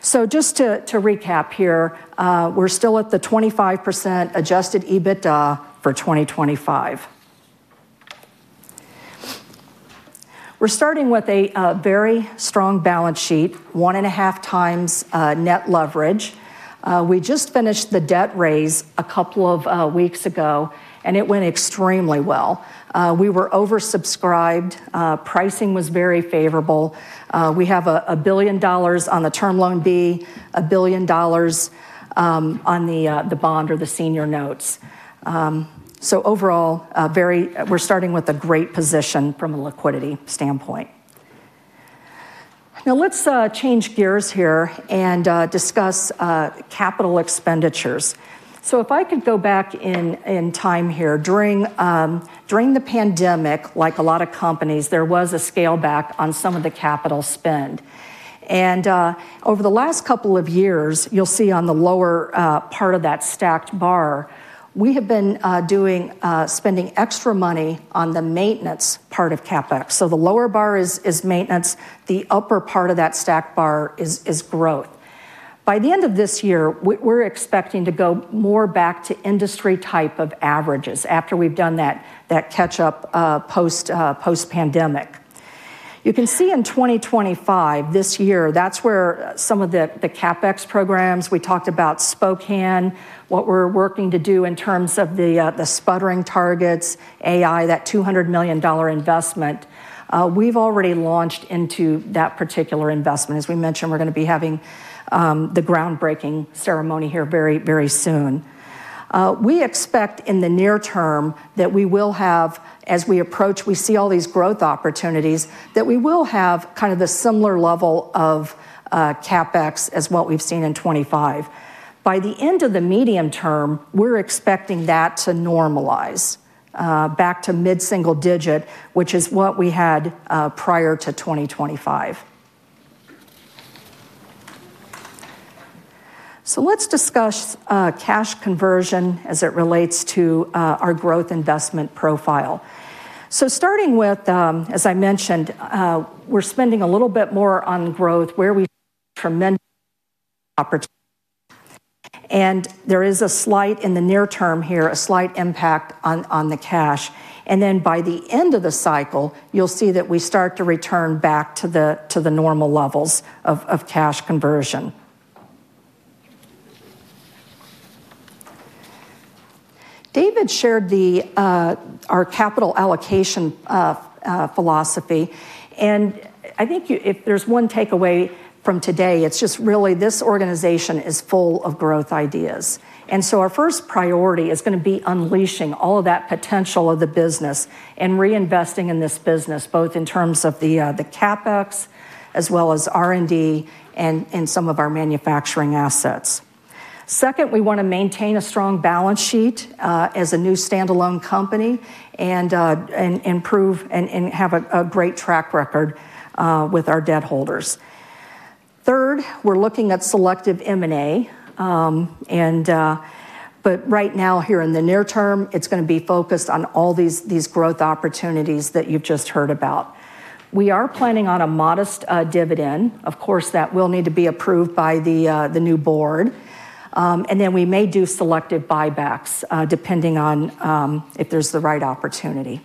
Just to recap here, we're still at the 25% adjusted EBITDA for 2025. We're starting with a very strong balance sheet, 1.5x net leverage. We just finished the debt raise a couple of weeks ago, and it went extremely well. We were oversubscribed. Pricing was very favorable. We have $1 billion on the term loan B, $1 billion on the bond or the senior notes. Overall, we're starting with a great position from a liquidity standpoint. Now let's change gears here and discuss capital expenditures. If I could go back in time here, during the pandemic, like a lot of companies, there was a scale back on some of the capital spend. Over the last couple of years, you'll see on the lower part of that stacked bar, we have been spending extra money on the maintenance part of CapEx. The lower bar is maintenance. The upper part of that stacked bar is growth. By the end of this year, we're expecting to go more back to industry type of averages after we've done that catch-up post-pandemic. You can see in 2025, this year, that's where some of the CapEx programs, we talked about Spokane, what we're working to do in terms of the sputtering targets, AI, that $200 million investment. We've already launched into that particular investment. As we mentioned, we're going to be having the groundbreaking ceremony here very, very soon. We expect in the near term that we will have, as we approach, we see all these growth opportunities, that we will have kind of the similar level of CapEx as what we've seen in 2025. By the end of the medium term, we're expecting that to normalize back to mid-single digit, which is what we had prior to 2025. Let's discuss cash conversion as it relates to our growth investment profile. Starting with, as I mentioned, we're spending a little bit more on growth where we tremendously. There is a slight, in the near term here, a slight impact on the cash. By the end of the cycle, you'll see that we start to return back to the normal levels of cash conversion. David shared our capital allocation philosophy. I think if there's one takeaway from today, it's just really this organization is full of growth ideas. Our first priority is going to be unleashing all of that potential of the business and reinvesting in this business, both in terms of the CapEx as well as R&D and some of our manufacturing assets. Second, we want to maintain a strong balance sheet as a new standalone company and improve and have a great track record with our debt holders. Third, we're looking at selective M&A. Right now here in the near term, it's going to be focused on all these growth opportunities that you've just heard about. We are planning on a modest dividend. Of course, that will need to be approved by the new board. We may do selective buybacks depending on if there's the right opportunity.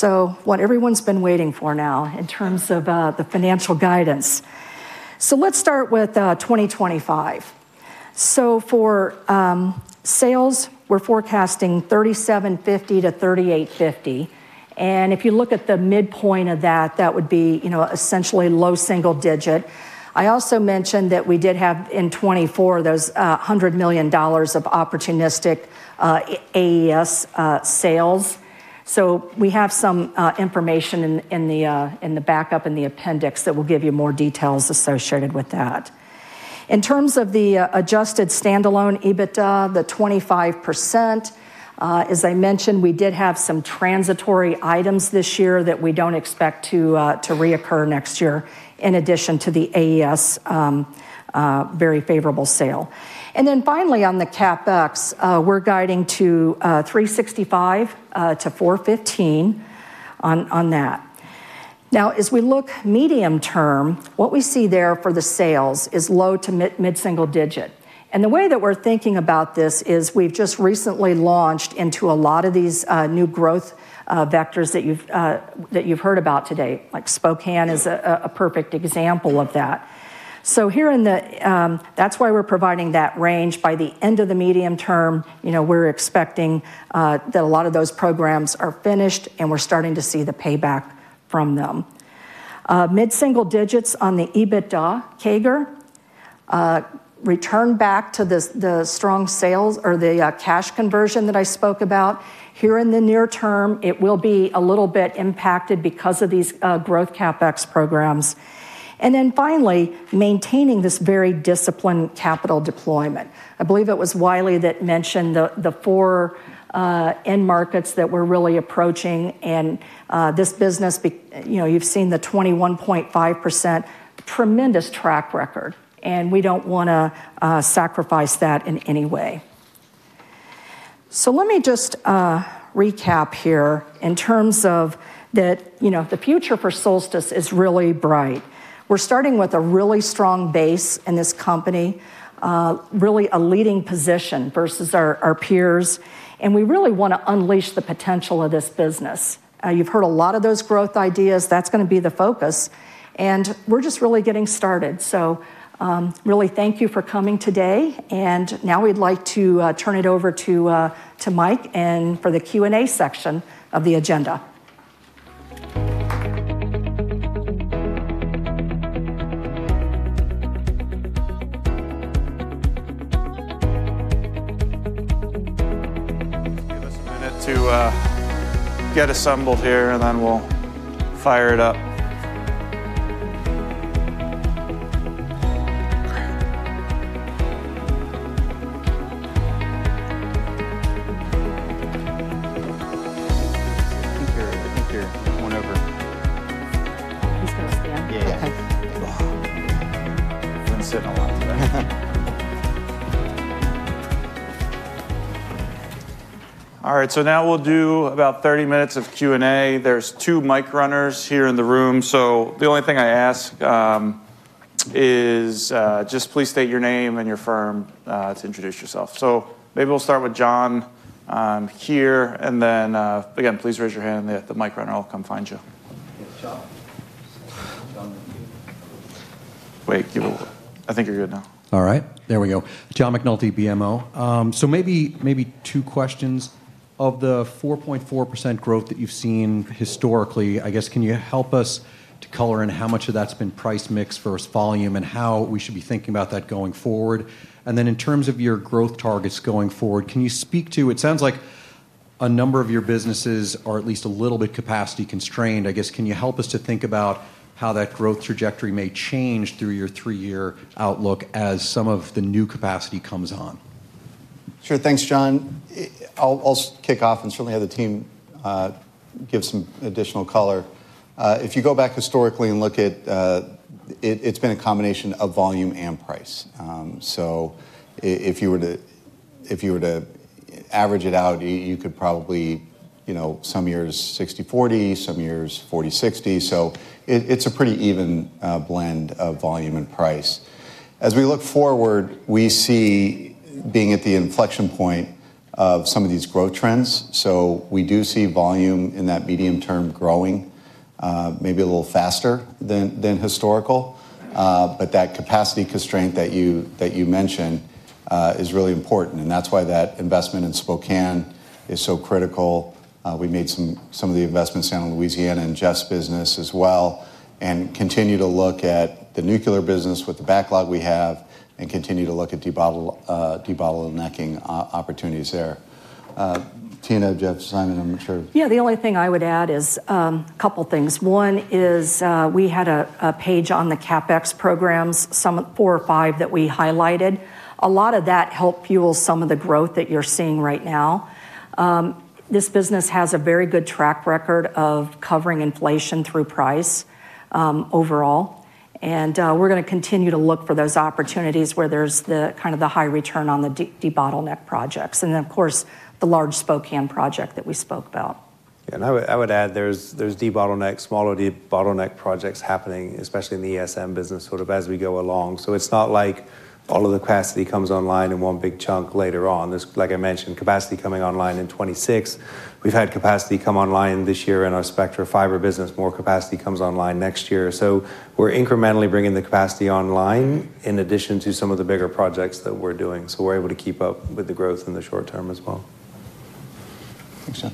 What everyone's been waiting for now in terms of the financial guidance. Let's start with 2025. For sales, we're forecasting $3,750 million-$3,850 million. If you look at the midpoint of that, that would be essentially low single digit. I also mentioned that we did have in 2024 those $100 million of opportunistic AES sales. We have some information in the backup in the appendix that will give you more details associated with that. In terms of the adjusted standalone EBITDA, the 25%, as I mentioned, we did have some transitory items this year that we don't expect to reoccur next year in addition to the AES very favorable sale. Finally, on the CapEx, we're guiding to $365 million-$415 million on that. As we look medium term, what we see there for the sales is low to mid-single digit. The way that we're thinking about this is we've just recently launched into a lot of these new growth vectors that you've heard about today. Spokane is a perfect example of that. That's why we're providing that range. By the end of the medium term, we're expecting that a lot of those programs are finished and we're starting to see the payback from them. Mid-single digits on the EBITDA CAGR, return back to the strong sales or the cash conversion that I spoke about. Here in the near term, it will be a little bit impacted because of these growth CapEx programs. Finally, maintaining this very disciplined capital deployment. I believe it was Wiley that mentioned the four end markets that we're really approaching and this business, you've seen the 21.5% tremendous track record and we don't want to sacrifice that in any way. Let me just recap here in terms of that the future for Honeywell is really bright. We're starting with a really strong base in this company, really a leading position versus our peers, and we really want to unleash the potential of this business. You've heard a lot of those growth ideas. That's going to be the focus. We're just really getting started. Really thank you for coming today. Now we'd like to turn it over to Mike for the Q&A section of the agenda. Give us a minute to get assembled here, and then we'll fire it up. He's going to stand. All right, now we'll do about 30 minutes of Q&A. There are two mic runners here in the room. The only thing I ask is please state your name and your firm to introduce yourself. Maybe we'll start with John here, and then again, please raise your hand and the mic runner will come find you. It's John. John McNulty. Give it a little. I think you're good now. All right, there we go.. Maybe two questions. Of the 4.4% growth that you've seen historically, can you help us to color in how much of that's been price mix versus volume and how we should be thinking about that going forward? In terms of your growth targets going forward, can you speak to, it sounds like a number of your businesses are at least a little bit capacity constrained. Can you help us to think about how that growth trajectory may change through your three-year outlook as some of the new capacity comes on? Sure, thanks John. I'll kick off and certainly have the team give some additional color. If you go back historically and look at it, it's been a combination of volume and price. If you were to average it out, you could probably, you know, some years 60-40, some years 40-60. It's a pretty even blend of volume and price. As we look forward, we see being at the inflection point of some of these growth trends. We do see volume in that medium term growing, maybe a little faster than historical. That capacity constraint that you mentioned is really important. That's why that investment in Spokane is so critical. We made some of the investments in Louisiana and Jeff's business as well and continue to look at the nuclear business with the backlog we have and continue to look at debottlenecking opportunities there. Tina, Jeff, Simon, I'm sure. Yeah, the only thing I would add is a couple of things. One is we had a page on the CapEx programs, some four or five that we highlighted. A lot of that helped fuel some of the growth that you're seeing right now. This business has a very good track record of covering inflation through price overall. We're going to continue to look for those opportunities where there's the kind of the high return on the debottleneck projects. Of course, the large Spokane project that we spoke about. I would add there's small debottleneck projects happening, especially in the ESM business as we go along. It's not like all of the capacity comes online in one big chunk later on. Like I mentioned, capacity coming online in 2026. We've had capacity come online this year in our Spectra Shield fiber business. More capacity comes online next year. We're incrementally bringing the capacity online in addition to some of the bigger projects that we're doing. We're able to keep up with the growth in the short term as well. Thanks Jeff.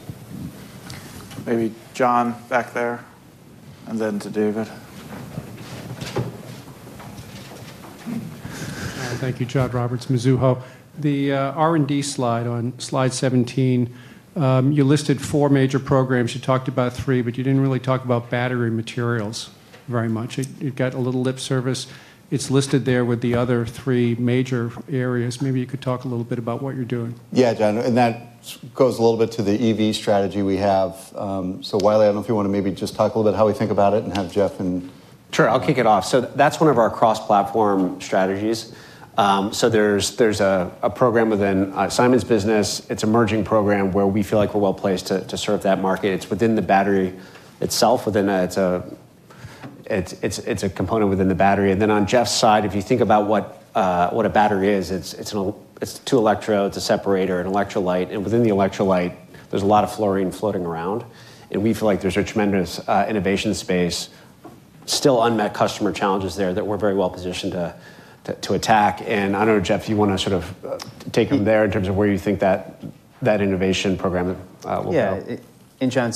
Maybe John back there, and then to David. Thank you, John Roberts, Mizuho. The R&D slide on slide 17, you listed four major programs. You talked about three, but you didn't really talk about battery materials very much. It got a little lip service. It's listed there with the other three major areas. Maybe you could talk a little bit about what you're doing. Yeah, John. That goes a little bit to the EV strategy we have. Wiley, I don't know if you want to maybe just talk a little bit about how we think about it and have Jeff. I'll kick it off. That's one of our cross-platform strategies. There's a program within Simon's business. It's a merging program where we feel like we're well placed to serve that market. It's within the battery itself. It's a component within the battery. On Jeff's side, if you think about what a battery is, it's two electrodes, a separator, an electrolyte. Within the electrolyte, there's a lot of fluorine floating around. We feel like there's a tremendous innovation space, still unmet customer challenges there that we're very well positioned to attack. I don't know, Jeff, if you want to sort of take it from there in terms of where you think that innovation program will go. Yeah, and John,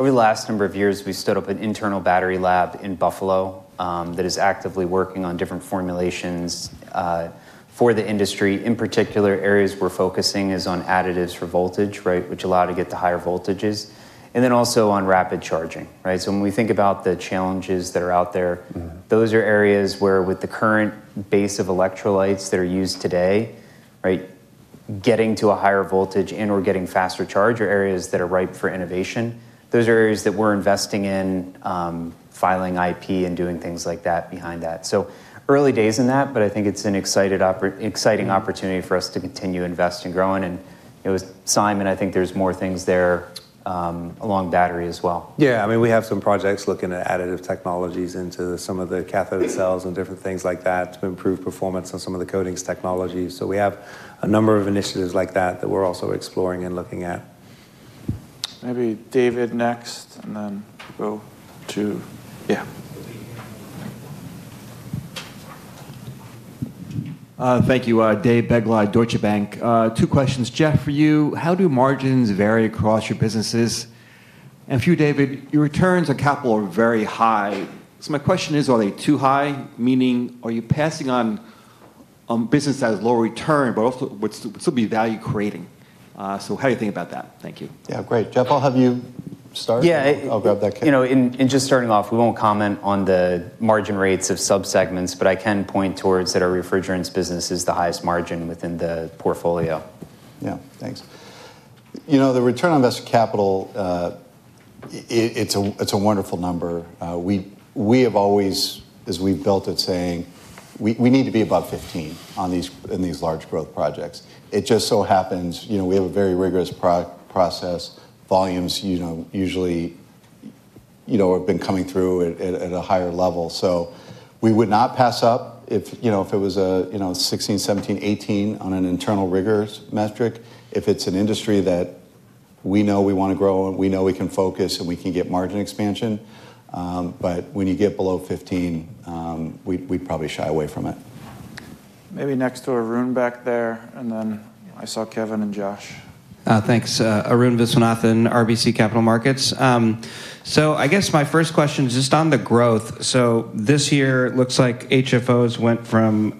over the last number of years, we stood up an internal battery lab in Buffalo that is actively working on different formulations for the industry. In particular, areas we're focusing on are additives for voltage, which allow to get to higher voltages, and also on rapid charging. When we think about the challenges that are out there, those are areas where with the current base of electrolytes that are used today, getting to a higher voltage and/or getting faster charge are areas that are ripe for innovation. Those are areas that we're investing in, filing IP, and doing things like that behind that. Early days in that, but I think it's an exciting opportunity for us to continue to invest and grow in. With Simon, I think there's more things there along battery as well. Yeah, I mean, we have some projects looking at additive technologies into some of the cathode cells and different things like that to improve performance on some of the coatings technologies. We have a number of initiatives like that that we're also exploring and looking at. Maybe David next, and then we'll go to, yeah. Thank you, Dave Begleiter, Deutsche Bank. Two questions, Jeff, for you. How do margins vary across your businesses? For you, David, your returns on capital are very high. My question is, are they too high? Meaning, are you passing on business that has low return, but also would still be value creating? How do you think about that? Thank you. Yeah, great. Jeff, I'll have you start. Yeah. I'll grab that kick. In just starting off, we won't comment on the margin rates of subsegments, but I can point towards that our refrigerants business is the highest margin within the portfolio. Thanks. You know, the return on invested capital, it's a wonderful number. We have always, as we've built it, said we need to be above 15% in these large growth projects. It just so happens we have a very rigorous product process. Volumes usually have been coming through at a higher level. We would not pass up if it was a 16%, 17%, 18% on an internal rigor metric if it's an industry that we know we want to grow and we know we can focus and we can get margin expansion. When you get below 15%, we'd probably shy away from it. Maybe next to Arun back there. I saw Kevin and Josh. Thanks, Arun Viswanathan, RBC Capital Markets. My first question is just on the growth. This year it looks like HFOs went from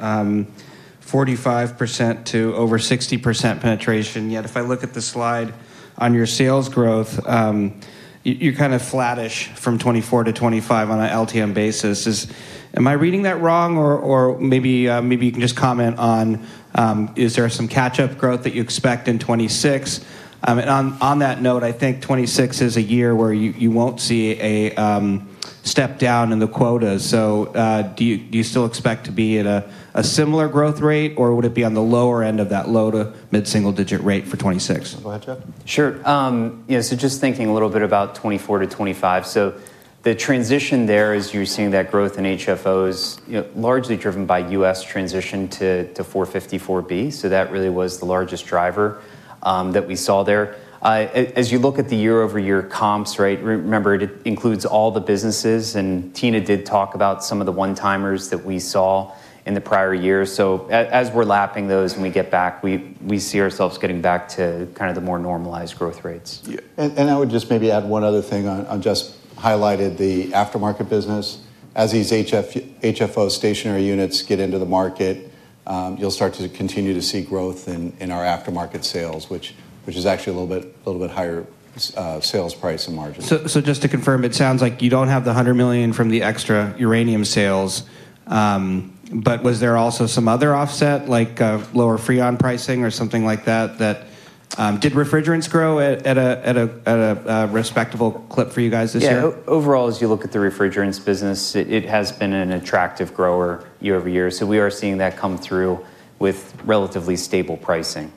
45% to over 60% penetration. Yet if I look at the slide on your sales growth, you are kind of flattish from 2024-2025 on an LTM basis. Am I reading that wrong or maybe you can just comment on, is there some catch-up growth that you expect in 2026? On that note, I think 2026 is a year where you won't see a step down in the quotas. Do you still expect to be at a similar growth rate or would it be on the lower end of that low to mid-single digit rate for 2026? Go ahead, Jeff. Sure. Yeah, just thinking a little bit about 2024-2025. The transition there, as you're seeing that growth in HFOs, is largely driven by U.S. transition to R-454B. That really was the largest driver that we saw there. As you look at the year-over-year comps, right, remember it includes all the businesses, and Tina did talk about some of the one-timers that we saw in the prior year. As we're lapping those and we get back, we see ourselves getting back to kind of the more normalized growth rates. I would just maybe add one other thing on just highlighted the aftermarket business. As these HFO stationary units get into the market, you'll start to continue to see growth in our aftermarket sales, which is actually a little bit higher sales price and margin. Just to confirm, it sounds like you don't have the $100 million from the extra uranium sales, but was there also some other offset like lower freon pricing or something like that? Did refrigerants grow at a respectable clip for you guys this year? Yeah, overall, as you look at the refrigerants business, it has been an attractive grower year-over-year. We are seeing that come through with relatively stable pricing.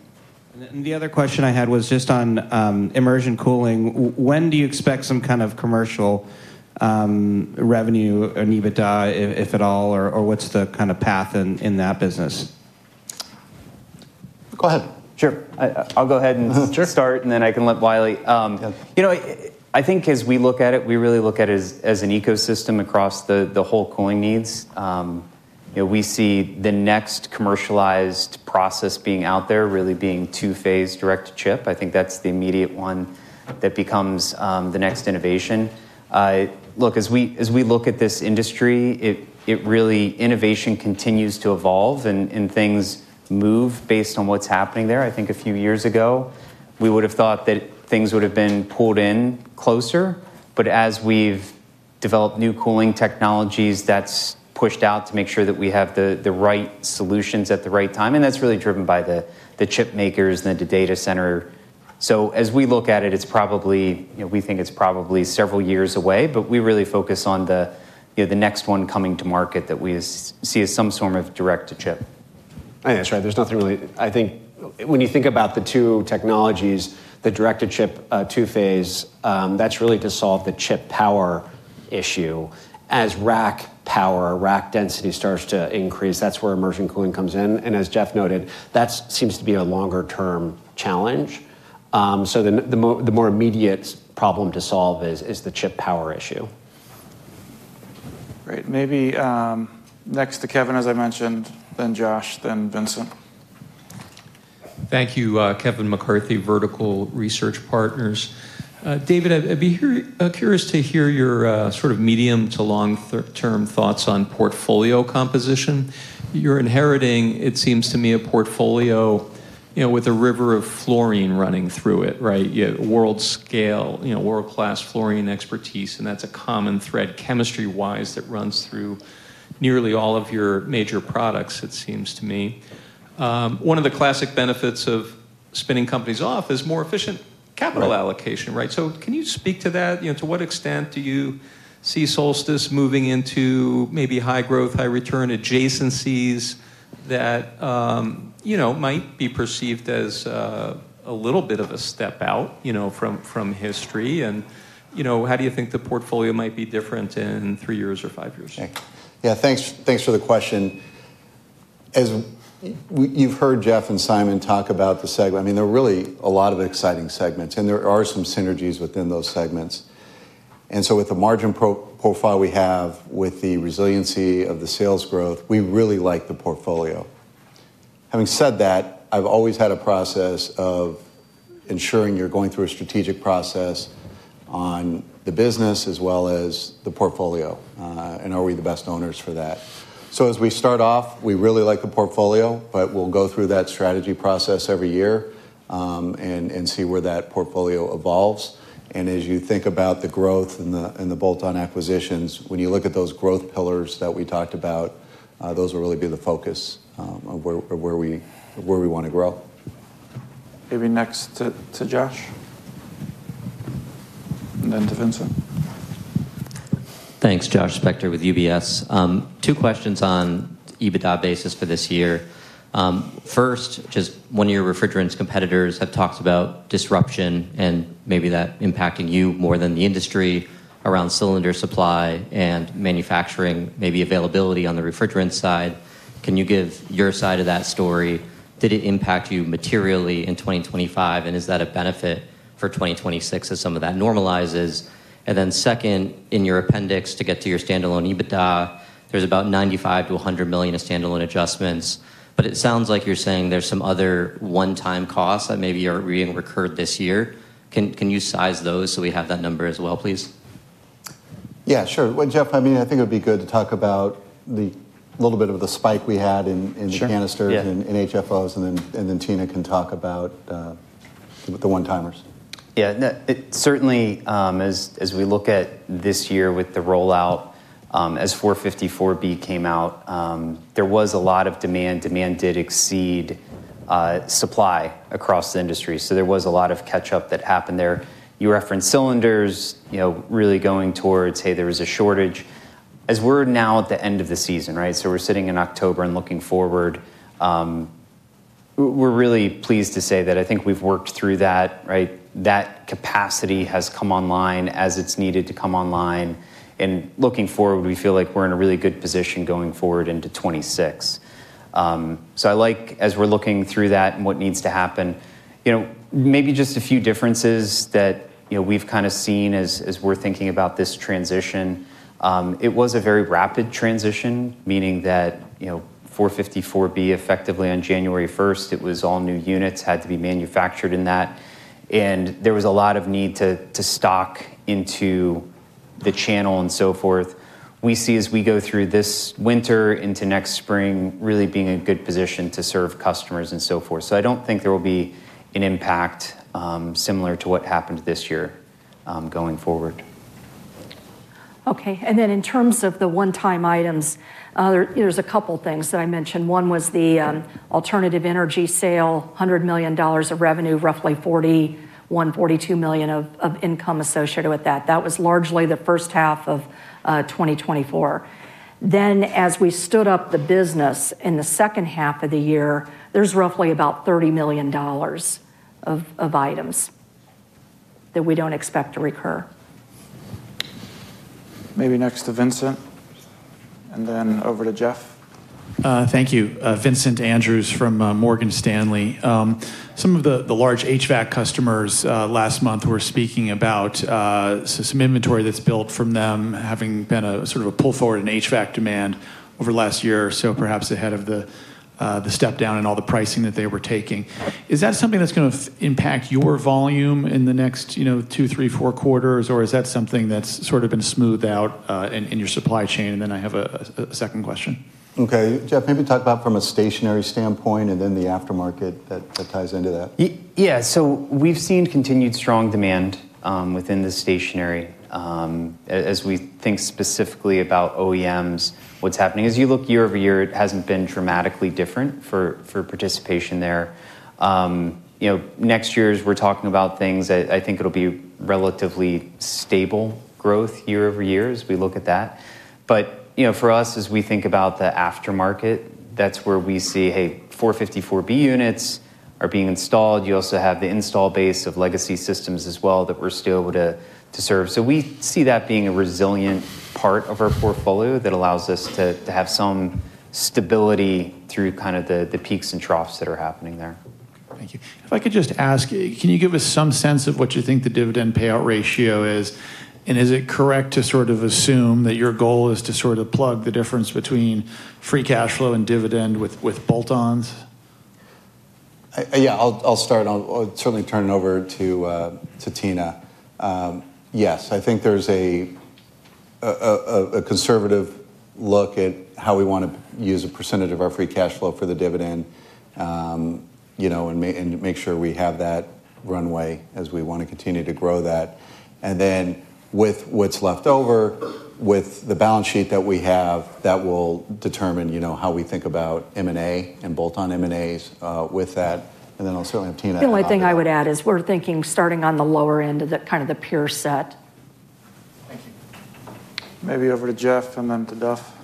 The other question I had was just on immersion cooling. When do you expect some kind of commercial revenue or NEBA, if at all, or what's the kind of path in that business? Go ahead. Sure. I'll go ahead and start and then I can let Wiley. I think as we look at it, we really look at it as an ecosystem across the whole cooling needs. We see the next commercialized process being out there really being two-phase direct chip. I think that's the immediate one that becomes the next innovation. As we look at this industry, innovation continues to evolve and things move based on what's happening there. I think a few years ago, we would have thought that things would have been pulled in closer. As we've developed new cooling technologies, that's pushed out to make sure that we have the right solutions at the right time. That's really driven by the chip makers and the data center. As we look at it, it's probably, we think it's probably several years away, but we really focus on the next one coming to market that we see as some form of direct to chip. I think that's right. There's nothing really, I think when you think about the two technologies, the direct to chip two-phase, that's really to solve the chip power issue. As rack power, rack density starts to increase, that's where immersion cooling comes in. As Jeff noted, that seems to be a longer-term challenge. The more immediate problem to solve is the chip power issue. Right. Maybe next to Ken, as I mentioned, then Josh, then Vincent. Thank you, Kevin McCarthy, Vertical Research Partners. David, I'd be curious to hear your sort of medium to long-term thoughts on portfolio composition. You're inheriting, it seems to me, a portfolio with a river of fluorine running through it, right? World scale, world-class fluorine expertise, and that's a common thread chemistry-wise that runs through nearly all of your major products, it seems to me. One of the classic benefits of spinning companies off is more efficient capital allocation, right? Can you speak to that? To what extent do you see Solstice moving into maybe high growth, high return adjacencies that might be perceived as a little bit of a step out from history? How do you think the portfolio might be different in three years or five years? Yeah, thanks for the question. As you've heard Jeff and Simon talk about the segment, there are really a lot of exciting segments, and there are some synergies within those segments. With the margin profile we have, with the resiliency of the sales growth, we really like the portfolio. Having said that, I've always had a process of ensuring you're going through a strategic process on the business as well as the portfolio. Are we the best owners for that? As we start off, we really like the portfolio, but we'll go through that strategy process every year and see where that portfolio evolves. As you think about the growth and the bolt-on acquisitions, when you look at those growth pillars that we talked about, those will really be the focus of where we want to grow. Maybe next to Josh, and then to Vincent. Thanks, Josh Spector with UBS. Two questions on EBITDA basis for this year. First, just one of your refrigerants competitors have talked about disruption and maybe that impacting you more than the industry around cylinder supply and manufacturing, maybe availability on the refrigerant side. Can you give your side of that story? Did it impact you materially in 2025? Is that a benefit for 2026 as some of that normalizes? In your appendix to get to your standalone EBITDA, there'sbout $95 million-$100 million of standalone adjustments. It sounds like you're saying there's some other one-time costs that maybe are reoccurring this year. Can you size those so we have that number as well, please? Yeah, sure. Jeff, I think it would be good to talk about a little bit of the spike we had in canisters and HFOs, and then Tina can talk about the one-timers. Yeah, it certainly, as we look at this year with the rollout, as R-454B came out, there was a lot of demand. Demand did exceed supply across the industry. There was a lot of catch-up that happened there. You referenced cylinders, you know, really going towards, hey, there was a shortage. As we're now at the end of the season, right? We're sitting in October and looking forward. We're really pleased to say that I think we've worked through that, right? That capacity has come online as it's needed to come online. Looking forward, we feel like we're in a really good position going forward into 2026. I like, as we're looking through that and what needs to happen, maybe just a few differences that we've kind of seen as we're thinking about this transition. It was a very rapid transition, meaning that R-454B effectively on January 1st, it was all new units had to be manufactured in that. There was a lot of need to stock into the channel and so forth. We see as we go through this winter into next spring, really being in a good position to serve customers and so forth. I don't think there will be an impact similar to what happened this year going forward. Okay. In terms of the one-time items, there's a couple of things that I mentioned. One was the alternative energy sale, $100 million of revenue, roughly $41 million, $42 million of income associated with that. That was largely the first half of 2024. As we stood up the business in the second half of the year, there's roughly about $30 million of items that we don't expect to recur. Maybe next to Vincent, and then over to Jeff. Thank you. Vincent Andrews from Morgan Stanley. Some of the large HVAC customers last month were speaking about some inventory that's built from them, having been a sort of a pull forward in HVAC demand over the last year, perhaps ahead of the step down in all the pricing that they were taking. Is that something that's going to impact your volume in the next two, three, four quarters? Is that something that's sort of been smoothed out in your supply chain? I have a second question. Okay. Jeff, maybe talk about from a stationary standpoint, and then the aftermarket that ties into that. Yeah. We've seen continued strong demand within the stationary. As we think specifically about OEMs, what's happening is you look year-over-year, it hasn't been dramatically different for participation there. Next year as we're talking about things, I think it'll be relatively stable growth year-over-year as we look at that. For us, as we think about the aftermarket, that's where we see, hey, R-454B units are being installed. You also have the install base of legacy systems as well that we're still able to serve. We see that being a resilient part of our portfolio that allows us to have some stability through the peaks and troughs that are happening there. Thank you. If I could just ask, can you give us some sense of what you think the dividend payout ratio is? Is it correct to sort of assume that your goal is to sort of plug the difference between free cash flow and dividend with bolt-ons? Yeah, I'll start. I'll certainly turn it over to Tina. Yes, I think there's a conservative look at how we want to use a percentage of our free cash flow for the dividend, you know, and make sure we have that runway as we want to continue to grow that. With what's left over, with the balance sheet that we have, that will determine, you know, how we think about M&A and bolt-on M&As with that. I'll certainly have Tina. The only thing I would add is we're thinking starting on the lower end of the kind of the peer set. Maybe over to Jeff, and then to Jeff.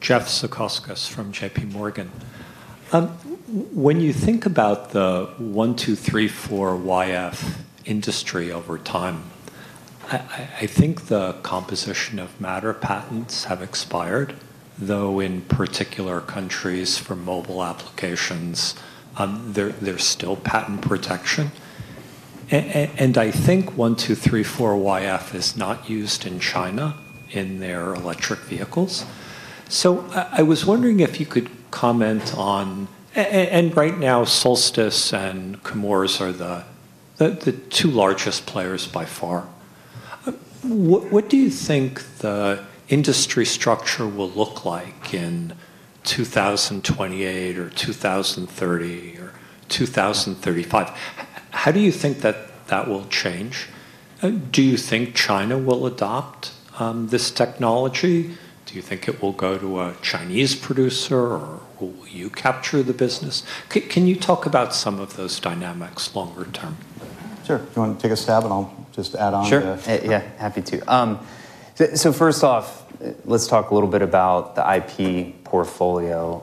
Jeff Zekauskas from JPMorgan. When you think about the R-1234yf industry over time, I think the composition of matter patents have expired, though in particular countries for mobile applications, there's still patent protection. I think R-1234yf is not used in China in their electric vehicles. I was wondering if you could comment on, right now Solstice and Chemours are the two largest players by far. What do you think the industry structure will look like in 2028 or 2030 or 2035? How do you think that will change? Do you think China will adopt this technology? Do you think it will go to a Chinese producer or will you capture the business? Can you talk about some of those dynamics longer term? Sure. Do you want to take a stab and I'll just add on? Sure. Yeah, happy to. First off, let's talk a little bit about the IP portfolio.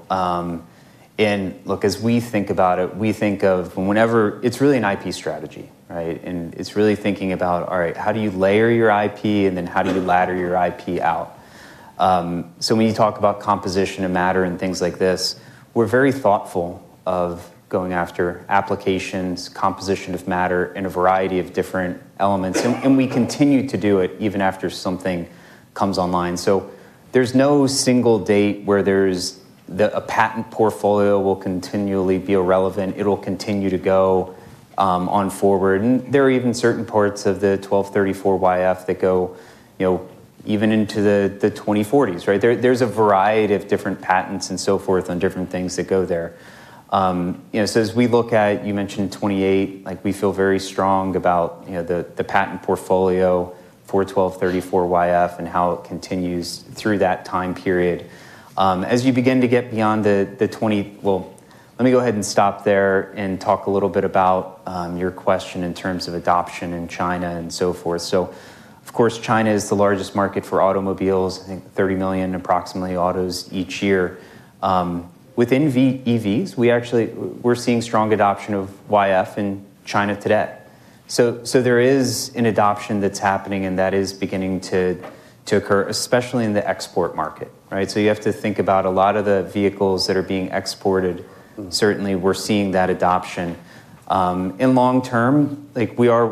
As we think about it, we think of it as really an IP strategy, right? It's really thinking about, all right, how do you layer your IP and then how do you ladder your IP out? When you talk about composition of matter and things like this, we're very thoughtful of going after applications, composition of matter in a variety of different elements. We continue to do it even after something comes online. There is no single date where a patent portfolio will continually be irrelevant. It'll continue to go on forward. There are even certain parts of the R-1234yf that go even into the 2040s, right? There's a variety of different patents and so forth on different things that go there. As we look at, you mentioned 2028, we feel very strong about the patent portfolio for R-1234yf and how it continues through that time period. As you begin to get beyond the 2020s, let me go ahead and stop there and talk a little bit about your question in terms of adoption in China and so forth. Of course, China is the largest market for automobiles, I think approximately 30 million autos each year. Within EVs, we're seeing strong adoption of YF in China today. There is an adoption that's happening and that is beginning to occur, especially in the export market, right? You have to think about a lot of the vehicles that are being exported. Certainly, we're seeing that adoption. In the long term, we are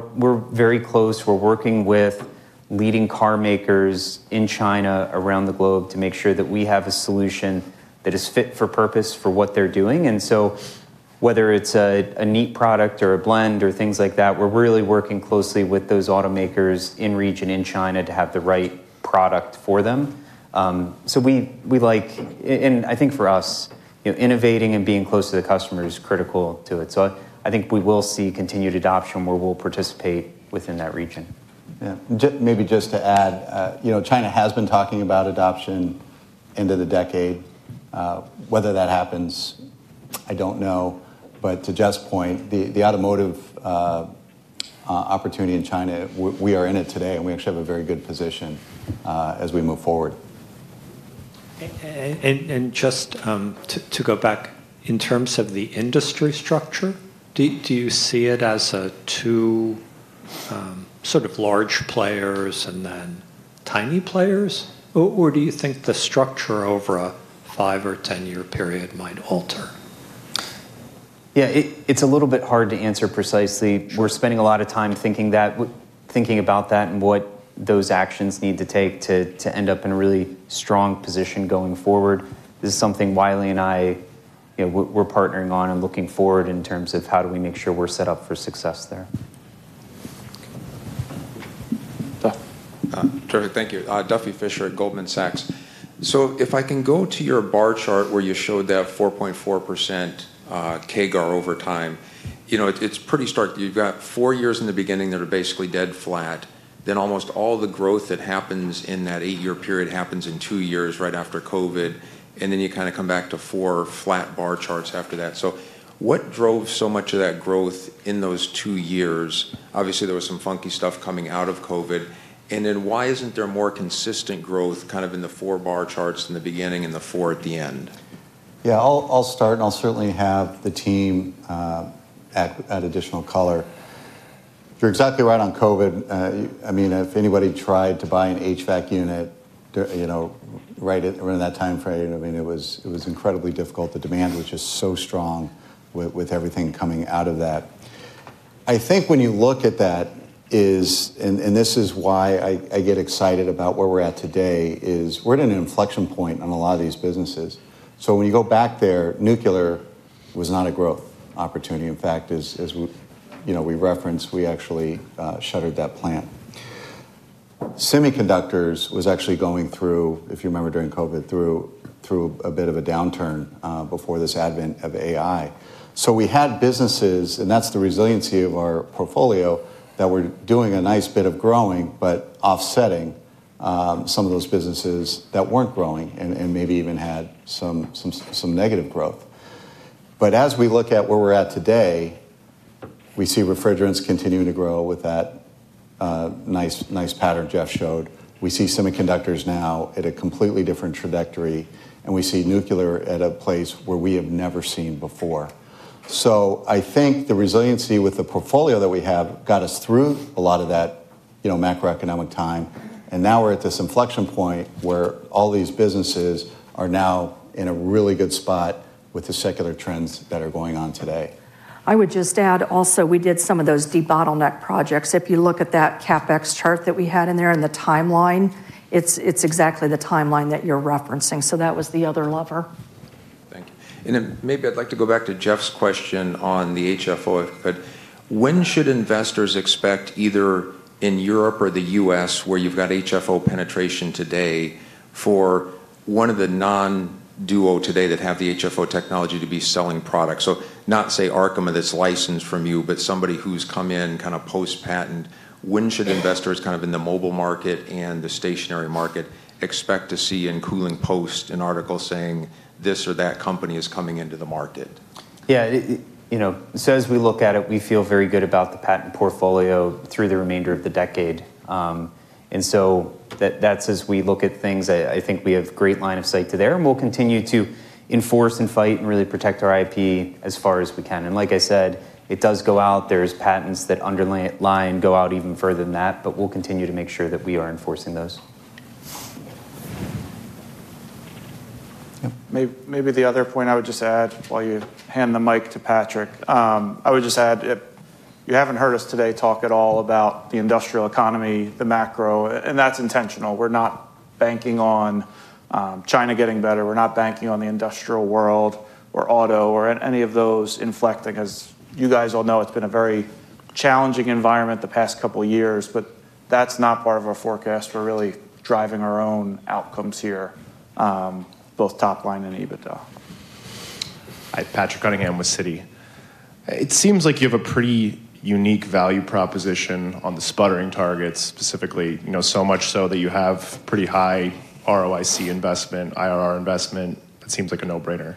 very close. We're working with leading car makers in China and around the globe to make sure that we have a solution that is fit for purpose for what they're doing. Whether it's a neat product or a blend or things like that, we're really working closely with those automakers in region in China to have the right product for them. For us, innovating and being close to the customer is critical to it. I think we will see continued adoption where we'll participate within that region. Yeah, maybe just to add, you know, China has been talking about adoption into the decade. Whether that happens, I don't know. To Jeff's point, the automotive opportunity in China, we are in it today and we actually have a very good position as we move forward. Just to go back, in terms of the industry structure, do you see it as two sort of large players and then tiny players? Do you think the structure over a five or ten-year period might alter? Yeah, it's a little bit hard to answer precisely. We're spending a lot of time thinking about that and what those actions need to take to end up in a really strong position going forward. This is something Wiley and I are partnering on and looking forward in terms of how do we make sure we're set up for success there. Terrific, thank you. Duffy Fischer at Goldman Sachs. If I can go to your bar chart where you showed that 4.4% CAGR over time, it's pretty stark. You've got four years in the beginning that are basically dead flat. Then almost all the growth that happens in that eight-year period happens in two years right after COVID. You kind of come back to four flat bar charts after that. What drove so much of that growth in those two years? Obviously, there was some funky stuff coming out of COVID. Why isn't there more consistent growth in the four bar charts in the beginning and the four at the end? I'll start and I'll certainly have the team add additional color. You're exactly right on COVID. If anybody tried to buy an HVAC unit right around that timeframe, it was incredibly difficult. The demand was just so strong with everything coming out of that. I think when you look at that, and this is why I get excited about where we're at today, we're at an inflection point on a lot of these businesses. When you go back there, nuclear was not a growth opportunity. In fact, as you know, we referenced, we actually shuttered that plant. Semiconductors was actually going through, if you remember during COVID, a bit of a downturn before this advent of AI. We had businesses, and that's the resiliency of our portfolio, that were doing a nice bit of growing, but offsetting some of those businesses that weren't growing and maybe even had some negative growth. As we look at where we're at today, we see refrigerants continuing to grow with that nice pattern Jeff showed. We see semiconductors now at a completely different trajectory, and we see nuclear at a place where we have never seen before. I think the resiliency with the portfolio that we have got us through a lot of that macroeconomic time. Now we're at this inflection point where all these businesses are now in a really good spot with the secular trends that are going on today. I would just add also, we did some of those debottleneck projects. If you look at that CapEx chart that we had in there and the timeline, it's exactly the timeline that you're referencing. That was the other lever. Thank you. Maybe I'd like to go back to Jeff's question on the HFO. When should investors expect, either in Europe or the U.S., where you've got HFO penetration today, for one of the non-duo today that have the HFO technology to be selling products? Not say Arkham that's licensed from you, but somebody who's come in kind of post-patent. When should investors, in the mobile market and the stationary market, expect to see in Cooling Post an article saying this or that company is coming into the market? Yeah, as we look at it, we feel very good about the patent portfolio through the remainder of the decade. As we look at things, I think we have a great line of sight to there. We'll continue to enforce and fight and really protect our IP as far as we can. Like I said, it does go out. There are patents that underlie and go out even further than that, but we'll continue to make sure that we are enforcing those. Maybe the other point I would just add while you hand the mic to Patrick, I would just add if you haven't heard us today talk at all about the industrial economy, the macro, and that's intentional. We're not banking on China getting better. We're not banking on the industrial world or auto or any of those inflecting. As you guys all know, it's been a very challenging environment the past couple of years, but that's not part of our forecast for really driving our own outcomes here, both top line and EBITDA. I'm Patrick Cunningham with Citi. It seems like you have a pretty unique value proposition on the sputtering targets, specifically, you know, so much so that you have pretty high ROIC investment, IRR investment. It seems like a no-brainer.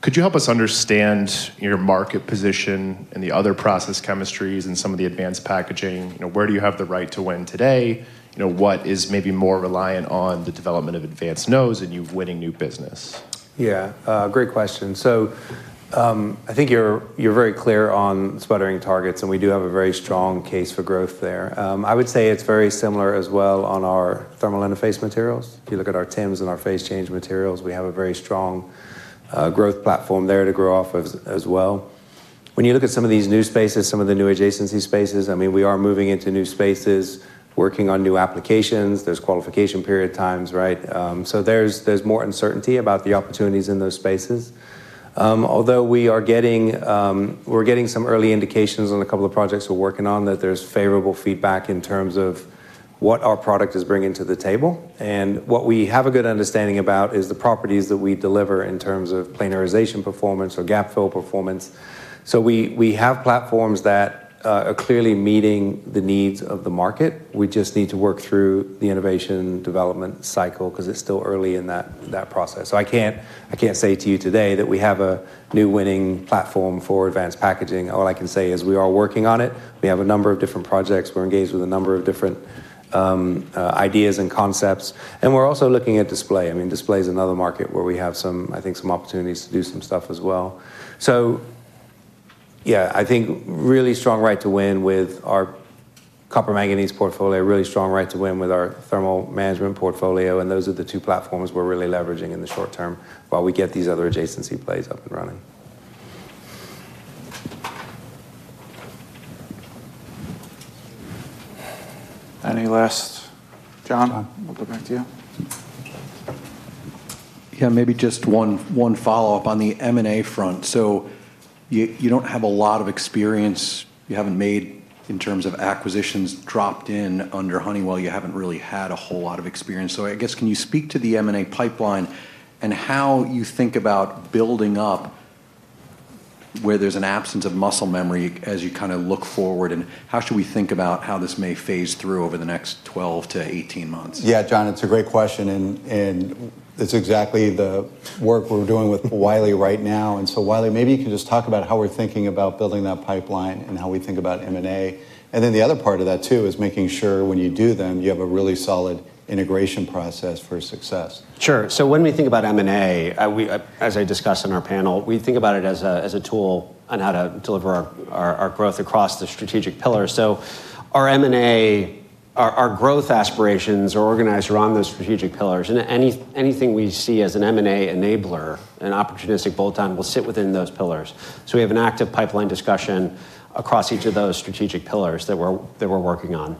Could you help us understand your market position in the other process chemistries and some of the advanced packaging? You know, where do you have the right to win today? You know, what is maybe more reliant on the development of advanced nodes and you winning new business? Yeah, great question. I think you're very clear on sputtering targets, and we do have a very strong case for growth there. I would say it's very similar as well on our thermal interface materials. If you look at our TIMs and our phase change materials, we have a very strong growth platform there to grow off of as well. When you look at some of these new spaces, some of the new adjacency spaces, we are moving into new spaces, working on new applications. There are qualification periodx, right? There's more uncertainty about the opportunities in those spaces. Although we are getting some early indications on a couple of projects we're working on that there's favorable feedback in terms of what our product is bringing to the table. What we have a good understanding about is the properties that we deliver in terms of planarization performance or gap-fill performance. We have platforms that are clearly meeting the needs of the market. We just need to work through the innovation development cycle because it's still early in that process. I can't say to you today that we have a new winning platform for advanced packaging. All I can say is we are working on it. We have a number of different projects. We're engaged with a number of different ideas and concepts. We're also looking at display. Display is another market where we have some, I think, some opportunities to do some stuff as well. I think really strong right to win with our copper manganese portfolio, really strong right to win with our thermal management portfolio. Those are the two platforms we're really leveraging in the short term while we get these other adjacency plays up and running. Any last, John? We'll go back to you. Maybe just one follow-up on the M&A front. You don't have a lot of experience. You haven't made, in terms of acquisitions, dropped in under Honeywell. You haven't really had a whole lot of experience. I guess can you speak to the M&A pipeline and how you think about building up where there's an absence of muscle memory as you kind of look forward? How should we think about how this may phase through over the next 12 months-18 months? Yeah, John, it's a great question. It's exactly the work we're doing with Wiley right now. Wiley, maybe you can just talk about how we're thinking about building that pipeline and how we think about M&A. The other part of that too is making sure when you do them, you have a really solid integration process for success. Sure. When we think about M&A, as I discussed in our panel, we think about it as a tool on how to deliver our growth across the strategic pillars. Our M&A, our growth aspirations are organized around those strategic pillars. Anything we see as an M&A enabler, an opportunistic bolt-on, will sit within those pillars. We have an active pipeline discussion across each of those strategic pillars that we're working on.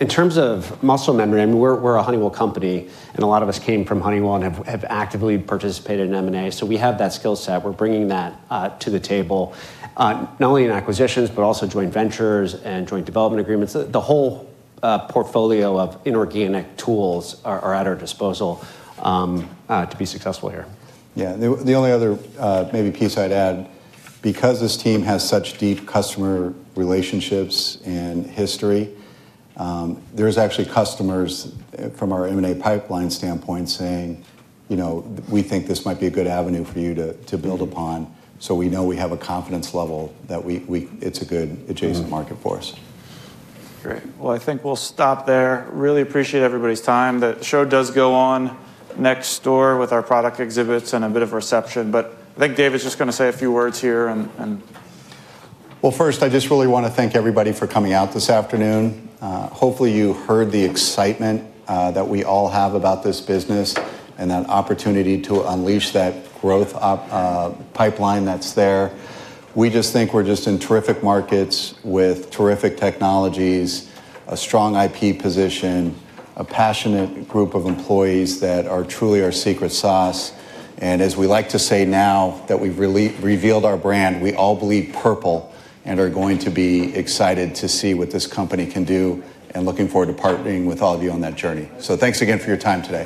In terms of muscle memory, we're a Honeywell company and a lot of us came from Honeywell and have actively participated in M&A. We have that skill set. We're bringing that to the table, not only in acquisitions, but also joint ventures and joint development agreements. The whole portfolio of inorganic tools are at our disposal to be successful here. The only other maybe piece I'd add, because this team has such deep customer relationships and history, there's actually customers from our M&A pipeline standpoint saying, you know, we think this might be a good avenue for you to build upon. We know we have a confidence level that it's a good adjacent market for us. Great. I think we'll stop there. Really appreciate everybody's time. The show does go on next door with our product exhibits and a bit of reception. I think Dave is just going to say a few words here. I just really want to thank everybody for coming out this afternoon. Hopefully, you heard the excitement that we all have about this business and that opportunity to unleash that growth pipeline that's there. We just think we're in terrific markets with terrific technologies, a strong IP position, a passionate group of employees that are truly our secret sauce. As we like to say now that we've revealed our brand, we all bleed purple and are going to be excited to see what this company can do and looking forward to partnering with all of you on that journey. Thanks again for your time today.